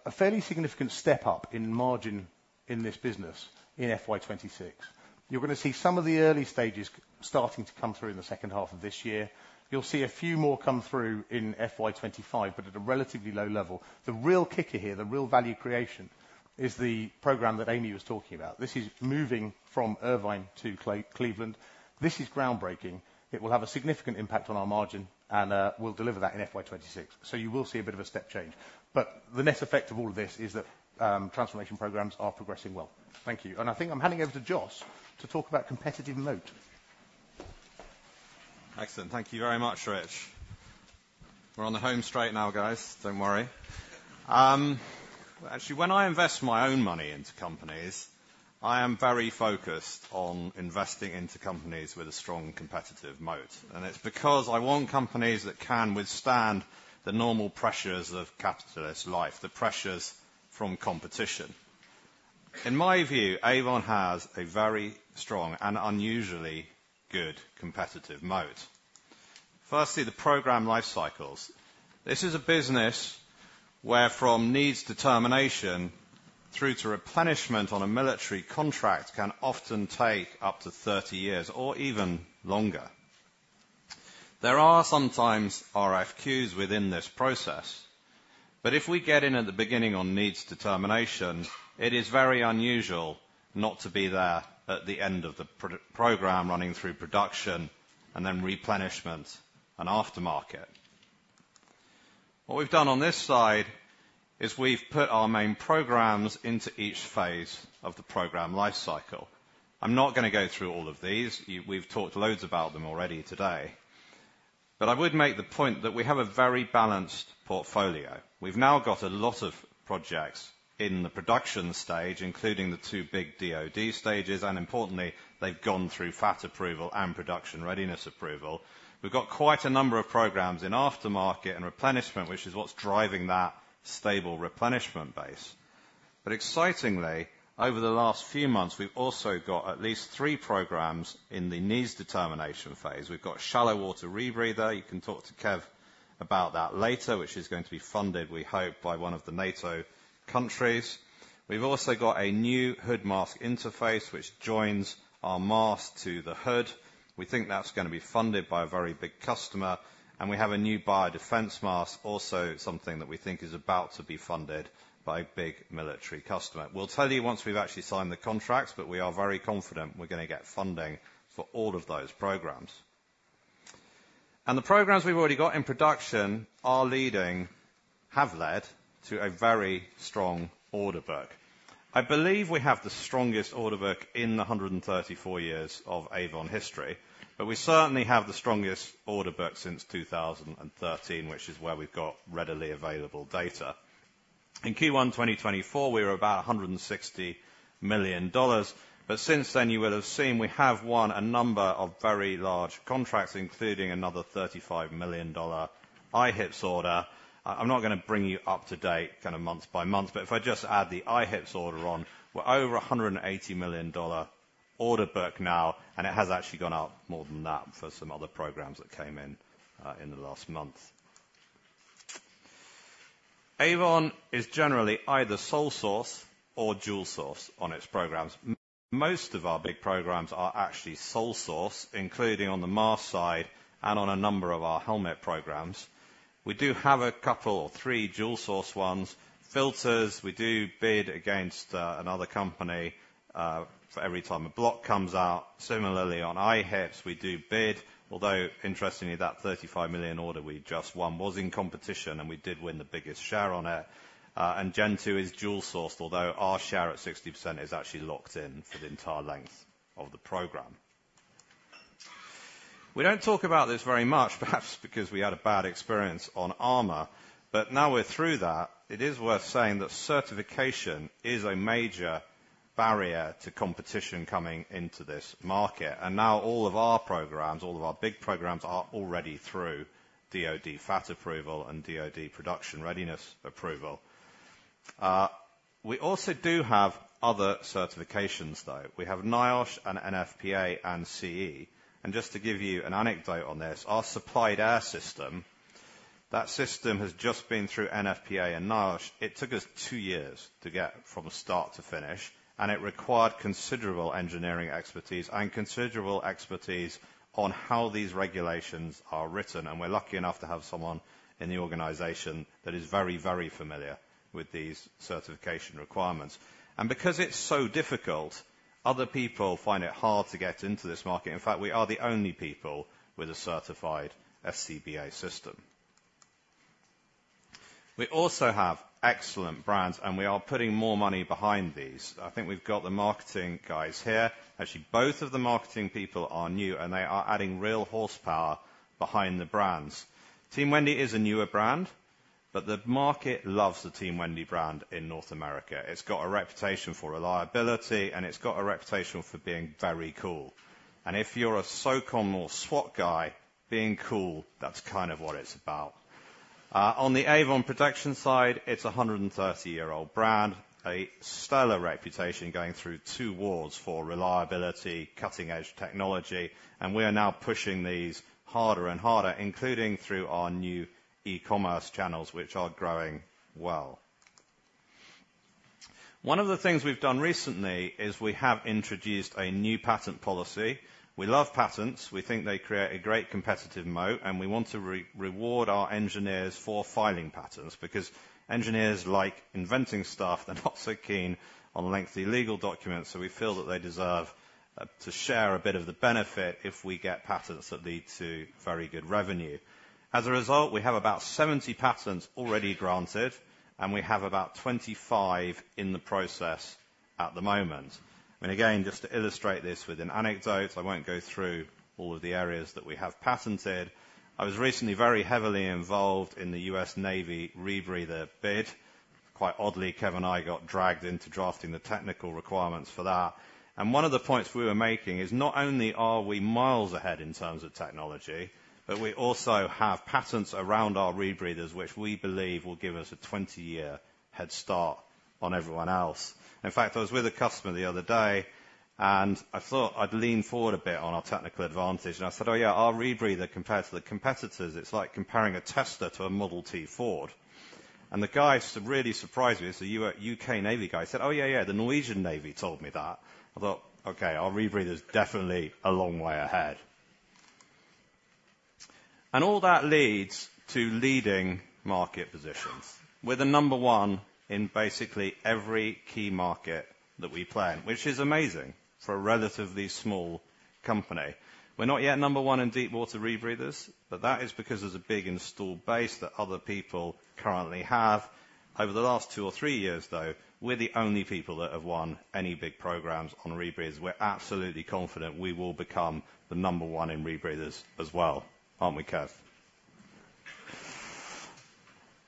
a fairly significant step up in margin in this business in FY 2026. You're gonna see some of the early stages starting to come through in the second half of this year. You'll see a few more come through in FY 2025, but at a relatively low level. The real kicker here, the real value creation, is the program that Amy was talking about. This is moving from Irvine to Cleveland. This is groundbreaking. It will have a significant impact on our margin, and we'll deliver that in FY 26. So you will see a bit of a step change, but the net effect of all of this is that transformation programs are progressing well. Thank you. And I think I'm handing over to Jos to talk about competitive moat. Excellent. Thank you very much, Rich. We're on the home straight now, guys. Don't worry. Actually, when I invest my own money into companies, I am very focused on investing into companies with a strong competitive moat, and it's because I want companies that can withstand the normal pressures of capitalist life, the pressures from competition.. In my view, Avon has a very strong and unusually good competitive moat. Firstly, the program life cycles. This is a business where from needs determination through to replenishment on a military contract can often take up to 30 years or even longer. There are sometimes RFQs within this process, but if we get in at the beginning on needs determination, it is very unusual not to be there at the end of the program, running through production and then replenishment and aftermarket. What we've done on this slide is we've put our main programs into each phase of the program life cycle. I'm not gonna go through all of these. You—we've talked loads about them already today, but I would make the point that we have a very balanced portfolio. We've now got a lot of projects in the production stage, including the two big DoD stages, and importantly, they've gone through FAT approval and production readiness approval. We've got quite a number of programs in aftermarket and replenishment, which is what's driving that stable replenishment base. But excitingly, over the last few months, we've also got at least three programs in the needs determination phase. We've got Shallow Water Rebreather. You can talk to Kev about that later, which is going to be funded, we hope, by one of the NATO countries. We've also got a new hood mask interface, which joins our mask to the hood. We think that's gonna be funded by a very big customer, and we have a new biodefense mask, also something that we think is about to be funded by a big military customer. We'll tell you once we've actually signed the contracts, but we are very confident we're gonna get funding for all of those programs. And the programs we've already got in production are leading - have led to a very strong order book. I believe we have the strongest order book in the 134 years of Avon history, but we certainly have the strongest order book since 2013, which is where we've got readily available data. In Q1 2024, we were about $160 million, but since then, you will have seen we have won a number of very large contracts, including another $35 million IHPS order. I'm not gonna bring you up to date kind of month by month, but if I just add the IHPS order on, we're over $180 million order book now, and it has actually gone up more than that for some other programs that came in in the last month. Avon is generally either sole source or dual source on its programs. Most of our big programs are actually sole source, including on the mask side and on a number of our helmet programs. We do have a couple or three dual source ones, filters. We do bid against another company for every time a block comes out. Similarly, on IHPS, we do bid, although interestingly, that $35 million order we just won was in competition, and we did win the biggest share on it. And Gen 2 is dual sourced, although our share at 60% is actually locked in for the entire length of the program. We don't talk about this very much, perhaps because we had a bad experience on armor, but now we're through that, it is worth saying that certification is a major barrier to competition coming into this market. Now all of our programs, all of our big programs, are already through DoD FAT approval and DoD production readiness approval. We also do have other certifications, though. We have NIOSH and NFPA and CE. And just to give you an anecdote on this, our supplied air system, that system has just been through NFPA and NIOSH. It took us two years to get from start to finish, and it required considerable engineering expertise and considerable expertise on how these regulations are written. We're lucky enough to have someone in the organization that is very, very familiar with these certification requirements. Because it's so difficult, other people find it hard to get into this market. In fact, we are the only people with a certified SCBA system. We also have excellent brands, and we are putting more money behind these. I think we've got the marketing guys here. Actually, both of the marketing people are new, and they are adding real horsepower behind the brands. Team Wendy is a newer brand, but the market loves the Team Wendy brand in North America. It's got a reputation for reliability, and it's got a reputation for being very cool. If you're a SOCOM or SWAT guy, being cool, that's kind of what it's about. On the Avon Protection side, it's a 130-year-old brand, a stellar reputation, going through two wars for reliability, cutting-edge technology, and we are now pushing these harder and harder, including through our new e-commerce channels, which are growing well. One of the things we've done recently is we have introduced a new patent policy. We love patents. We think they create a great competitive moat, and we want to reward our engineers for filing patents because engineers like inventing stuff. They're not so keen on lengthy legal documents, so we feel that they deserve to share a bit of the benefit if we get patents that lead to very good revenue. As a result, we have about 70 patents already granted, and we have about 25 in the process at the moment. And again, just to illustrate this with an anecdote, I won't go through all of the areas that we have patented. I was recently very heavily involved in the U.S. Navy rebreather bid. Quite oddly, Kev and I got dragged into drafting the technical requirements for that. And one of the points we were making is, not only are we miles ahead in terms of technology, but we also have patents around our rebreathers, which we believe will give us a 20-year head start on everyone else. In fact, I was with a customer the other day, and I thought I'd lean forward a bit on our technical advantage, and I said, "Oh, yeah, our rebreather compared to the competitors, it's like comparing a Tesla to a Model T Ford." And the guy really surprised me, it's a UK Navy guy, said, "Oh, yeah, yeah, the Norwegian Navy told me that." I thought, "Okay, our rebreather's definitely a long way ahead." And all that leads to leading market positions. We're the number one in basically every key market that we play in, which is amazing for a relatively small company. We're not yet number one in deep water rebreathers, but that is because there's a big installed base that other people currently have. Over the last two or three years, though, we're the only people that have won any big programs on rebreathers. We're absolutely confident we will become the number one in rebreathers as well, aren't we, Kev?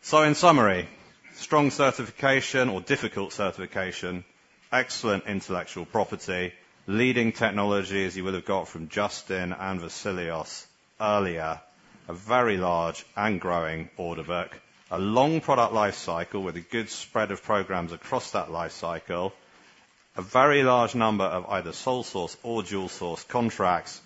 So in summary, strong certification or difficult certification, excellent intellectual property, leading technology, as you would have got from Justin and Vasilios earlier, a very large and growing order book, a long product life cycle with a good spread of programs across that life cycle, a very large number of either sole source or dual source contracts,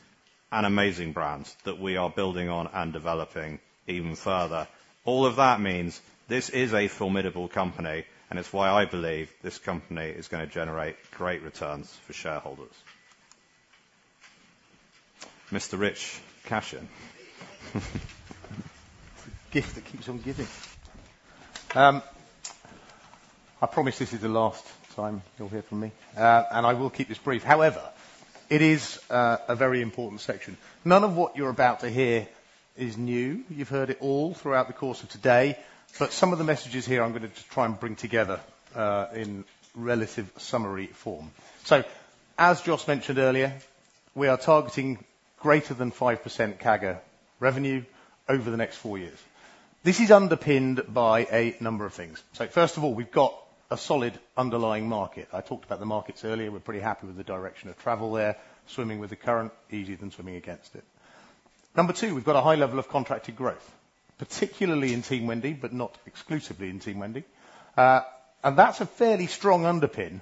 and amazing brands that we are building on and developing even further. All of that means this is a formidable company, and it's why I believe this company is gonna generate great returns for shareholders. The gift that keeps on giving. I promise this is the last time you'll hear from me, and I will keep this brief. However, it is a very important section. None of what you're about to hear is new. You've heard it all throughout the course of today, but some of the messages here, I'm going to try and bring together in relative summary form. So as Jos mentioned earlier, we are targeting greater than 5% CAGR revenue over the next four years. This is underpinned by a number of things. So first of all, we've got a solid underlying market. I talked about the markets earlier. We're pretty happy with the direction of travel there. Swimming with the current, easier than swimming against it. Number two, we've got a high level of contracted growth, particularly in Team Wendy, but not exclusively in Team Wendy. And that's a fairly strong underpin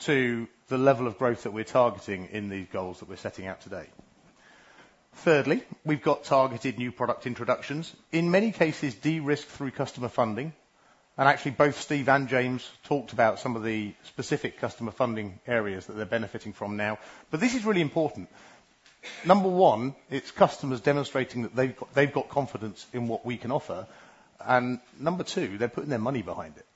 to the level of growth that we're targeting in the goals that we're setting out today. Thirdly, we've got targeted new product introductions, in many cases, de-risked through customer funding. And actually, both Steve and James talked about some of the specific customer funding areas that they're benefiting from now. But this is really important. Number one, it's customers demonstrating that they've got, they've got confidence in what we can offer, and number two, they're putting their money behind it.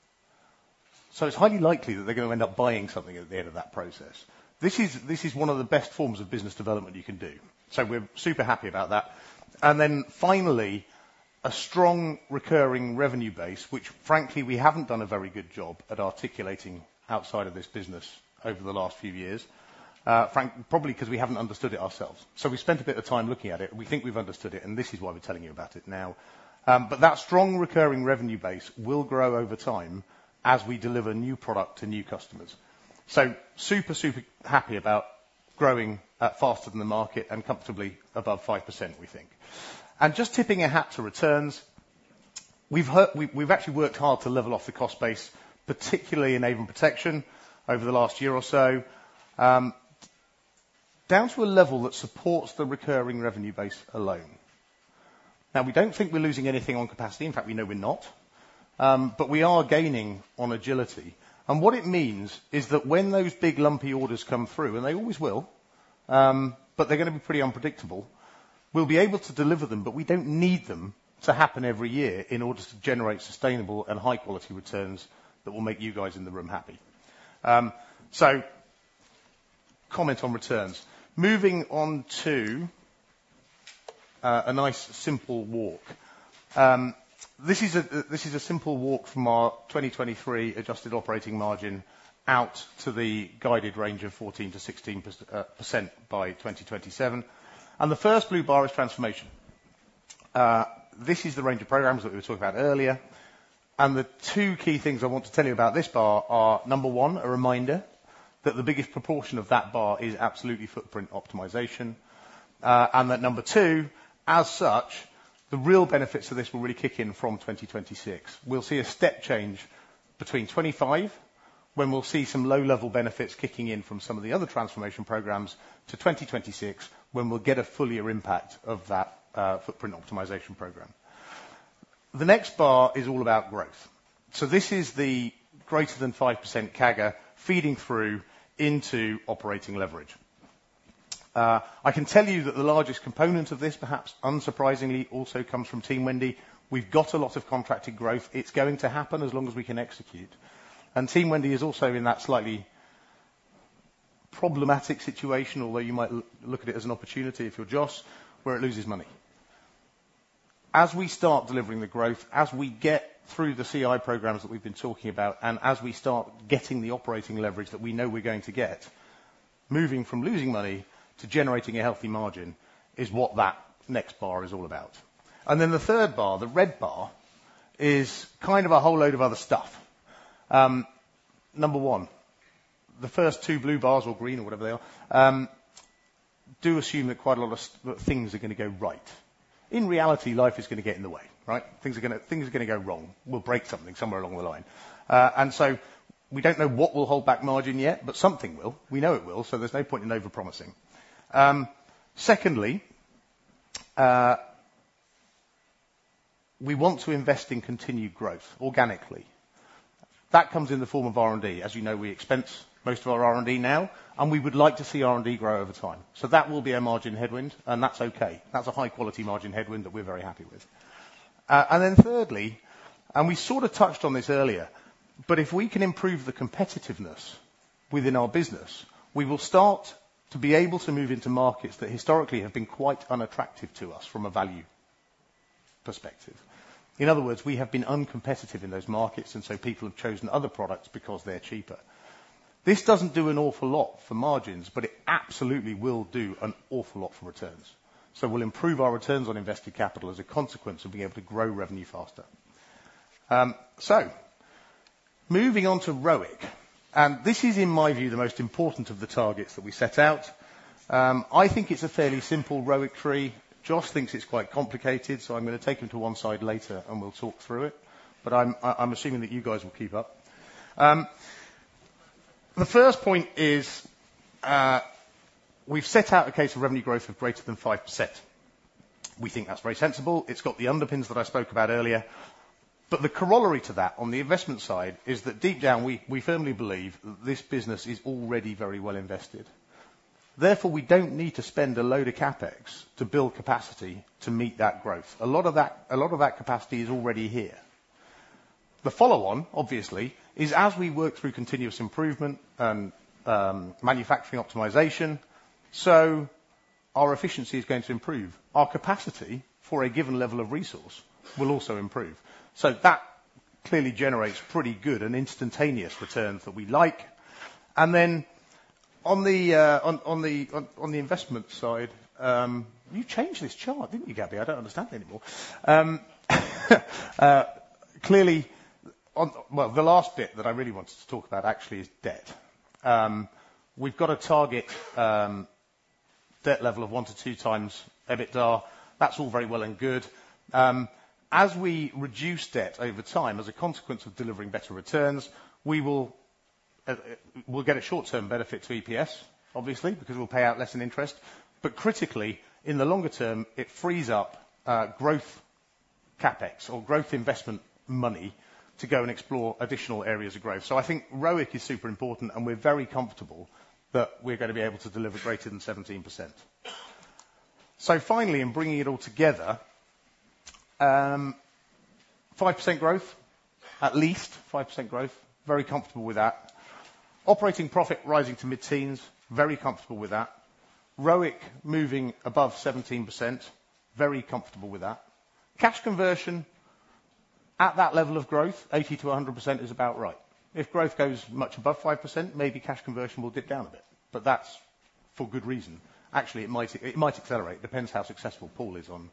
So it's highly likely that they're gonna end up buying something at the end of that process. This is, this is one of the best forms of business development you can do, so we're super happy about that. Then finally, a strong recurring revenue base, which frankly, we haven't done a very good job at articulating outside of this business over the last few years. Probably 'cause we haven't understood it ourselves. So we spent a bit of time looking at it, and we think we've understood it, and this is why we're telling you about it now. But that strong recurring revenue base will grow over time as we deliver new product to new customers. So super, super happy about growing faster than the market and comfortably above 5%, we think. And just tipping a hat to returns, we've actually worked hard to level off the cost base, particularly in Avon Protection over the last year or so, down to a level that supports the recurring revenue base alone. Now, we don't think we're losing anything on capacity. In fact, we know we're not, but we are gaining on agility. And what it means is that when those big, lumpy orders come through, and they always will, but they're gonna be pretty unpredictable, we'll be able to deliver them, but we don't need them to happen every year in order to generate sustainable and high-quality returns that will make you guys in the room happy. So comment on returns. Moving on to a nice, simple walk. This is a simple walk from our 2023 adjusted operating margin out to the guided range of 14%-16% by 2027, and the first blue bar is transformation. This is the range of programs that we were talking about earlier, and the two key things I want to tell you about this bar are, number one, a reminder that the biggest proportion of that bar is absolutely footprint optimization. And that number two, as such, the real benefits of this will really kick in from 2026. We'll see a step change between 2025, when we'll see some low-level benefits kicking in from some of the other transformation programs, to 2026, when we'll get a fuller impact of that, footprint optimization program. The next bar is all about growth. So this is the greater than 5% CAGR feeding through into operating leverage. I can tell you that the largest component of this, perhaps unsurprisingly, also comes from Team Wendy. We've got a lot of contracted growth. It's going to happen as long as we can execute. And Team Wendy is also in that slightly problematic situation, although you might look at it as an opportunity if you're Jos, where it loses money. As we start delivering the growth, as we get through the CI programs that we've been talking about, and as we start getting the operating leverage that we know we're going to get, moving from losing money to generating a healthy margin is what that next bar is all about. And then the third bar, the red bar, is kind of a whole load of other stuff. Number one, the first two blue bars, or green, or whatever they are, do assume that quite a lot of things are going to go right. In reality, life is going to get in the way, right? Things are going to go wrong. We'll break something somewhere along the line. And so we don't know what will hold back margin yet, but something will. We know it will, so there's no point in over-promising. Secondly, we want to invest in continued growth organically. That comes in the form of R&D. As you know, we expense most of our R&D now, and we would like to see R&D grow over time. So that will be a margin headwind, and that's okay. That's a high-quality margin headwind that we're very happy with. And then thirdly, and we sort of touched on this earlier, but if we can improve the competitiveness within our business, we will start to be able to move into markets that historically have been quite unattractive to us from a value perspective. In other words, we have been uncompetitive in those markets, and so people have chosen other products because they're cheaper. This doesn't do an awful lot for margins, but it absolutely will do an awful lot for returns. So we'll improve our returns on invested capital as a consequence of being able to grow revenue faster. So moving on to ROIC, and this is, in my view, the most important of the targets that we set out. I think it's a fairly simple ROIC tree. Jos thinks it's quite complicated, so I'm gonna take him to one side later, and we'll talk through it, but I'm assuming that you guys will keep up. The first point is, we've set out a case of revenue growth of greater than 5%. We think that's very sensible. It's got the underpins that I spoke about earlier. But the corollary to that on the investment side is that deep down, we, we firmly believe that this business is already very well invested. Therefore, we don't need to spend a load of CapEx to build capacity to meet that growth. A lot of that, a lot of that capacity is already here. The follow-on, obviously, is as we work through continuous improvement and manufacturing optimization, so our efficiency is going to improve. Our capacity for a given level of resource will also improve. So that clearly generates pretty good and instantaneous returns that we like. And then on the investment side. You changed this chart, didn't you, Gabby? I don't understand it anymore. Clearly, on. Well, the last bit that I really wanted to talk about actually is debt. We've got a target debt level of 1-2x EBITDA. That's all very well and good. As we reduce debt over time, as a consequence of delivering better returns, we will, we'll get a short-term benefit to EPS, obviously, because we'll pay out less in interest. But critically, in the longer term, it frees up growth CapEx or growth investment money to go and explore additional areas of growth. So I think ROIC is super important, and we're very comfortable that we're gonna be able to deliver greater than 17%. So finally, in bringing it all together, 5% growth, at least 5% growth, very comfortable with that. Operating profit rising to mid-teens, very comfortable with that. ROIC moving above 17%, very comfortable with that. Cash conversion at that level of growth, 80%-100% is about right. If growth goes much above 5%, maybe cash conversion will dip down a bit, but that's for good reason. Actually, it might, it might accelerate. Depends how successful Paul is on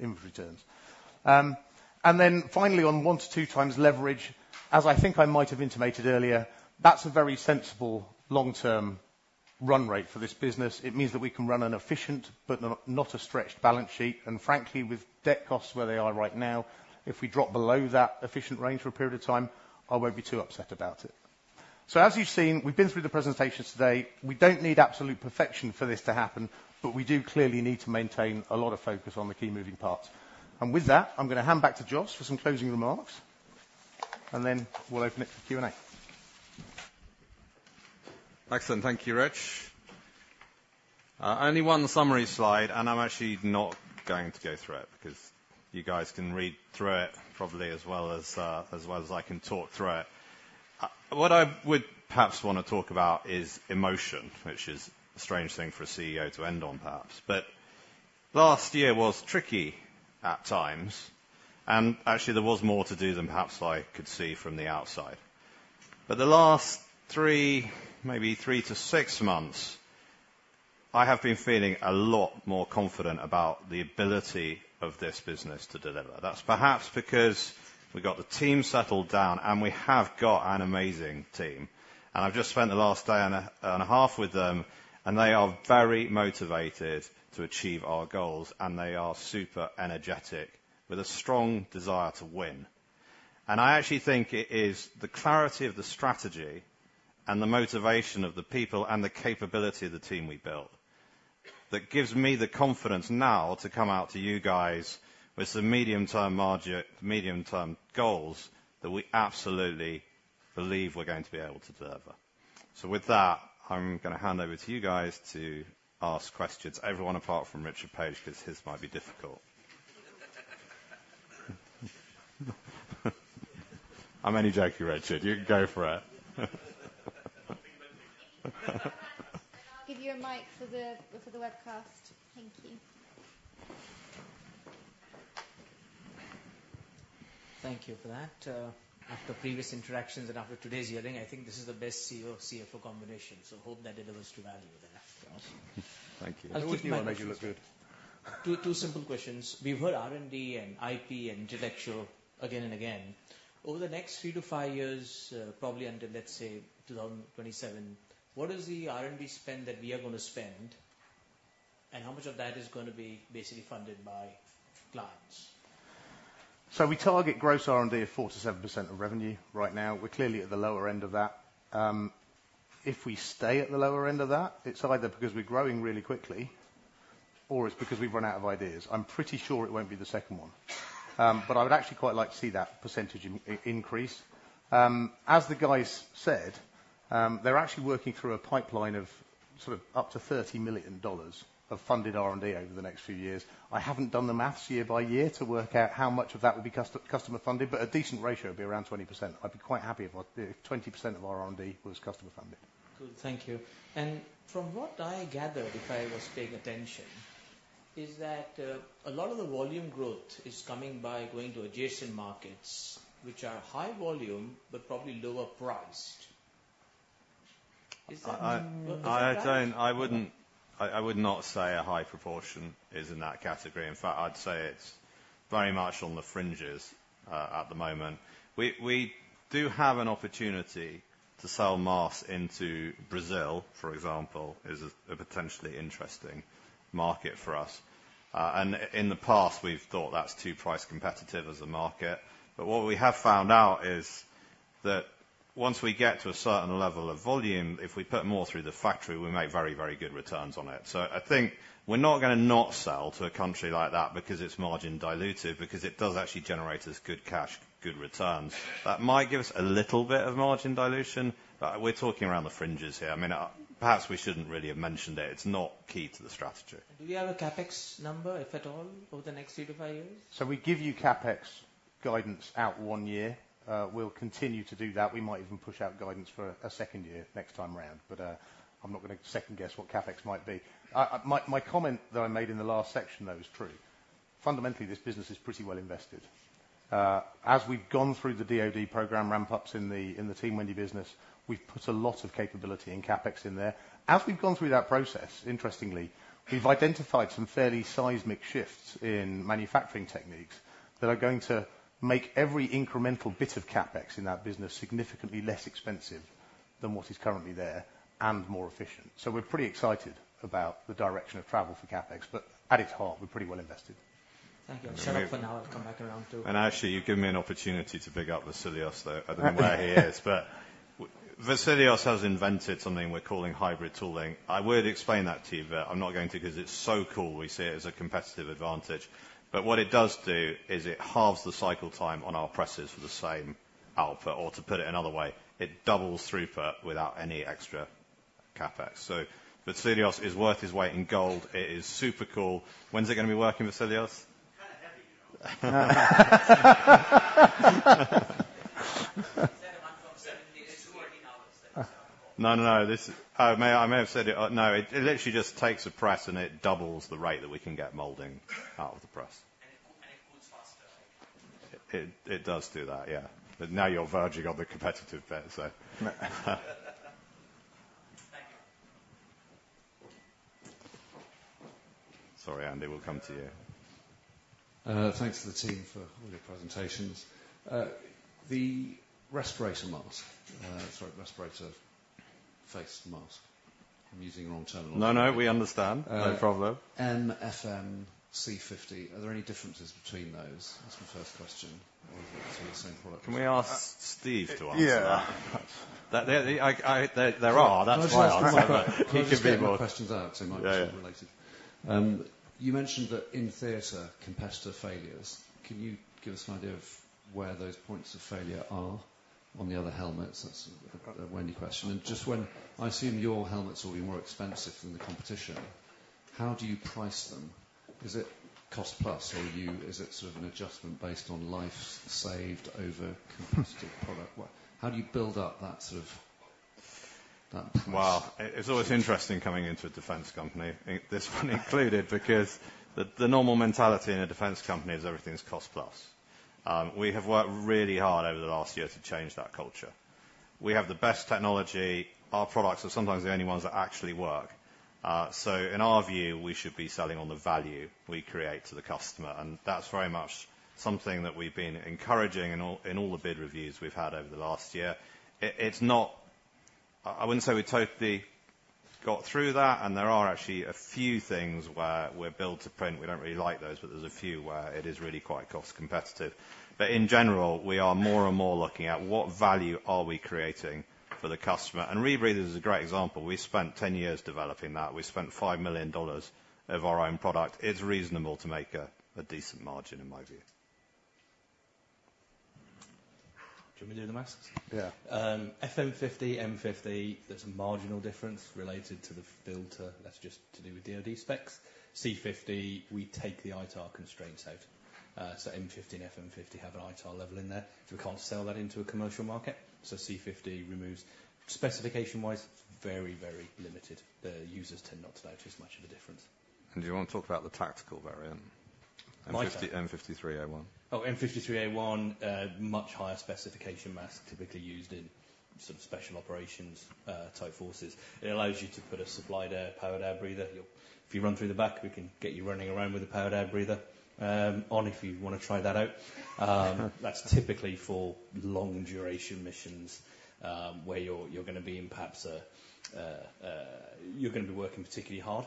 inventory returns. And then finally, on 1-2x leverage, as I think I might have intimated earlier, that's a very sensible long-term run rate for this business. It means that we can run an efficient but not, not a stretched balance sheet. And frankly, with debt costs where they are right now, if we drop below that efficient range for a period of time, I won't be too upset about it. So as you've seen, we've been through the presentations today. We don't need absolute perfection for this to happen, but we do clearly need to maintain a lot of focus on the key moving parts. And with that, I'm gonna hand back to Jos for some closing remarks, and then we'll open it for Q&A. Excellent. Thank you, Rich. Only one summary slide, and I'm actually not going to go through it because you guys can read through it probably as well as, as well as I can talk through it. What I would perhaps want to talk about is emotion, which is a strange thing for a CEO to end on, perhaps. But last year was tricky at times, and actually, there was more to do than perhaps I could see from the outside. But the last 3, maybe 3-6 months, I have been feeling a lot more confident about the ability of this business to deliver. That's perhaps because we got the team settled down, and we have got an amazing team. And I've just spent the last day and a, and a half with them, and they are very motivated to achieve our goals, and they are super energetic with a strong desire to win. And I actually think it is the clarity of the strategy and the motivation of the people and the capability of the team we built, that gives me the confidence now to come out to you guys with some medium-term margin, medium-term goals that we absolutely believe we're going to be able to deliver. So with that, I'm gonna hand over to you guys to ask questions. Everyone, apart from Richard Page, because his might be difficult. I'm only joking, Richard. You go for it. I'll give you a mic for the webcast. Thank you. Thank you for that. After previous interactions and after today's hearing, I think this is the best CEO-CFO combination, so hope that delivers to value then. Thank you. I'll take my mic as well. Make you look good? Two, two simple questions. We've heard R&D and IP and intellectual again and again. Over the next three to five years, probably until, let's say, 2027, what is the R&D spend that we are gonna spend, and how much of that is gonna be basically funded by clients? We target gross R&D of 4%-7% of revenue right now. We're clearly at the lower end of that. If we stay at the lower end of that, it's either because we're growing really quickly or it's because we've run out of ideas. I'm pretty sure it won't be the second one. But I would actually quite like to see that percentage increase. As the guys said, they're actually working through a pipeline of sort of up to $30 million of funded R&D over the next few years. I haven't done the maths year by year to work out how much of that would be customer funded, but a decent ratio would be around 20%. I'd be quite happy if 20% of our R&D was customer funded. Good, thank you. From what I gathered, if I was paying attention, is that a lot of the volume growth is coming by going to adjacent markets, which are high volume but probably lower priced. Is that, is that right? I wouldn't, I would not say a high proportion is in that category. In fact, I'd say it's very much on the fringes at the moment. We do have an opportunity to sell masks into Brazil, for example, is a potentially interesting market for us. And in the past, we've thought that's too price competitive as a market. But what we have found out is that once we get to a certain level of volume, if we put more through the factory, we make very, very good returns on it. So I think we're not gonna not sell to a country like that because it's margin dilutive, because it does actually generate us good cash, good returns. That might give us a little bit of margin dilution, but we're talking around the fringes here. I mean, perhaps we shouldn't really have mentioned it. It's not key to the strategy. Do we have a CapEx number, if at all, over the next 3-5 years? So we give you CapEx guidance out one year. We'll continue to do that. We might even push out guidance for a second year next time around, but, I'm not gonna second-guess what CapEx might be. My comment that I made in the last section, though, is true. Fundamentally, this business is pretty well invested. As we've gone through the DoD program ramp-ups in the Team Wendy business, we've put a lot of capability and CapEx in there. As we've gone through that process, interestingly, we've identified some fairly seismic shifts in manufacturing techniques that are going to make every incremental bit of CapEx in that business significantly less expensive than what is currently there and more efficient. So we're pretty excited about the direction of travel for CapEx, but at its heart, we're pretty well invested. Thank you. I'll stop for now. I'll come back around to- Actually, you've given me an opportunity to big up Vasilios, though. Okay. I don't know where he is, but Vasilios has invented something we're calling hybrid tooling. I would explain that to you, but I'm not going to because it's so cool. We see it as a competitive advantage. But what it does do is it halves the cycle time on our presses for the same output, or to put it another way, it doubles throughput without any extra CapEx. So Vasilios is worth his weight in gold. It is super cool. When's it gonna be working, Vasilios? Kind of heavy, you know? Is it a ton 70? It's working out. No, no, no, this. I may, I may have said it, no, it literally just takes a press and it doubles the rate that we can get molding out of the press. And it cools faster. It does do that, yeah. But now you're verging on the competitive bit, so. Thank you. Sorry, Andy, we'll come to you. Thanks to the team for all your presentations. The respirator mask, sorry, respirator face mask. I'm using the wrong terminology. No, no, we understand. Uh- No problem. FM50, C50. Are there any differences between those? That's my first question. Or are they the same product? Can we ask Steve to answer that? Yeah. There are. That's why I asked. Can I just get the questions out, so mine is related. Yeah, yeah. You mentioned that in theater, competitor failures, can you give us an idea of where those points of failure are on the other helmets? That's a Wendy question. Just when I assume your helmets will be more expensive than the competition. How do you price them? Is it cost plus, or you, is it sort of an adjustment based on lives saved over competitive product? What, how do you build up that sort of, that price? Well, it's always interesting coming into a defense company, this one included, because the normal mentality in a defense company is everything is cost plus. We have worked really hard over the last year to change that culture. We have the best technology. Our products are sometimes the only ones that actually work. So in our view, we should be selling on the value we create to the customer, and that's very much something that we've been encouraging in all the bid reviews we've had over the last year. It's not. I wouldn't say we totally got through that, and there are actually a few things where we're built to print. We don't really like those, but there's a few where it is really quite cost competitive. In general, we are more and more looking at what value are we creating for the customer. Rebreather is a great example. We spent 10 years developing that. We spent $5 million of our own product. It's reasonable to make a decent margin, in my view. Do you want me to do the masks? Yeah. FM50, M50, there's a marginal difference related to the filter. That's just to do with DoD specs. C50, we take the ITAR constraints out. So M50 and FM50 have an ITAR level in there, so we can't sell that into a commercial market, so C50 removes. Specification-wise, it's very, very limited. The users tend not to notice much of a difference. Do you want to talk about the tactical variant? M50, M53A1. Oh, M53A1, much higher specification mask typically used in some special operations type forces. It allows you to put a supplied air, powered air breather. You'll. If you run through the back, we can get you running around with a powered air breather on, if you wanna try that out. That's typically for long-duration missions, where you're gonna be in perhaps a. You're gonna be working particularly hard.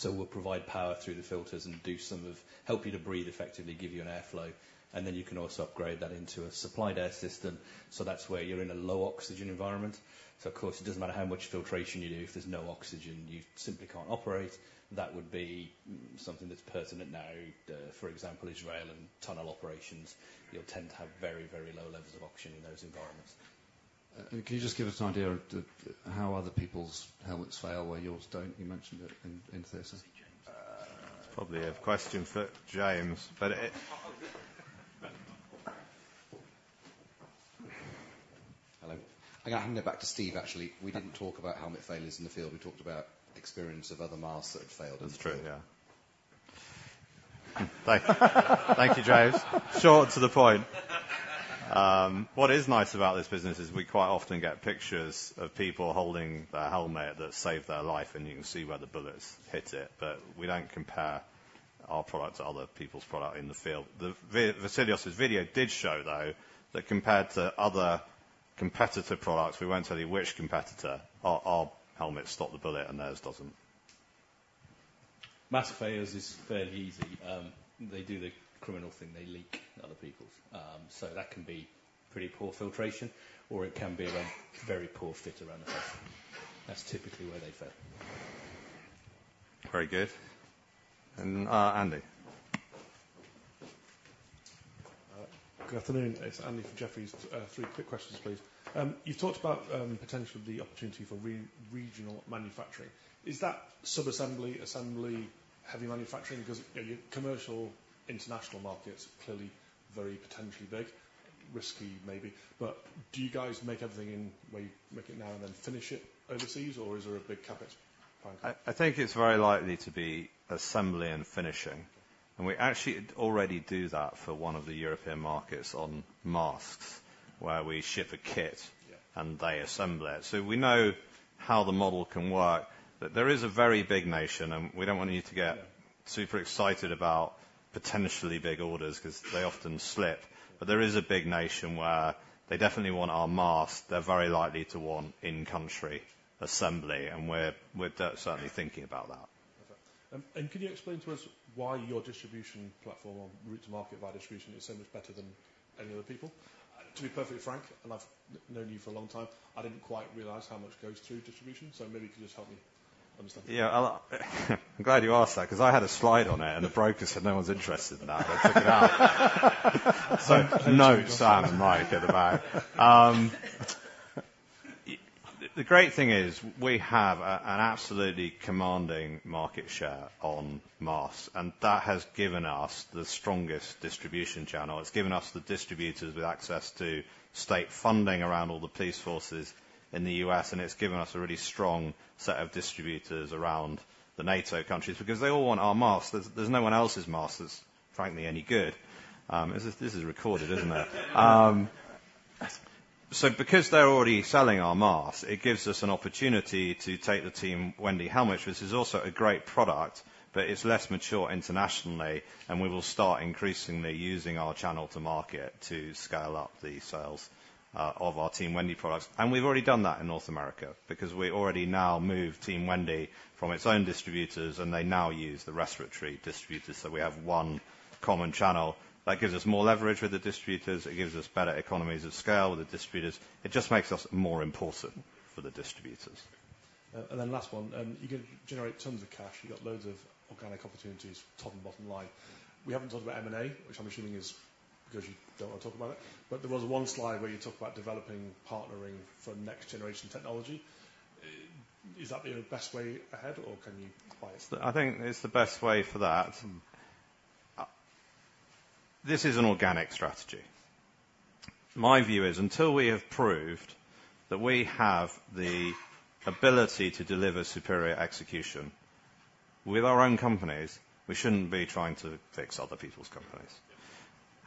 So we'll provide power through the filters and do some of help you to breathe effectively, give you an airflow, and then you can also upgrade that into a supplied air system. So that's where you're in a low oxygen environment. So of course, it doesn't matter how much filtration you do, if there's no oxygen, you simply can't operate. That would be something that's pertinent now. For example, Israel and tunnel operations, you'll tend to have very, very low levels of oxygen in those environments. Can you just give us an idea of how other people's helmets fail, where yours don't? You mentioned it in thesis. It's probably a question for James, but it- Hello. I think I'm gonna go back to Steve, actually. We didn't talk about helmet failures in the field. We talked about experience of other masks that have failed. That's true, yeah. Thank you, James. Short to the point. What is nice about this business is we quite often get pictures of people holding their helmet that saved their life, and you can see where the bullets hit it. But we don't compare our product to other people's product in the field. The Vasilios' video did show, though, that compared to other competitor products, we won't tell you which competitor, our, our helmets stop the bullet and theirs doesn't. Mask failures is fairly easy. They do the criminal thing, they leak other people's. So that can be pretty poor filtration, or it can be a very poor fit around the face. That's typically where they fail. Very good. And, Andy? Good afternoon. It's Andy from Jefferies. Three quick questions, please. You've talked about potentially the opportunity for re-regional manufacturing. Is that sub-assembly, assembly, heavy manufacturing? Because, you know, your commercial international markets are clearly very potentially big, risky, maybe. But do you guys make everything in where you make it now and then finish it overseas, or is there a big CapEx? I think it's very likely to be assembly and finishing, and we actually already do that for one of the European markets on masks, where we ship a kit- Yeah. and they assemble it. So we know how the model can work. But there is a very big nation, and we don't want you to get- Yeah super excited about potentially big orders 'cause they often slip. But there is a big nation where they definitely want our masks. They're very likely to want in-country assembly, and we're certainly thinking about that. Perfect. And can you explain to us why your distribution platform, route to market by distribution, is so much better than any other people? To be perfectly frank, and I've known you for a long time, I didn't quite realize how much goes through distribution, so maybe you could just help me understand. Yeah, I'm glad you asked that 'cause I had a slide on it, and the broker said no one's interested in that. They took it out. So note, Sam and Mike at the back. The great thing is we have a, an absolutely commanding market share on masks, and that has given us the strongest distribution channel. It's given us the distributors with access to state funding around all the police forces in the U.S., and it's given us a really strong set of distributors around the NATO countries because they all want our masks. There's, there's no one else's masks that's frankly any good. Is this, this is recorded, isn't it? So because they're already selling our masks, it gives us an opportunity to take the Team Wendy helmets, which is also a great product, but it's less mature internationally, and we will start increasingly using our channel to market to scale up the sales of our Team Wendy products. And we've already done that in North America because we already now move Team Wendy from its own distributors, and they now use the respiratory distributors, so we have one common channel. That gives us more leverage with the distributors. It gives us better economies of scale with the distributors. It just makes us more important for the distributors. And then last one, you're gonna generate tons of cash. You got loads of organic opportunities, top and bottom line. We haven't talked about M&A, which I'm assuming is because you don't want to talk about it. But there was one slide where you talked about developing partnering for next-generation technology. Is that the best way ahead, or can you clarify? I think it's the best way for that. This is an organic strategy. My view is, until we have proved that we have the ability to deliver superior execution with our own companies, we shouldn't be trying to fix other people's companies.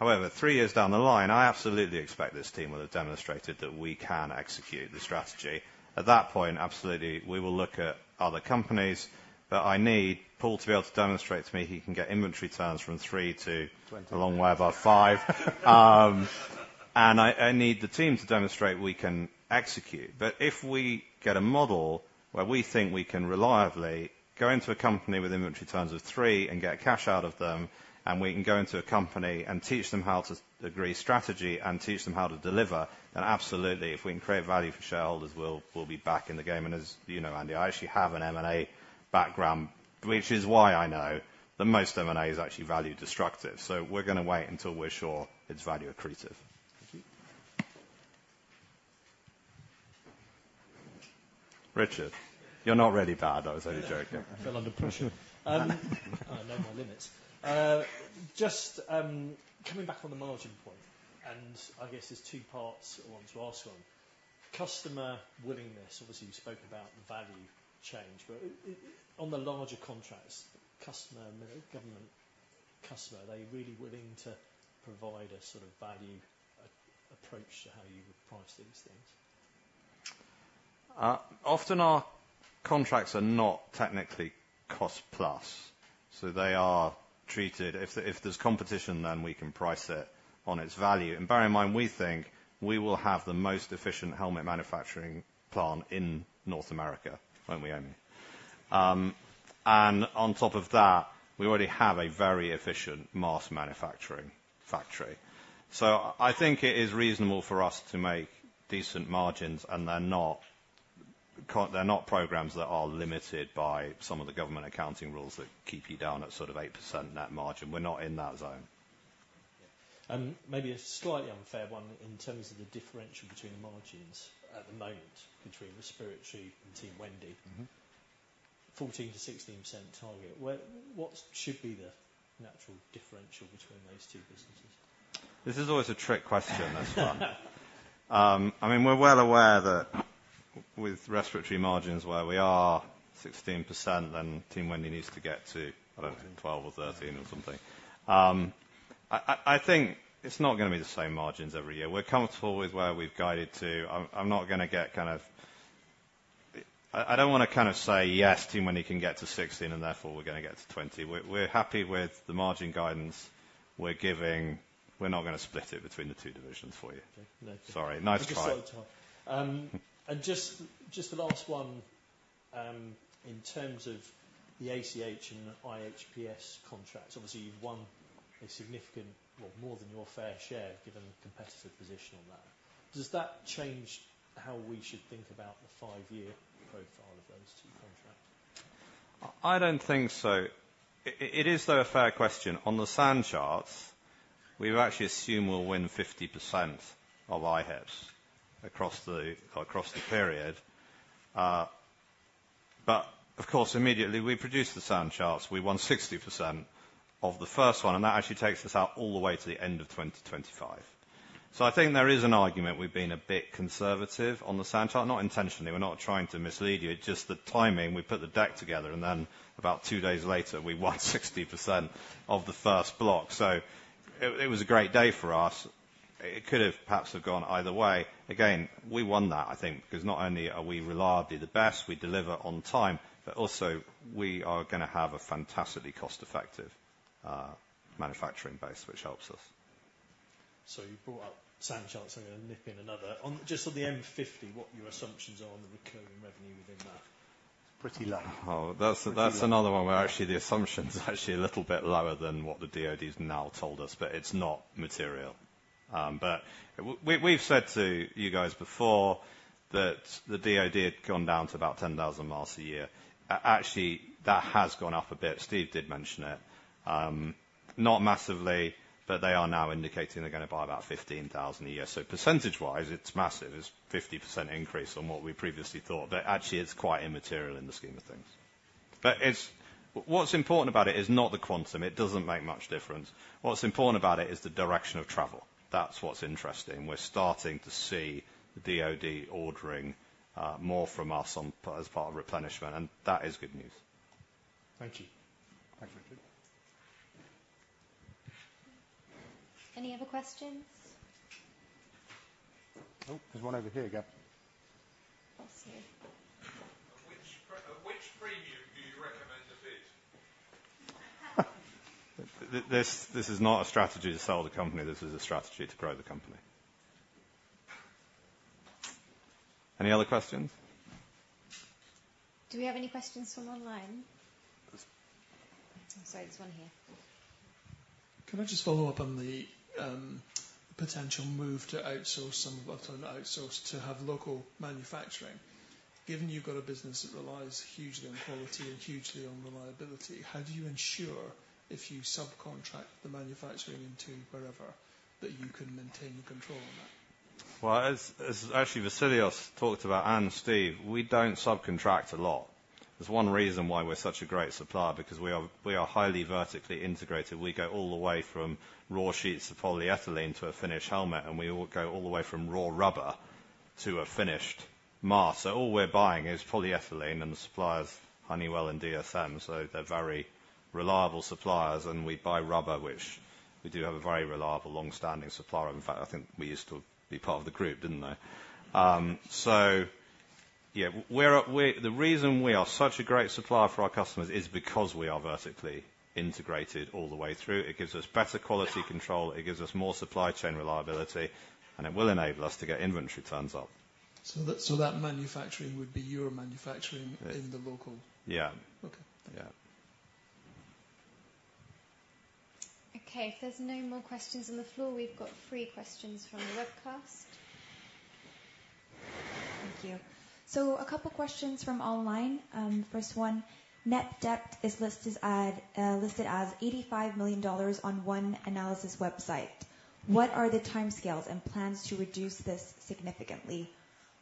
Yeah. However, three years down the line, I absolutely expect this team will have demonstrated that we can execute the strategy. At that point, absolutely, we will look at other companies, but I need Paul to be able to demonstrate to me he can get inventory turns from three to- Twenty. a long way, about 5. And I need the team to demonstrate we can execute. But if we get a model where we think we can reliably go into a company with inventory turns of 3 and get cash out of them, and we can go into a company and teach them how to agree strategy and teach them how to deliver, then absolutely, if we can create value for shareholders, we'll be back in the game. And as you know, Andy, I actually have an M&A background, which is why I know that most M&A is actually value destructive. So we're gonna wait until we're sure it's value accretive. Thank you. Richard, you're not really bad. I was only joking. I feel under pressure. I know my limits. Just, coming back on the margin point, and I guess there's two parts I want to ask on. customer willingness, obviously, you spoke about the value change, but on the larger contracts, customer, government customer, are they really willing to provide a sort of value approach to how you would price these things? Often our contracts are not technically cost plus, so they are treated. If there's competition, then we can price it on its value. And bear in mind, we think we will have the most efficient helmet manufacturing plant in North America, won't we, Amy? And on top of that, we already have a very efficient mask manufacturing factory. So I think it is reasonable for us to make decent margins, and they're not programs that are limited by some of the government accounting rules that keep you down at sort of 8% net margin. We're not in that zone. Maybe a slightly unfair one in terms of the differential between the margins at the moment, between Respiratory and Team Wendy. Mm-hmm. 14%-16% target. What should be the natural differential between those two businesses? This is always a trick question. This one. I mean, we're well aware that with Respiratory margins where we are, 16%, then Team Wendy needs to get to, I don't know, 12 or 13 or something. I think it's not gonna be the same margins every year. We're comfortable with where we've guided to. I'm not gonna get kind of. I don't wanna kind of say, "Yes, Team Wendy can get to 16, and therefore, we're gonna get to 20." We're happy with the margin guidance we're giving. We're not gonna split it between the two divisions for you. Okay, no. Sorry. Nice try. Just thought I'd try. Just the last one, in terms of the ACH and IHPS contracts, obviously, you've won a significant, well, more than your fair share, given the competitive position on that. Does that change how we should think about the five-year profile of those two contracts? I don't think so. It is, though, a fair question. On the sand charts, we actually assume we'll win 50% of IHPS across the period. But, of course, immediately, we produced the sand charts. We won 60% of the first one, and that actually takes us out all the way to the end of 2025. So I think there is an argument we've been a bit conservative on the sand chart, not intentionally. We're not trying to mislead you. It's just the timing. We put the deck together, and then about two days later, we won 60% of the first block. So it was a great day for us. It could have perhaps have gone either way. Again, we won that, I think, because not only are we reliably the best, we deliver on time, but also we are gonna have a fantastically cost-effective manufacturing base, which helps us. So you brought up sand charts. I'm gonna nip in another. On. Just on the M50, what your assumptions are on the recurring revenue within that? Pretty low. Oh, that's another one where actually the assumption is actually a little bit lower than what the DoD's now told us, but it's not material. But we, we've said to you guys before that the DoD had gone down to about 10,000 miles a year. Actually, that has gone up a bit. Steve did mention it. Not massively, but they are now indicating they're gonna buy about 15,000 a year. So percentage-wise, it's massive. It's 50% increase on what we previously thought, but actually, it's quite immaterial in the scheme of things. But it's. What's important about it is not the quantum. It doesn't make much difference. What's important about it is the direction of travel. That's what's interesting. We're starting to see the DoD ordering more from us as part of replenishment, and that is good news. Thank you. Thank you. Any other questions? Oh, there's one over here, Gab. Yes, sir. Which which premium do you recommend to bid? This is not a strategy to sell the company. This is a strategy to grow the company. Any other questions? Do we have any questions from online? Sorry, there's one here. Can I just follow up on the potential move to outsource some of what's outsourced to have local manufacturing? Given you've got a business that relies hugely on quality and hugely on reliability, how do you ensure, if you subcontract the manufacturing into wherever, that you can maintain control on that? Well, as actually Vasilios talked about and Steve, we don't subcontract a lot. There's one reason why we're such a great supplier, because we are highly vertically integrated. We go all the way from raw sheets of polyethylene to a finished helmet, and we all go all the way from raw rubber to a finished mask. So all we're buying is polyethylene and the suppliers, Honeywell and DSM, so they're very reliable suppliers, and we buy rubber, which we do have a very reliable, long-standing supplier. In fact, I think we used to be part of the group, didn't they? So yeah, the reason we are such a great supplier for our customers is because we are vertically integrated all the way through. It gives us better quality control, it gives us more supply chain reliability, and it will enable us to get inventory turns up. So that manufacturing would be your manufacturing- Yeah. in the local? Yeah. Okay. Yeah. Okay, if there's no more questions on the floor, we've got three questions from the webcast. Thank you. So a couple questions from online. First one, net debt is listed as $85 million on one analysis website. What are the timescales and plans to reduce this significantly?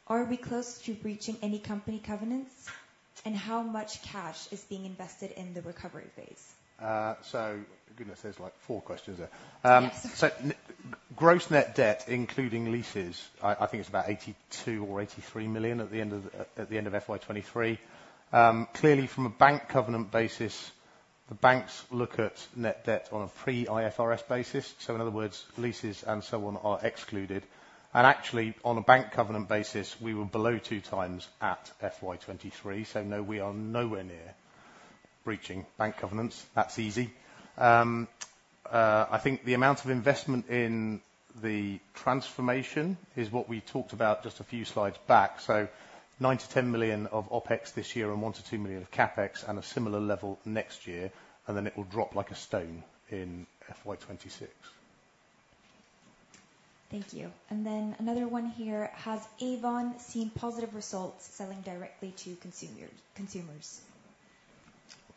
Are we close to breaching any company covenants? And how much cash is being invested in the recovery phase? So goodness, there's, like, four questions there. Yes. So gross net debt, including leases, I think it's about 82 million-83 million at the end of FY 2023. Clearly, from a bank covenant basis, the banks look at net debt on a pre-IFRS basis. So in other words, leases and so on are excluded. And actually, on a bank covenant basis, we were below 2x at FY 2023. So no, we are nowhere near breaching bank covenants. That's easy. I think the amount of investment in the transformation is what we talked about just a few slides back. So 9 million-10 million of OpEx this year and 1 million-2 million of CapEx, and a similar level next year, and then it will drop like a stone in FY 2026. Thank you. And then another one here: Has Avon seen positive results selling directly to consumers,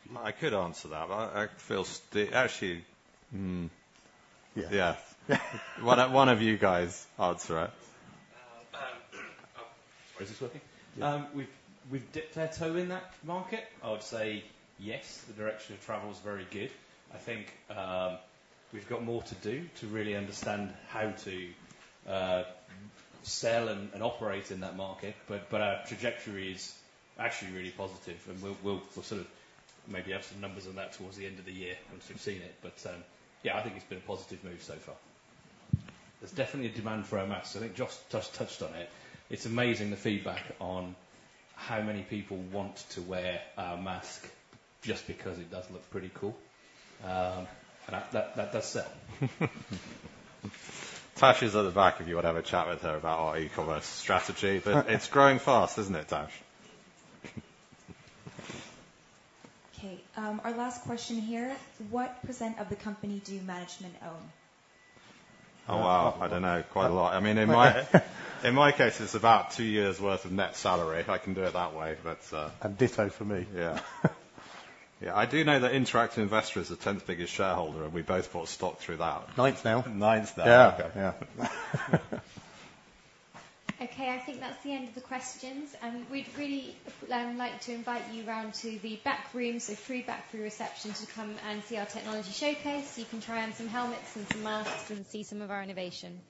consumers? I could answer that. Actually. Yeah. Yeah. Why don't one of you guys answer it? Oh, is this working? Yeah. We've dipped our toe in that market. I would say, yes, the direction of travel is very good. I think we've got more to do to really understand how to sell and operate in that market. But our trajectory is actually really positive, and we'll sort of maybe have some numbers on that towards the end of the year, once we've seen it. But yeah, I think it's been a positive move so far. There's definitely a demand for our masks. I think Joss, Joss touched on it. It's amazing, the feedback on how many people want to wear our mask just because it does look pretty cool. And that does sell. Tash is at the back, if you want to have a chat with her about our e-commerce strategy. It's growing fast, isn't it, Tash? Okay, our last question here: What % of the company do management own? Oh, wow. I don't know. Quite a lot. I mean, in my, in my case, it's about two years' worth of net salary, if I can do it that way. But. Ditto for me. Yeah. Yeah, I do know that Interactive Investor is the tenth biggest shareholder, and we both bought stock through that. Ninth now. Ninth now. Yeah. Okay, yeah. Okay, I think that's the end of the questions. We'd really like to invite you round to the back room, so through, back through reception, to come and see our technology showcase. You can try on some helmets and some masks and see some of our innovation.